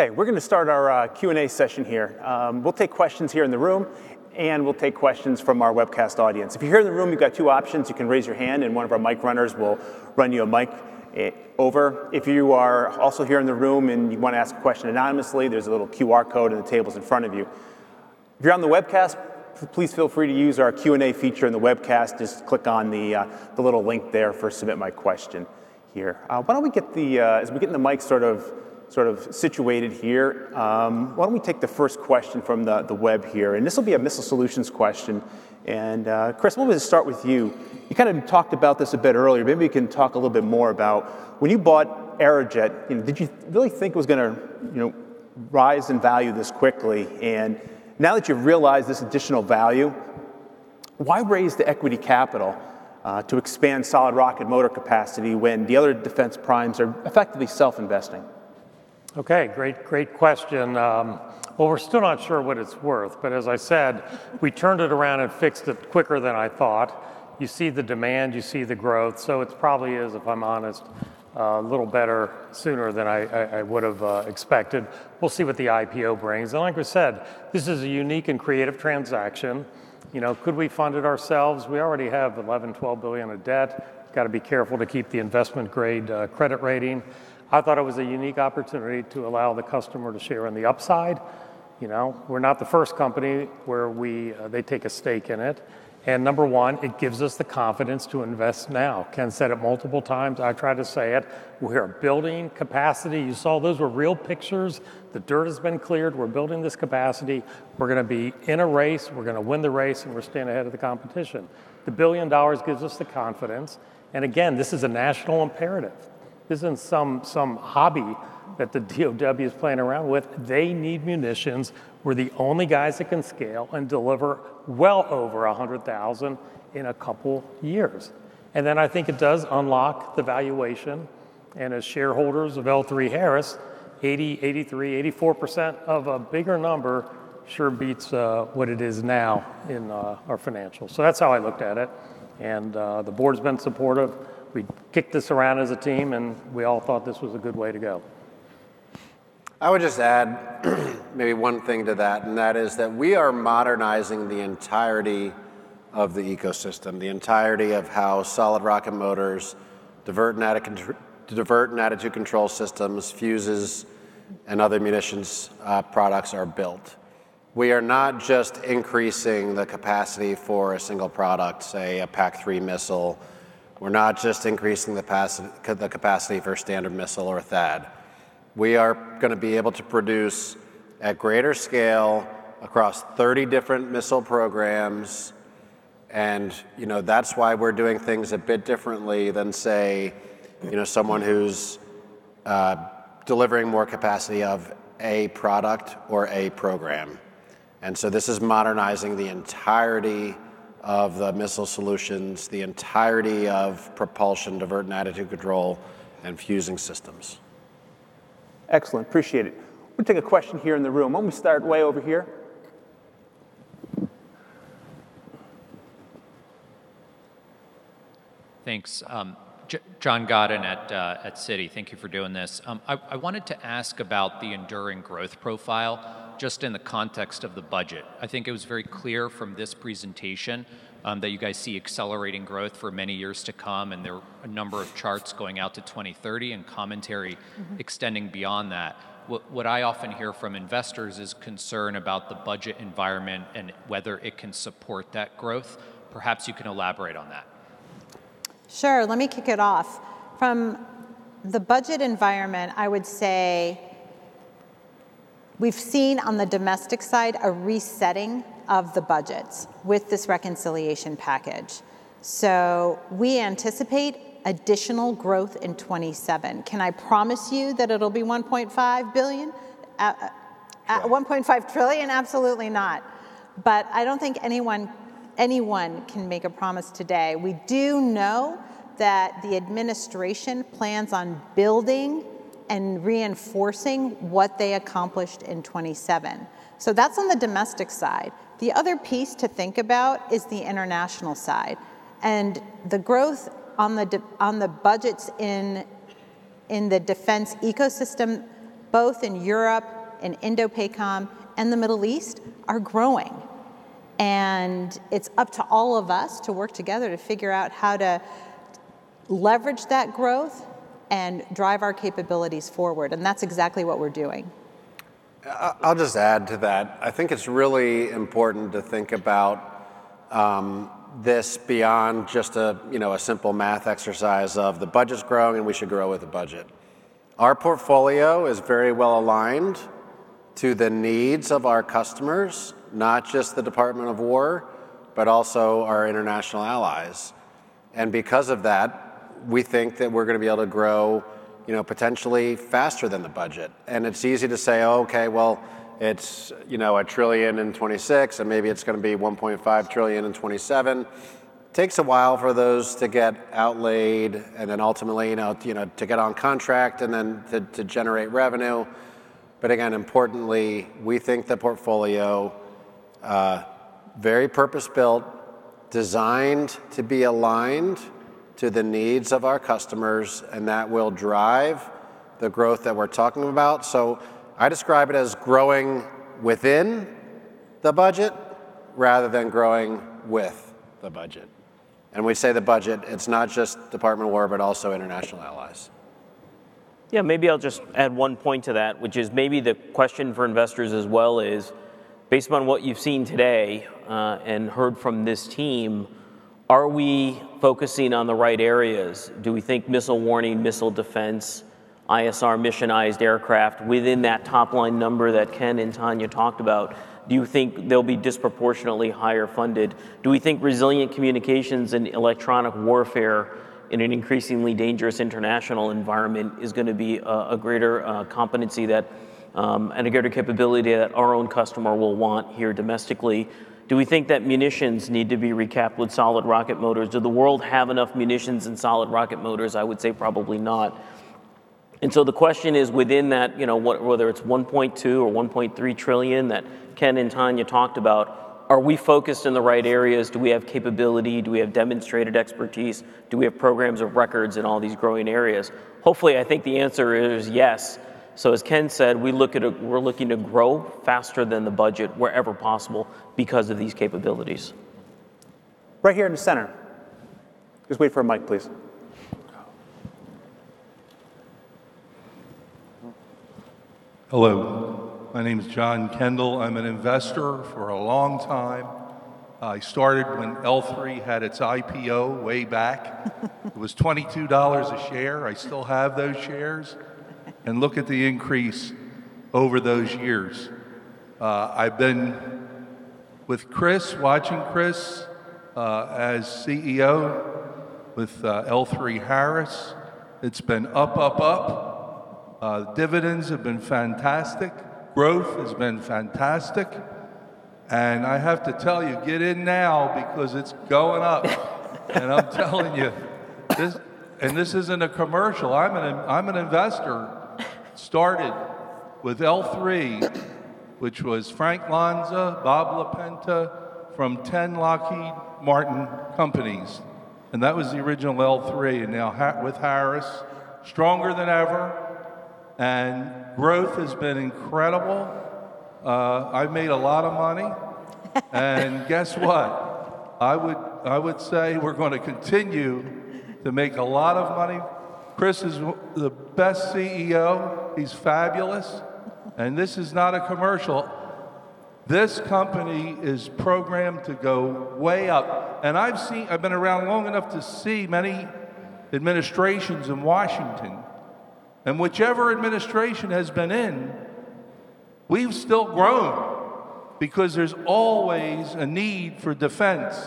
A: Sorry. Sorry about that. Okay, we're gonna start our Q&A session here. We'll take questions here in the room, and we'll take questions from our webcast audience. If you're here in the room, you've got two options. You can raise your hand, and one of our mic runners will run you a mic over. If you are also here in the room and you wanna ask a question anonymously, there's a little QR code on the tables in front of you. If you're on the webcast, please feel free to use our Q&A feature in the webcast. Just click on the little link there for Submit My Question here. Why don't we get the... As we're getting the mics sort of situated here, why don't we take the first question from the web here? This will be a Missile Solutions question, Chris, why don't we just start with you? You kind of talked about this a bit earlier. Maybe you can talk a little bit more about when you bought Aerojet, you know, did you really think it was gonna, you know, rise in value this quickly? Now that you've realized this additional value, why raise the equity capital to expand solid rocket motor capacity when the other defense primes are effectively self-investing?
C: Okay, great question. Well, we're still not sure what it's worth, but as I said, we turned it around and fixed it quicker than I thought. You see the demand, you see the growth, so it probably is, if I'm honest, a little better sooner than I would've expected. We'll see what the IPO brings. Like we said, this is a unique and creative transaction. You know, could we fund it ourselves? We already have $11-$12 billion of debt. Gotta be careful to keep the investment grade credit rating. I thought it was a unique opportunity to allow the customer to share in the upside. You know, we're not the first company where we, they take a stake in it, and number one, it gives us the confidence to invest now. Ken said it multiple times. I've tried to say it. We are building capacity. You saw those were real pictures. The dirt has been cleared. We're building this capacity. We're gonna be in a race, we're gonna win the race, and we're staying ahead of the competition. The $1 billion gives us the confidence, and again, this is a national imperative, this isn't some hobby that the DOD is playing around with. They need munitions. We're the only guys that can scale and deliver well over 100,000 in a couple years. Then I think it does unlock the valuation, and as shareholders of L3Harris, 80%, 83%, 84% of a bigger number sure beats what it is now in our financials. That's how I looked at it, and the board's been supportive. We kicked this around as a team, and we all thought this was a good way to go.
E: I would just add maybe one thing to that, and that is that we are modernizing the entirety of the ecosystem, the entirety of how solid rocket motors, divert and attitude control systems, fuses, and other munitions products are built. We are not just increasing the capacity for a single product, say, a PAC-3 missile. We're not just increasing the capacity for a Standard Missile or a THAAD. We are gonna be able to produce at greater scale across 30 different missile programs, and, you know, that's why we're doing things a bit differently than, say, you know, someone who's delivering more capacity of a product or a program. This is modernizing the entirety of the Missile Solutions, the entirety of propulsion, divert and attitude control, and fusing systems.
A: Excellent. Appreciate it. We'll take a question here in the room. Why don't we start way over here?
I: Thanks. John Godden at Citi. Thank you for doing this. I wanted to ask about the enduring growth profile, just in the context of the budget. I think it was very clear from this presentation, that you guys see accelerating growth for many years to come, and there were a number of charts going out to 2030 and commentary extending beyond that. What I often hear from investors is concern about the budget environment and whether it can support that growth. Perhaps you can elaborate on that.
D: Sure, let me kick it off. From the budget environment, I would say we've seen on the domestic side, a resetting of the budgets with this reconciliation package. We anticipate additional growth in 2027. Can I promise you that it'll be $1.5 billion?
I: Yeah.
D: $1.5 trillion? Absolutely not. I don't think anyone can make a promise today. We do know that the administration plans on building and reinforcing what they accomplished in 2027. That's on the domestic side. The other piece to think about is the international side, and the growth on the budgets in the defense ecosystem, both in Europe, in INDOPACOM, and the Middle East, are growing. It's up to all of us to work together to figure out how to leverage that growth and drive our capabilities forward, and that's exactly what we're doing.
E: I'll just add to that. I think it's really important to think about this beyond just a, you know, a simple math exercise of the budget's growing, we should grow with the budget. Our portfolio is very well aligned to the needs of our customers, not just the Department of War, but also our international allies. Because of that, we think that we're gonna be able to grow, you know, potentially faster than the budget. It's easy to say, "Okay, well, it's, you know, $1 trillion in 2026, and maybe it's gonna be $1.5 trillion in 2027." Takes a while for those to get outlaid and then ultimately, you know, to get on contract and then to generate revenue. Again, importantly, we think the portfolio, very purpose-built, designed to be aligned to the needs of our customers, and that will drive the growth that we're talking about. I describe it as growing within the budget rather than growing with the budget. We say the budget, it's not just Department of War, but also international allies.
H: Yeah, maybe I'll just add one point to that, which is maybe the question for investors as well is, based upon what you've seen today, and heard from this team, are we focusing on the right areas? Do we think missile warning, missile defense, ISR missionized aircraft within that top-line number that Ken and Tania talked about, do you think they'll be disproportionately higher funded? Do we think resilient communications and electronic warfare in an increasingly dangerous international environment is gonna be a greater competency that, and a greater capability that our own customer will want here domestically? Do we think that munitions need to be recapped with solid rocket motors? Do the world have enough munitions and solid rocket motors? I would say probably not. The question is, within that, you know, whether it's $1.2 trillion or $1.3 trillion that Ken and Tania talked about, are we focused in the right areas? Do we have capability? Do we have demonstrated expertise? Do we have programs of records in all these growing areas? Hopefully, I think the answer is yes. As Ken said, we're looking to grow faster than the budget wherever possible because of these capabilities.
A: Right here in the center. Just wait for a mic, please.
J: Hello, my name is John Kendall. I'm an investor for a long time. I started when L3 had its IPO way back. It was $22 a share. I still have those shares. Look at the increase over those years. I've been with Chris, watching Chris, as CEO with L3Harris, it's been up, up. Dividends have been fantastic. Growth has been fantastic, and I have to tell you, get in now because it's going up. I'm telling you this, and this isn't a commercial. I'm an investor. Started with L3, which was Frank Lanza, Bob LaPenta, from 10 Lockheed Martin companies, and that was the original L3, and now with Harris, stronger than ever, and growth has been incredible. I've made a lot of money. Guess what? I would say we're gonna continue to make a lot of money. Chris is the best CEO. He's fabulous. This is not a commercial. This company is programmed to go way up. I've been around long enough to see many administrations in Washington. Whichever administration has been in, we've still grown because there's always a need for defense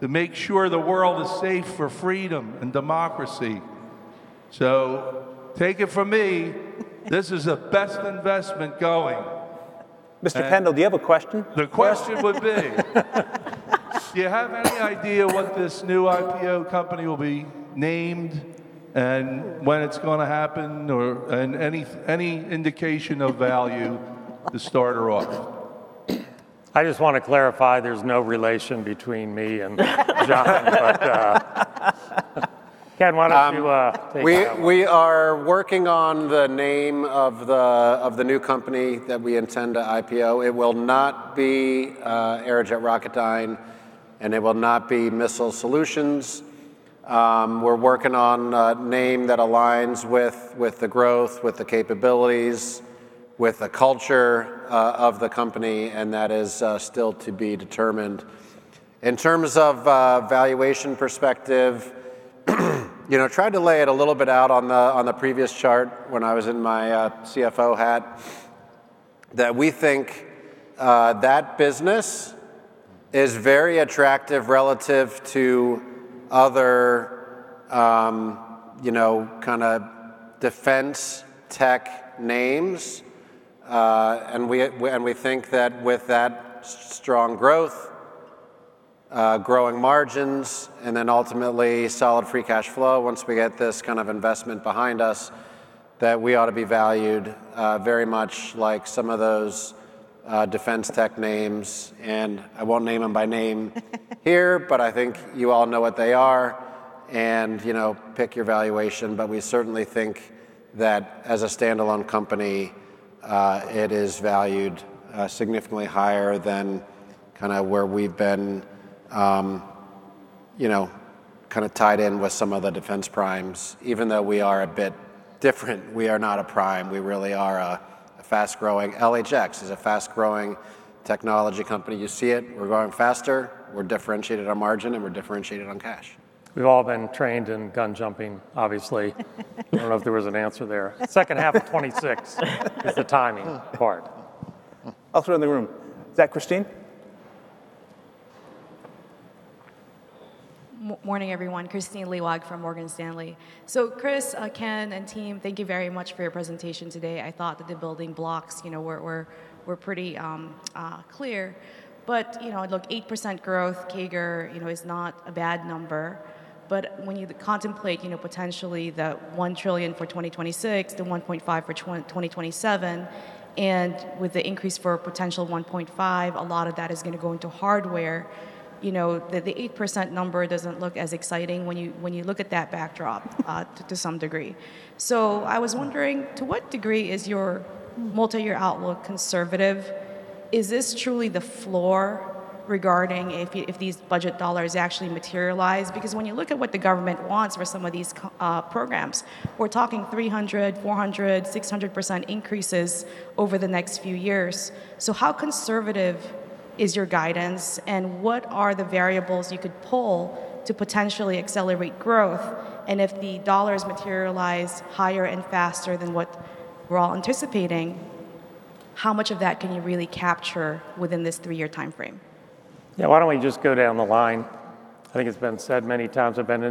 J: to make sure the world is safe for freedom and democracy. Take it from me, this is the best investment going.
C: Mr. Kendall, do you have a question?
J: The question would be: Do you have any idea what this new IPO company will be named, and when it's gonna happen, or, and any any indication of value to start her off?
C: I just want to clarify, there's no relation between me and John, but, Ken, why don't you take that one?
E: We are working on the name of the new company that we intend to IPO. It will not be Aerojet Rocketdyne. It will not be Missile Solutions. We're working on a name that aligns with the growth, with the capabilities, with the culture of the company, and that is still to be determined. In terms of valuation perspective, you know, tried to lay it a little bit out on the previous chart when I was in my CFO hat, that we think that business is very attractive relative to other, you know, kinda defense tech names. We think that with that strong growth, growing margins, and then ultimately solid free cash flow, once we get this kind of investment behind us, that we ought to be valued very much like some of those defense tech names, I won't name them by name here, but I think you all know what they are, and, you know, pick your valuation. We certainly think that as a standalone company, it is valued significantly higher than kinda where we've been, you know, kinda tied in with some of the defense primes. Even though we are a bit different, we are not a prime. We really are a fast-growing LHX is a fast-growing technology company. You see it. We're growing faster, we're differentiated on margin, and we're differentiated on cash.
C: We've all been trained in gun jumping, obviously. I don't know if there was an answer there. Second half of 2026 is the timing part. I'll throw it in the room. Is that Kristine?
K: Morning, everyone. Kristine Liwag from Morgan Stanley. Chris, Ken, and team, thank you very much for your presentation today. I thought that the building blocks, you know, were pretty clear. You know, look, 8% growth, CAGR, you know, is not a bad number. When you contemplate, you know, potentially the $1 trillion for 2026, the $1.5 for 2027, and with the increase for a potential $1.5, a lot of that is gonna go into hardware. You know, the 8% number doesn't look as exciting when you look at that backdrop to some degree. I was wondering, to what degree is your multi-year outlook conservative? Is this truly the floor regarding if these budget dollars actually materialize? When you look at what the government wants for some of these programs, we're talking 300%, 400%, 600% increases over the next few years. How conservative is your guidance, and what are the variables you could pull to potentially accelerate growth? If the dollars materialize higher and faster than what we're all anticipating, how much of that can you really capture within this three-year timeframe?
C: Yeah, why don't we just go down the line? I think it's been said many times. I don't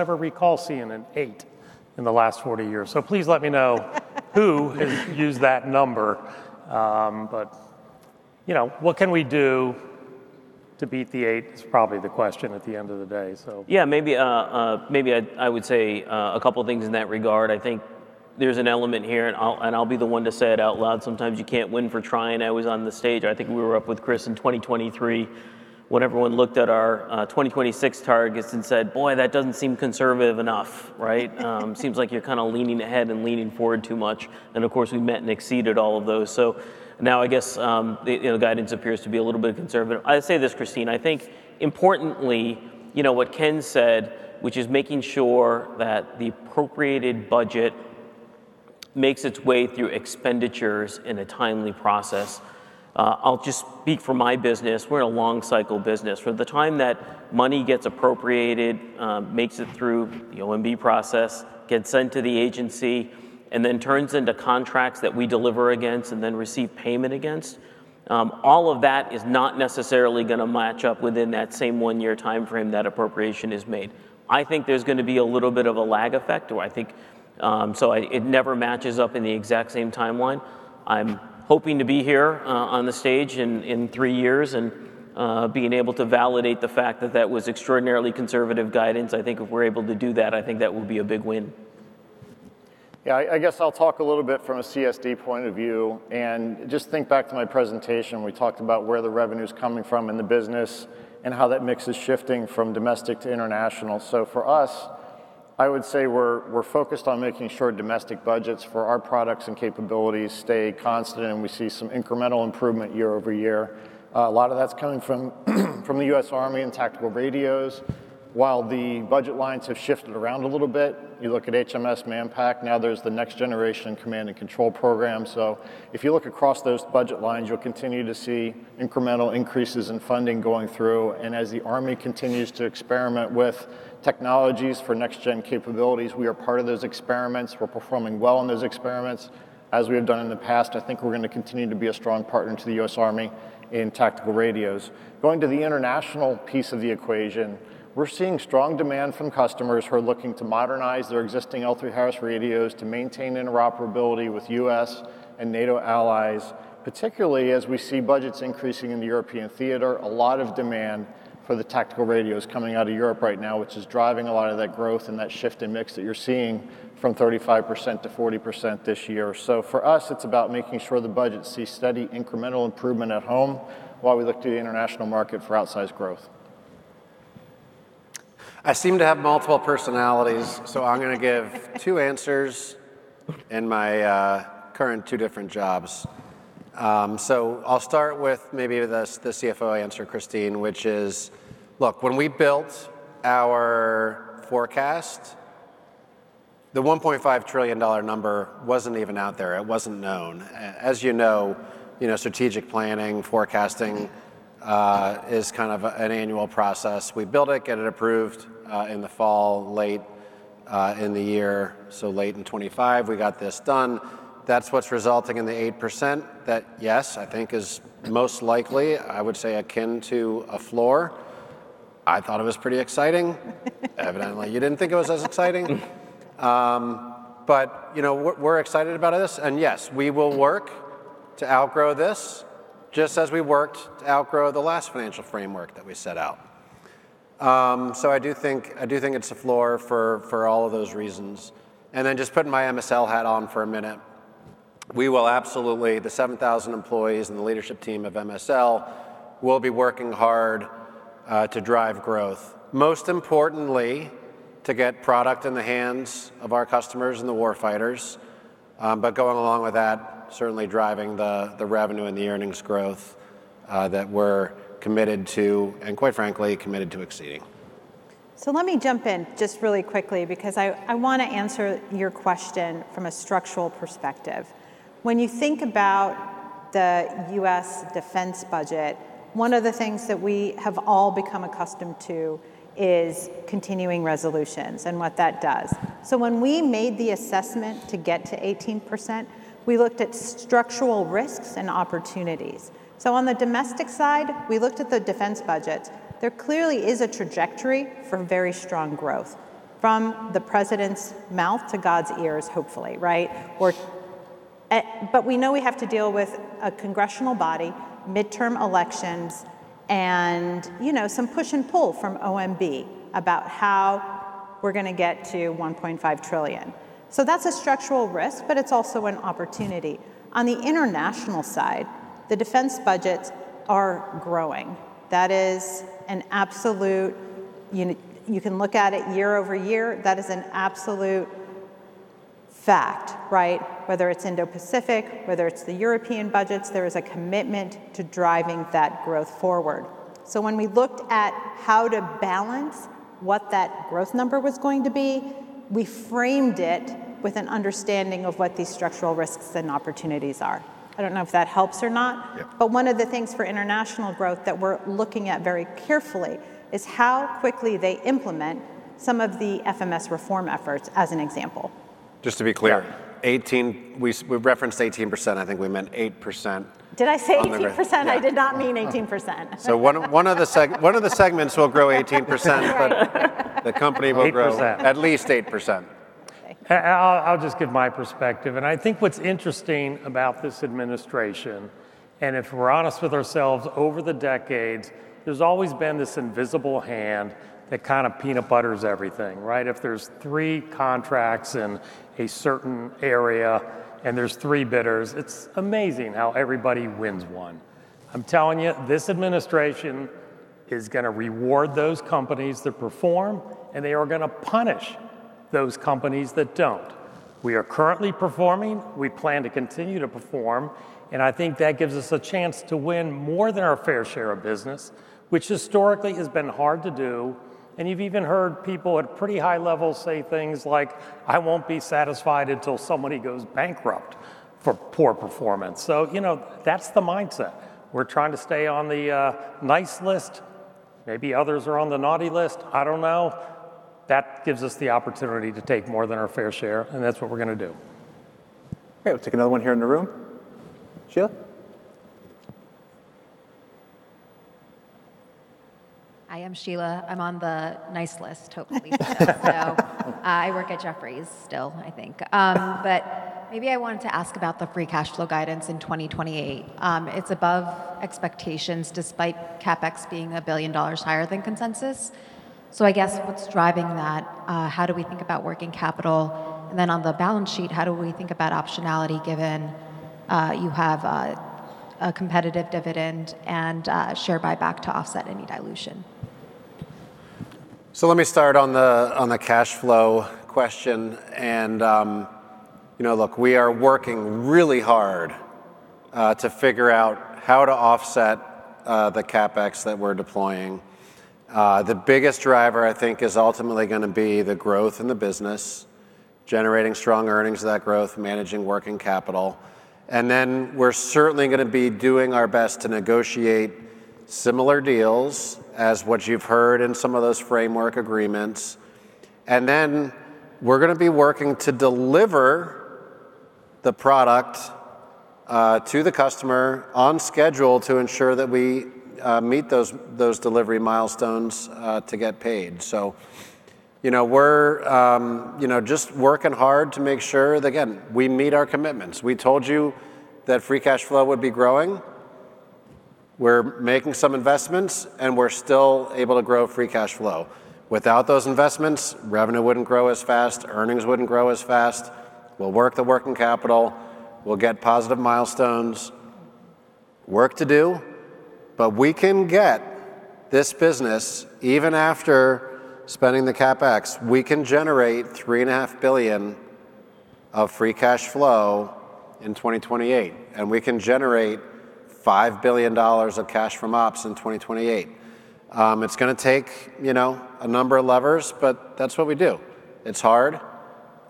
C: ever recall seeing an eight in the last 40 years. Please let me know who has used that number. You know, what can we do to beat the eight? Is probably the question at the end of the day, so.
H: Maybe I would say two things in that regard. I think there's an element here, and I'll be the one to say it out loud, sometimes you can't win for trying. I was on the stage, I think we were up with Chris in 2023, when everyone looked at our 2026 targets and said, "Boy, that doesn't seem conservative enough," right? Seems like you're kinda leaning ahead and leaning forward too much, and of course, we met and exceeded all of those. Now I guess, you know, guidance appears to be a little bit conservative. I'll say this, Kristine: I think importantly, you know, what Ken said, which is making sure that the appropriated budget makes its way through expenditures in a timely process. I'll just speak for my business. We're a long cycle business. From the time that money gets appropriated, makes it through the OMB process, gets sent to the agency, and then turns into contracts that we deliver against and then receive payment against, all of that is not necessarily gonna match up within that same one-year timeframe that appropriation is made. I think there's gonna be a little bit of a lag effect, or I think, it never matches up in the exact same timeline. I'm hoping to be here, on the stage in three years, and, being able to validate the fact that that was extraordinarily conservative guidance. I think if we're able to do that, I think that will be a big win.
G: Yeah, I guess I'll talk a little bit from a CSD point of view, and just think back to my presentation, we talked about where the revenue's coming from in the business and how that mix is shifting from domestic to international. For us, I would say we're focused on making sure domestic budgets for our products and capabilities stay constant, and we see some incremental improvement year-over-year. A lot of that's coming from the U.S. Army and tactical radios. While the budget lines have shifted around a little bit, you look at HMS Manpack, now there's the Next Generation Command and Control program. If you look across those budget lines, you'll continue to see incremental increases in funding going through, and as the Army continues to experiment with technologies for next-gen capabilities, we are part of those experiments. We're performing well in those experiments, as we have done in the past. I think we're gonna continue to be a strong partner to the U.S. Army in tactical radios. Going to the international piece of the equation, we're seeing strong demand from customers who are looking to modernize their existing L3Harris radios to maintain interoperability with U.S. and NATO allies, particularly as we see budgets increasing in the European theater. A lot of demand for the tactical radios coming out of Europe right now, which is driving a lot of that growth and that shift in mix that you're seeing from 35% to 40% this year. For us, it's about making sure the budget sees steady, incremental improvement at home, while we look to the international market for outsized growth.
E: I seem to have multiple personalities. I'm gonna give two answers in my current two different jobs. I'll start with maybe the CFO answer, Kristine, which is, look, when we built our forecast, the $1.5 trillion number wasn't even out there. It wasn't known. As you know, strategic planning, forecasting, is kind of an annual process. We build it, get it approved in the fall, late in the year, so late in 2025, we got this done. That's what's resulting in the 8% that, yes, I think is most likely, I would say, akin to a floor. I thought it was pretty exciting. Evidently, you didn't think it was as exciting. You know, we're excited about this, and yes, we will work to outgrow this, just as we worked to outgrow the last financial framework that we set out. I do think, I do think it's a floor for all of those reasons. Just putting my MSL hat on for a minute, we will absolutely, the 7,000 employees and the leadership team of MSL will be working hard to drive growth. Most importantly, to get product in the hands of our customers and the war fighters, but going along with that, certainly driving the revenue and the earnings growth that we're committed to, and quite frankly, committed to exceeding.
D: Let me jump in just really quickly because I wanna answer your question from a structural perspective. When you think about the U.S. defense budget, one of the things that we have all become accustomed to is continuing resolutions and what that does. When we made the assessment to get to 18%, we looked at structural risks and opportunities. On the domestic side, we looked at the defense budget. There clearly is a trajectory for very strong growth, from the President's mouth to God's ears, hopefully, right? But we know we have to deal with a congressional body, midterm elections, and, you know, some push and pull from OMB about how we're gonna get to $1.5 trillion. That's a structural risk, but it's also an opportunity. On the international side, the defense budgets are growing. That is an absolute...You can look at it year-over-year, that is an absolute fact, right? Whether it's Indo-Pacific, whether it's the European budgets, there is a commitment to driving that growth forward. When we looked at how to balance what that growth number was going to be, we framed it with an understanding of what these structural risks and opportunities are. I don't know if that helps or not.
E: Yeah.
D: One of the things for international growth that we're looking at very carefully is how quickly they implement some of the FMS reform efforts, as an example.
E: Just to be clear.
G: Yeah
E: 18, we referenced 18%, I think we meant 8%.
D: Did I say 18%? I did not mean 18%.
E: One of the segments will grow 18%. 8%, at least 8%.
G: I'll just give my perspective, and I think what's interesting about this administration, and if we're honest with ourselves, over the decades, there's always been this invisible hand that kind of peanut butters everything, right? If there's three contracts in a certain area, and there's three bidders, it's amazing how everybody wins one. I'm telling you, this administration is gonna reward those companies that perform, and they are gonna punish those companies that don't. We are currently performing, we plan to continue to perform, and I think that gives us a chance to win more than our fair share of business, which historically has been hard to do, and you've even heard people at pretty high levels say things like, "I won't be satisfied until somebody goes bankrupt for poor performance." You know, that's the mindset. We're trying to stay on the nice list. Maybe others are on the naughty list, I don't know. That gives us the opportunity to take more than our fair share, and that's what we're gonna do.
A: Great, let's take another one here in the room. Sheila?
L: Hi, I'm Sheila. I'm on the nice list, hopefully. I work at Jefferies still, I think. Maybe I wanted to ask about the free cash flow guidance in 2028. It's above expectations, despite CapEx being $1 billion higher than consensus. I guess, what's driving that? How do we think about working capital? On the balance sheet, how do we think about optionality, given, you have, a competitive dividend and, share buyback to offset any dilution?
E: Let me start on the cash flow question, and, you know, look, we are working really hard to figure out how to offset the CapEx that we're deploying. The biggest driver, I think, is ultimately gonna be the growth in the business, generating strong earnings of that growth, managing working capital, and then we're certainly gonna be doing our best to negotiate similar deals as what you've heard in some of those framework agreements. Then, we're gonna be working to deliver the product to the customer on schedule to ensure that we meet those delivery milestones to get paid. You know, we're, you know, just working hard to make sure that, again, we meet our commitments. We told you that free cash flow would be growing. We're making some investments, and we're still able to grow free cash flow. Without those investments, revenue wouldn't grow as fast, earnings wouldn't grow as fast. We'll work the working capital, we'll get positive milestones, work to do, but we can get this business, even after spending the CapEx, we can generate three and a half billion of free cash flow in 2028, and we can generate $5 billion of cash from ops in 2028. It's gonna take, you know, a number of levers, but that's what we do. It's hard,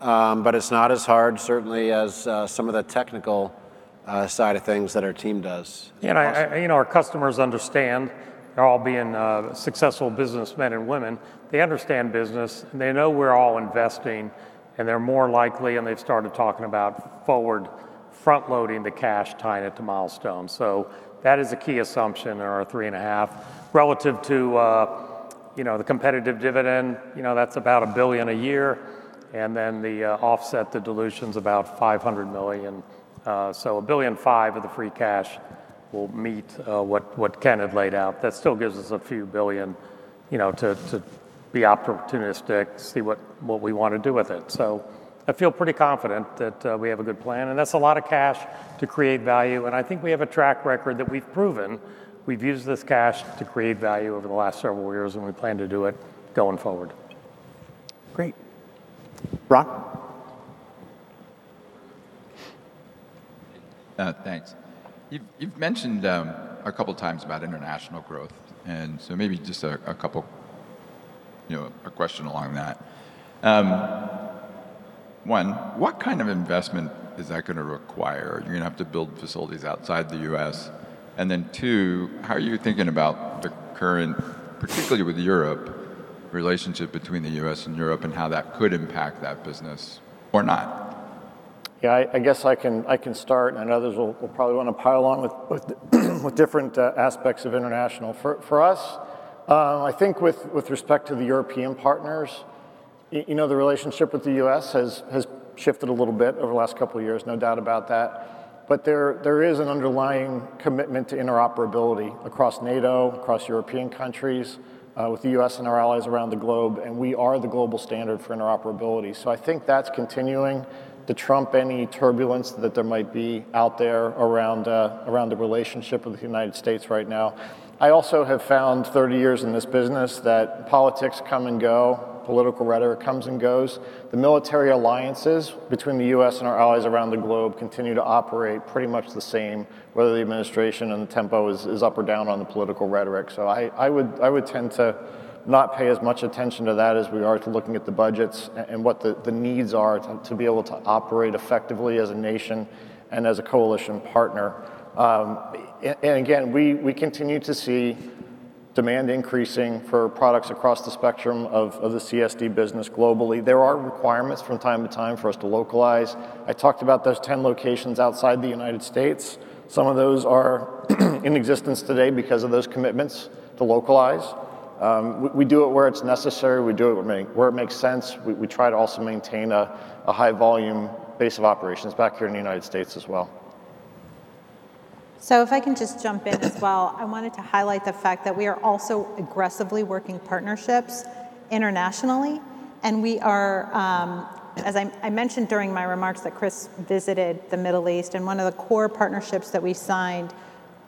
E: but it's not as hard, certainly, as some of the technical side of things that our team does.
C: I, you know, our customers understand, they're all being successful businessmen and women, they understand business, and they know we're all investing, and they're more likely, and they've started talking about forward front-loading the cash, tying it to milestones. That is a key assumption in our 3.5 relative to, you know, the competitive dividend. You know, that's about $1 billion a year, and then the offset, the dilution's about $500 million. A billion five of the free cash will meet what Ken had laid out. That still gives us a few billion, you know, to be opportunistic, see what we want to do with it. I feel pretty confident that we have a good plan, and that's a lot of cash to create value, and I think we have a track record that we've proven we've used this cash to create value over the last several years, and we plan to do it going forward.
A: Great. Brock?
M: Thanks. You've mentioned a couple of times about international growth, maybe just a couple, you know, a question along that. One, what kind of investment is that gonna require? You're gonna have to build facilities outside the U.S. Two, how are you thinking about the current, particularly with Europe, relationship between the U.S. and Europe, and how that could impact that business or not?
G: Yeah, I guess I can start, others will probably wanna pile on with different aspects of international. For us, I think with respect to the European partners, you know, the relationship with the U.S. has shifted a little bit over the last couple of years, no doubt about that. There is an underlying commitment to interoperability across NATO, across European countries, with the U.S. and our allies around the globe, and we are the global standard for interoperability. I think that's continuing to trump any turbulence that there might be out there around the relationship with the United States right now. I also have found 30 years in this business that politics come and go, political rhetoric comes and goes. The military alliances between the U.S. and our allies around the globe continue to operate pretty much the same, whether the administration and the tempo is up or down on the political rhetoric. I would tend to not pay as much attention to that as we are to looking at the budgets and what the needs are to be able to operate effectively as a nation and as a coalition partner. Again, we continue to see demand increasing for products across the spectrum of the CSD business globally. There are requirements from time to time for us to localize. I talked about those 10 locations outside the United States. Some of those are in existence today because of those commitments to localize we do it where it's necessary, we do it where it makes sense. We try to also maintain a high volume base of operations back here in the United States as well.
D: If I can just jump in as well. I wanted to highlight the fact that we are also aggressively working partnerships internationally, and we are as I mentioned during my remarks that Chris visited the Middle East, and one of the core partnerships that we signed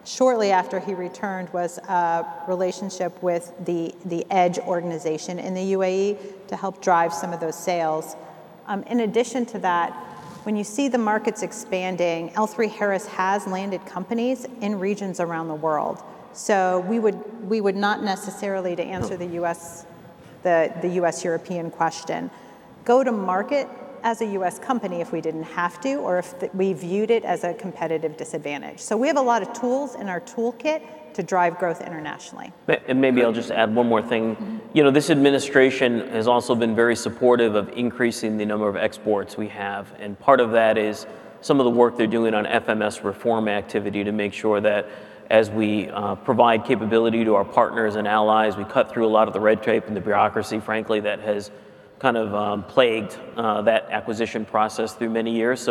D: shortly after he returned was a relationship with the Edge organization in the UAE to help drive some of those sales. In addition to that, when you see the markets expanding, L3Harris has landed companies in regions around the world. We would not necessarily, to answer the U.S.-European question, go to market as a U.S. company if we didn't have to or if we viewed it as a competitive disadvantage. We have a lot of tools in our toolkit to drive growth internationally.
H: Maybe I'll just add one more thing. You know, this administration has also been very supportive of increasing the number of exports we have. Part of that is some of the work they're doing on FMS reform activity to make sure that as we provide capability to our partners and allies, we cut through a lot of the red tape and the bureaucracy, frankly, that has kind of plagued that acquisition process through many years.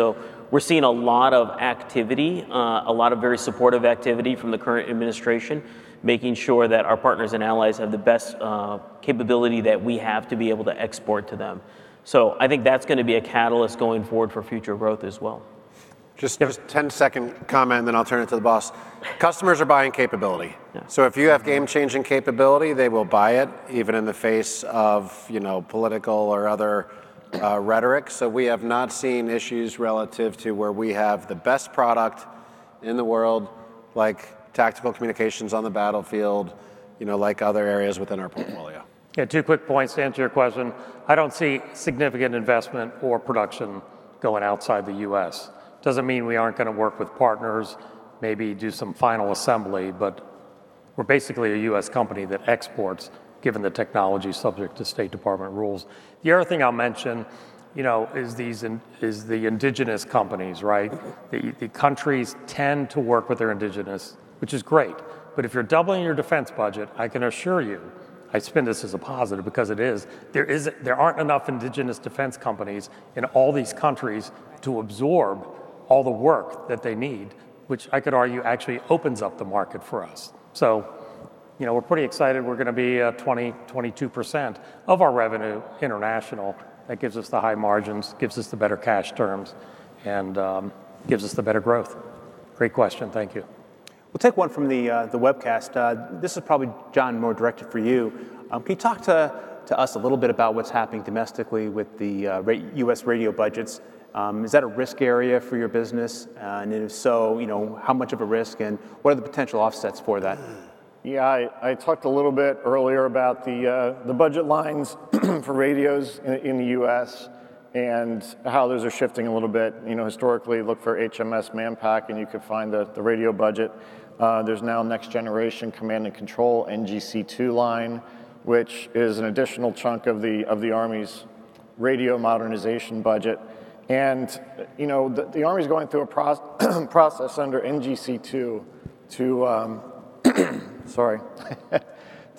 H: We're seeing a lot of activity, a lot of very supportive activity from the current administration, making sure that our partners and allies have the best capability that we have to be able to export to them. I think that's gonna be a catalyst going forward for future growth as well.
G: Just a 10-second comment, and then I'll turn it to the boss. Customers are buying capability-
H: Yeah
G: So if you have game-changing capability, they will buy it, even in the face of, you know, political or other rhetoric. We have not seen issues relative to where we have the best product in the world, like tactical communications on the battlefield, you know, like other areas within our portfolio.
C: Two quick points to answer your question. I don't see significant investment or production going outside the U.S. Doesn't mean we aren't gonna work with partners, maybe do some final assembly, but we're basically a U.S. company that exports, given the technology subject to State Department rules. The other thing I'll mention, you know, is the indigenous companies, right? The countries tend to work with their indigenous, which is great, but if you're doubling your defense budget, I can assure you, I spin this as a positive because it is, there aren't enough indigenous defense companies in all these countries to absorb all the work that they need, which I could argue actually opens up the market for us. You know, we're pretty excited we're gonna be 20%-22% of our revenue international. That gives us the high margins, gives us the better cash terms, gives us the better growth. Great question, thank you.
A: We'll take one from the webcast. This is probably, John, more directed for you. Can you talk to us a little bit about what's happening domestically with the U.S. radio budgets? Is that a risk area for your business, and if so, you know, how much of a risk, and what are the potential offsets for that?
G: I talked a little bit earlier about the budget lines for radios in the U.S. and how those are shifting a little bit. You know, historically, look for HMS Manpack, and you could find the radio budget. There's now Next Generation Command and Control NGC2 line, which is an additional chunk of the Army's radio modernization budget, you know, the Army's going through a process under NGC2 to, sorry,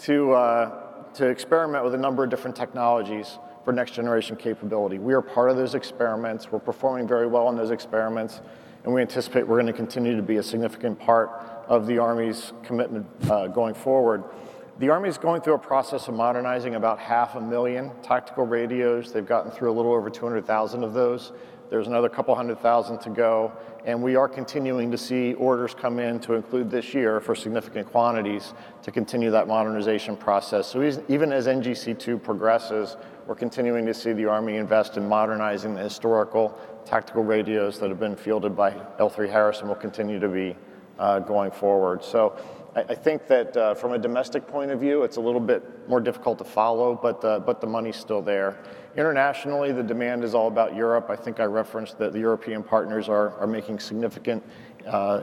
G: to experiment with a number of different technologies for next-generation capability. We are part of those experiments. We're performing very well on those experiments, we anticipate we're gonna continue to be a significant part of the Army's commitment going forward. The Army's going through a process of modernizing about half a million tactical radios. They've gotten through a little over 200,000 of those. There's another 200,000 to go. We are continuing to see orders come in to include this year for significant quantities to continue that modernization process. Even as NGC2 progresses, we're continuing to see the Army invest in modernizing the historical tactical radios that have been fielded by L3Harris and will continue to be going forward. I think that from a domestic point of view, it's a little bit more difficult to follow, but the money's still there. Internationally, the demand is all about Europe. I think I referenced that the European partners are making significant,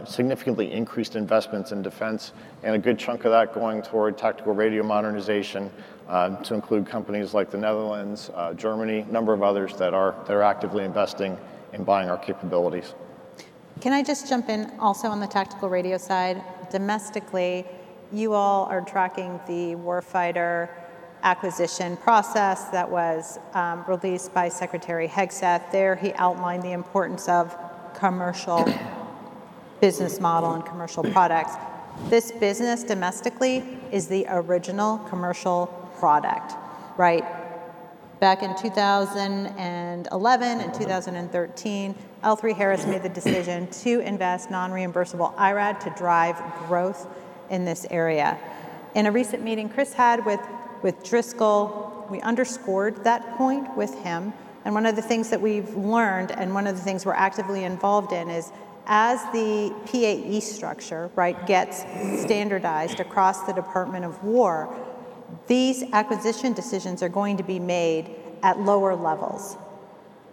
G: significantly increased investments in defense, and a good chunk of that going toward tactical radio modernization, to include companies like the Netherlands, Germany, a number of others that are actively investing in buying our capabilities.
D: Can I just jump in also on the tactical radio side? Domestically, you all are tracking the war fighter acquisition process that was released by Secretary Hegseth. There, he outlined the importance of commercial business model and commercial products. This business, domestically, is the original commercial product, right? Back in 2011 and 2013, L3Harris made the decision to invest non-reimbursable IRAD to drive growth in this area. In a recent meeting Chris had with Driscoll, we underscored that point with him, and one of the things that we've learned, and one of the things we're actively involved in, is as the PAE structure, right, gets standardized across the Department of War, these acquisition decisions are going to be made at lower levels,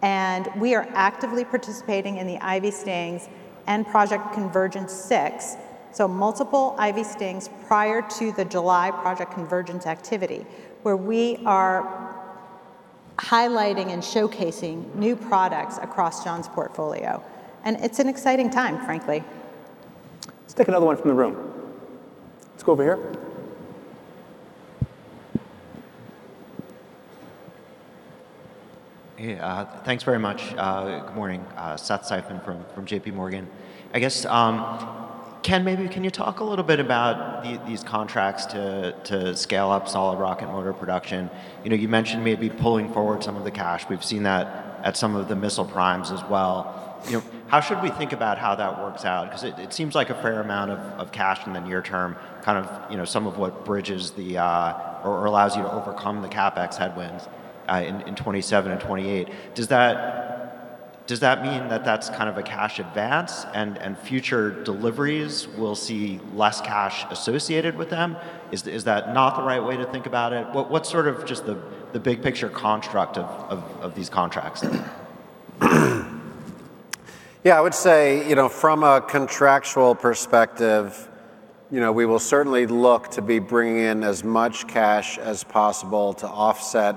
D: and we are actively participating in the Ivy Sting and Project Convergence 6, so multiple Ivy Sting prior to the July Project Convergence activity, where we are highlighting and showcasing new products across John's portfolio, and it's an exciting time, frankly.
A: Let's take another one from the room. Let's go over here.
N: Hey, thanks very much. Good morning. Seth Seifman from JPMorgan. Ken, maybe can you talk a little bit about the, these contracts to scale up solid rocket motor production? You know, you mentioned maybe pulling forward some of the cash. We've seen that at some of the missile primes as well. You know, how should we think about how that works out? It seems like a fair amount of cash in the near term, kind of, you know, some of what bridges the, or allows you to overcome the CapEx headwinds in 2027 and 2028. Does that mean that that's kind of a cash advance, and future deliveries will see less cash associated with them? Is that not the right way to think about it? What's sort of just the big picture construct of these contracts?
E: Yeah, I would say, you know, from a contractual perspective, you know, we will certainly look to be bringing in as much cash as possible to offset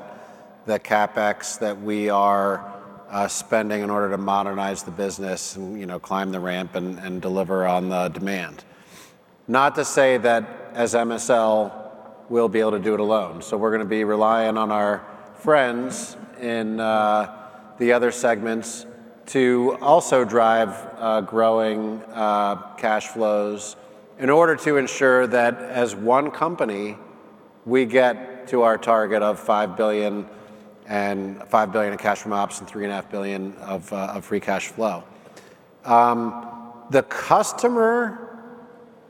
E: the CapEx that we are spending in order to modernize the business and, you know, climb the ramp and deliver on the demand. Not to say that as MSL, we'll be able to do it alone. We're gonna be relying on our friends in the other segments to also drive growing cash flows in order to ensure that as one company, we get to our target of $5 billion in cash from ops and $3.5 billion of free cash flow. The customer,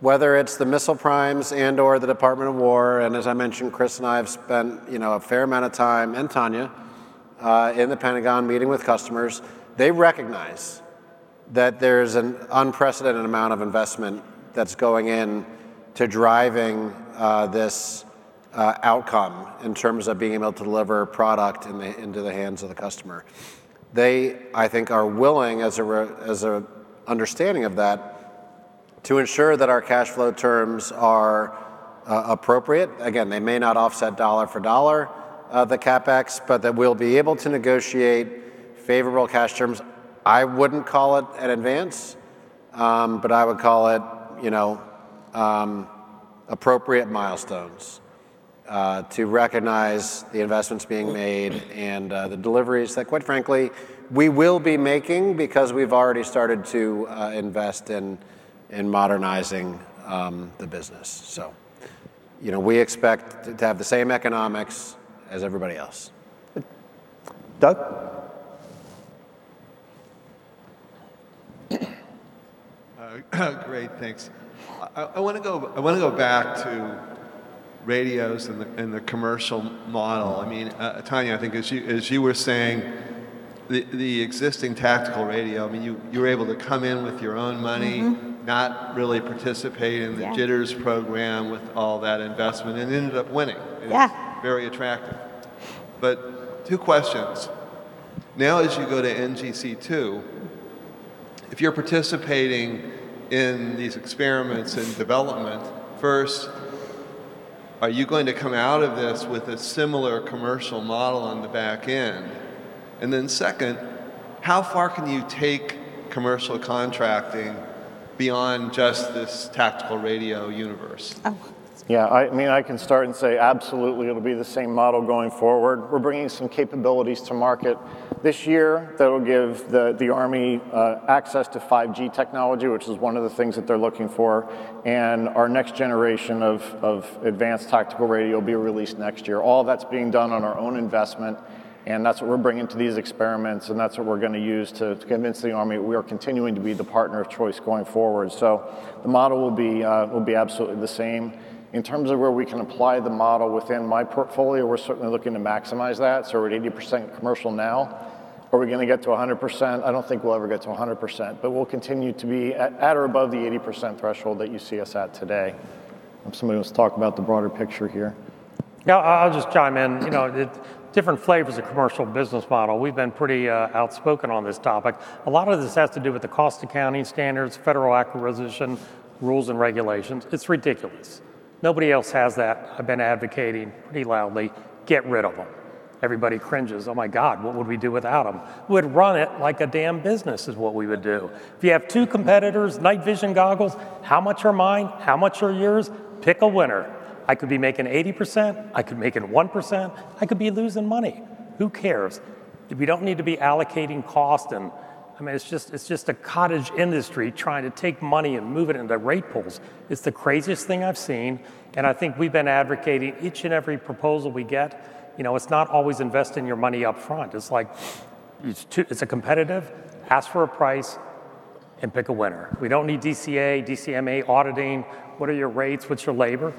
E: whether it's the missile primes and/or the Department of War, and as I mentioned, Chris and I have spent, you know, a fair amount of time, and Tania, in the Pentagon, meeting with customers, they recognize that there's an unprecedented amount of investment that's going in to driving this outcome in terms of being able to deliver a product into the hands of the customer. They, I think, are willing, as a understanding of that, to ensure that our cash flow terms are appropriate. Again, they may not offset dollar for dollar, the CapEx, but that we'll be able to negotiate favorable cash terms. I wouldn't call it an advance, but I would call it, you know, appropriate milestones to recognize the investments being made and the deliveries that, quite frankly, we will be making because we've already started to invest in modernizing the business. You know, we expect to have the same economics as everybody else.
C: Doug?
O: Great, thanks. I wanna go back to radios and the commercial model. I mean, Tania, I think as you were saying, the existing tactical radio, I mean, you were able to come in with your own money not really participate in the Jitters program with all that investment, and ended up winning. Very attractive. Two questions: Now, as you go to NGC2, if you're participating in these experiments and development, first, are you going to come out of this with a similar commercial model on the back end? Then second, how far can you take commercial contracting beyond just this tactical radio universe?
G: I mean, I can start and say absolutely, it'll be the same model going forward. We're bringing some capabilities to market this year that will give the Army access to 5G technology, which is one of the things that they're looking for, and our next generation of advanced tactical radio will be released next year. All that's being done on our own investment, and that's what we're bringing to these experiments, and that's what we're gonna use to convince the Army we are continuing to be the partner of choice going forward. The model will be absolutely the same. In terms of where we can apply the model within my portfolio, we're certainly looking to maximize that, so we're at 80% commercial now. Are we gonna get to 100%? I don't think we'll ever get to a 100%, but we'll continue to be at or above the 80% threshold that you see us at today. Somebody wants to talk about the broader picture here.
C: Yeah, I'll just chime in. You know, different flavors of commercial business model. We've been pretty outspoken on this topic. A lot of this has to do with the cost accounting standards, federal acquisition, rules and regulations. It's ridiculous. Nobody else has that. I've been advocating pretty loudly, "Get rid of them." Everybody cringes, "Oh, my God, what would we do without them?" We'd run it like a damn business, is what we would do. If you have two competitors, night vision goggles, how much are mine? How much are yours? Pick a winner. I could be making 80%, I could be making 1%, I could be losing money. Who cares? We don't need to be allocating cost. I mean, it's just a cottage industry trying to take money and move it into rate pools. It's the craziest thing I've seen, and I think we've been advocating each and every proposal we get. You know, it's not always investing your money up front. It's like it's a competitive, ask for a price, and pick a winner. We don't need DCA, DCMA auditing. What are your rates? What's your labor?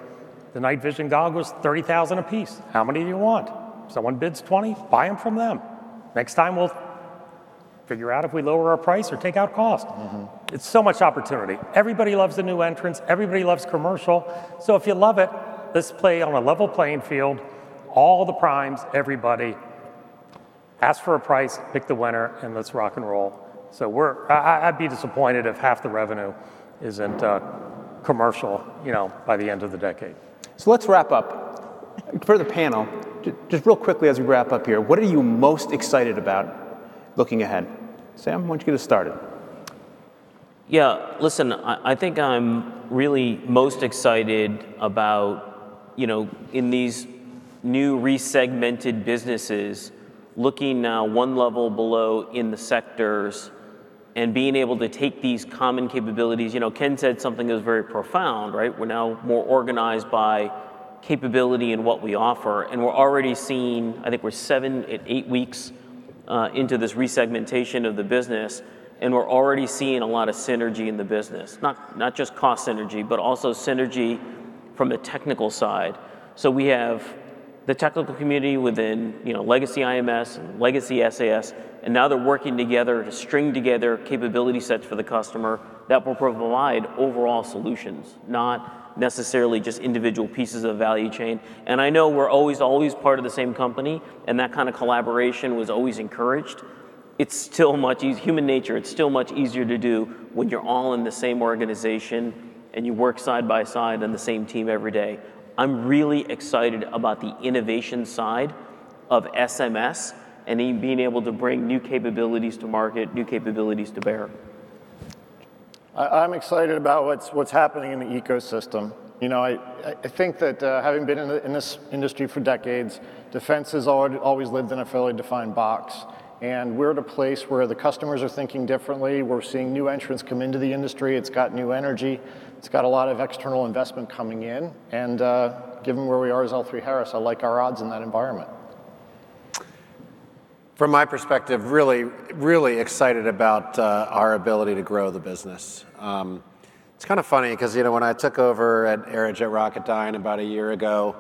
C: The night vision goggles, $30,000 a piece. How many do you want? Someone bids 20, buy them from them. Next time, we'll figure out if we lower our price or take out cost.
G: Mm-hmm.
C: It's so much opportunity. Everybody loves a new entrance, everybody loves commercial. If you love it, let's play on a level playing field, all the primes, everybody. Ask for a price, pick the winner, and let's rock and roll. I'd be disappointed if half the revenue isn't commercial, you know, by the end of the decade. Let's wrap up. For the panel, just real quickly as we wrap up here, what are you most excited about looking ahead? Sam, why don't you get us started?
H: Yeah, listen, I think I'm really most excited about, you know, in these new re-segmented businesses, looking now one level below in the sectors and being able to take these common capabilities. You know, Ken said something that was very profound, right? We're now more organized by capability and what we offer, and we're already seeing, I think we're seven, eight weeks into this re-segmentation of the business, and we're already seeing a lot of synergy in the business. Not just cost synergy, but also synergy from a technical side. We have the technical community within, you know, legacy IMS and legacy SAS, and now they're working together to string together capability sets for the customer that will provide overall solutions, not necessarily just individual pieces of value chain. I know we're always part of the same company, and that kind of collaboration was always encouraged. It's still much human nature, it's still much easier to do when you're all in the same organization and you work side by side on the same team every day. I'm really excited about the innovation side of SMS, and in being able to bring new capabilities to market, new capabilities to bear.
G: I'm excited about what's happening in the ecosystem. You know, I think that, having been in this industry for decades, defense has always lived in a fairly defined box. We're at a place where the customers are thinking differently. We're seeing new entrants come into the industry. It's got new energy. It's got a lot of external investment coming in. Given where we are as L3Harris, I like our odds in that environment.
E: From my perspective, really, really excited about our ability to grow the business. It's kind of funny because, you know, when I took over at Aerojet Rocketdyne about a year ago,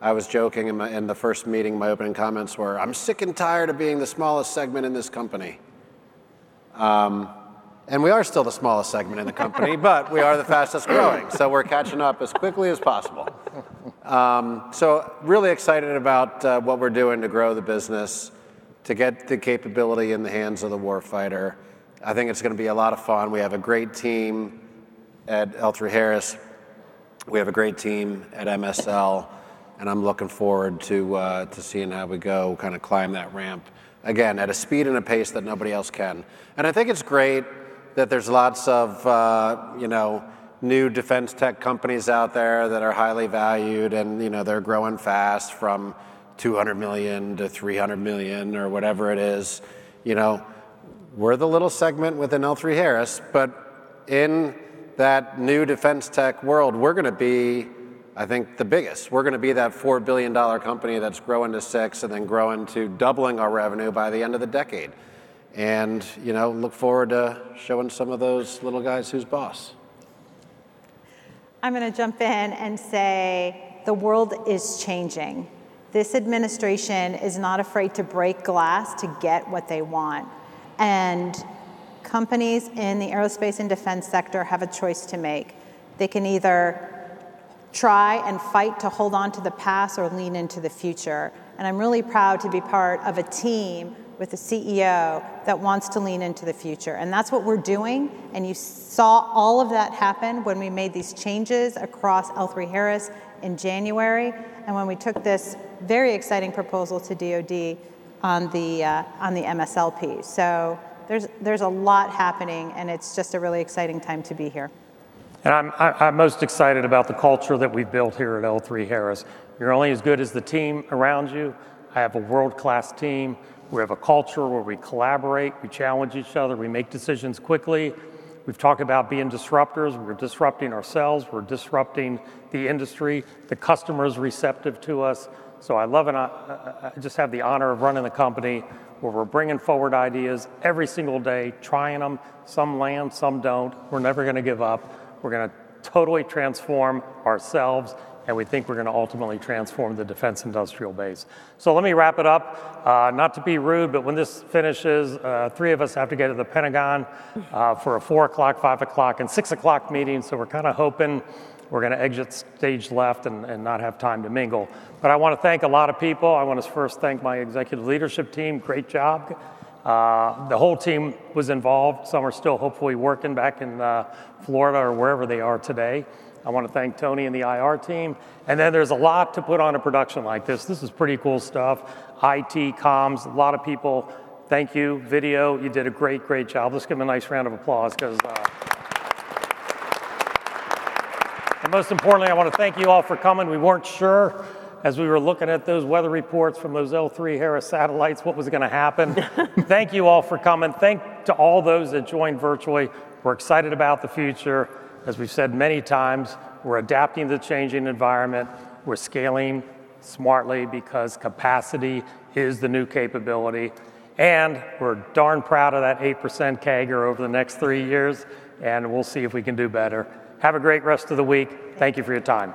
E: I was joking in the first meeting, my opening comments were, "I'm sick and tired of being the smallest segment in this company." And we are still the smallest segment in the company but we are the fastest growing, so we're catching up as quickly as possible. So really excited about what we're doing to grow the business, to get the capability in the hands of the war fighter. I think it's gonna be a lot of fun. We have a great team at L3Harris. We have a great team at MSL, and I'm looking forward to to seeing how we go, kind of climb that ramp, again, at a speed and a pace that nobody else can. I think it's great that there's lots of, you know, new defense tech companies out there that are highly valued and, you know, they're growing fast from $200 million to $300 million, or whatever it is. You know, we're the little segment within L3Harris, but in that new defense tech world, we're gonna be, I think, the biggest. We're gonna be that $4 billion company that's growing to $6 billion and then growing to doubling our revenue by the end of the decade. You know, look forward to showing some of those little guys who's boss.
D: I'm gonna jump in and say the world is changing. This administration is not afraid to break glass to get what they want. Companies in the aerospace and defense sector have a choice to make. They can either try and fight to hold on to the past or lean into the future. I'm really proud to be part of a team with a CEO that wants to lean into the future. That's what we're doing. You saw all of that happen when we made these changes across L3Harris in January, when we took this very exciting proposal to DoD on the MSLP. There's a lot happening. It's just a really exciting time to be here.
C: I'm most excited about the culture that we've built here at L3Harris. You're only as good as the team around you. I have a world-class team. We have a culture where we collaborate, we challenge each other, we make decisions quickly. We've talked about being disruptors. We're disrupting ourselves, we're disrupting the industry. The customer is receptive to us, I love it, I just have the honor of running a company where we're bringing forward ideas every single day, trying them. Some land, some don't. We're never gonna give up. We're gonna totally transform ourselves, and we think we're gonna ultimately transform the defense industrial base. Let me wrap it up. Not to be rude, when this finishes, three of us have to go to the Pentagon for a 4:00 P.M., 5:00 P.M., and 6:00 P.M. meeting, we're kind of hoping we're gonna exit stage left and not have time to mingle. I want to thank a lot of people. I want to first thank my executive leadership team, great job. The whole team was involved. Some are still hopefully working back in Florida or wherever they are today. I want to thank Tony and the IR team, there's a lot to put on a production like this. This is pretty cool stuff. IT, comms, a lot of people, thank you. Video, you did a great job. Let's give them a nice round of applause because. Most importantly, I want to thank you all for coming. We weren't sure, as we were looking at those weather reports from those L3Harris satellites, what was gonna happen. Thank you all for coming. Thank to all those that joined virtually. We're excited about the future. As we've said many times, we're adapting to the changing environment, we're scaling smartly because capacity is the new capability, and we're darn proud of that 8% CAGR over the next three years, and we'll see if we can do better. Have a great rest of the week. Thank you for your time.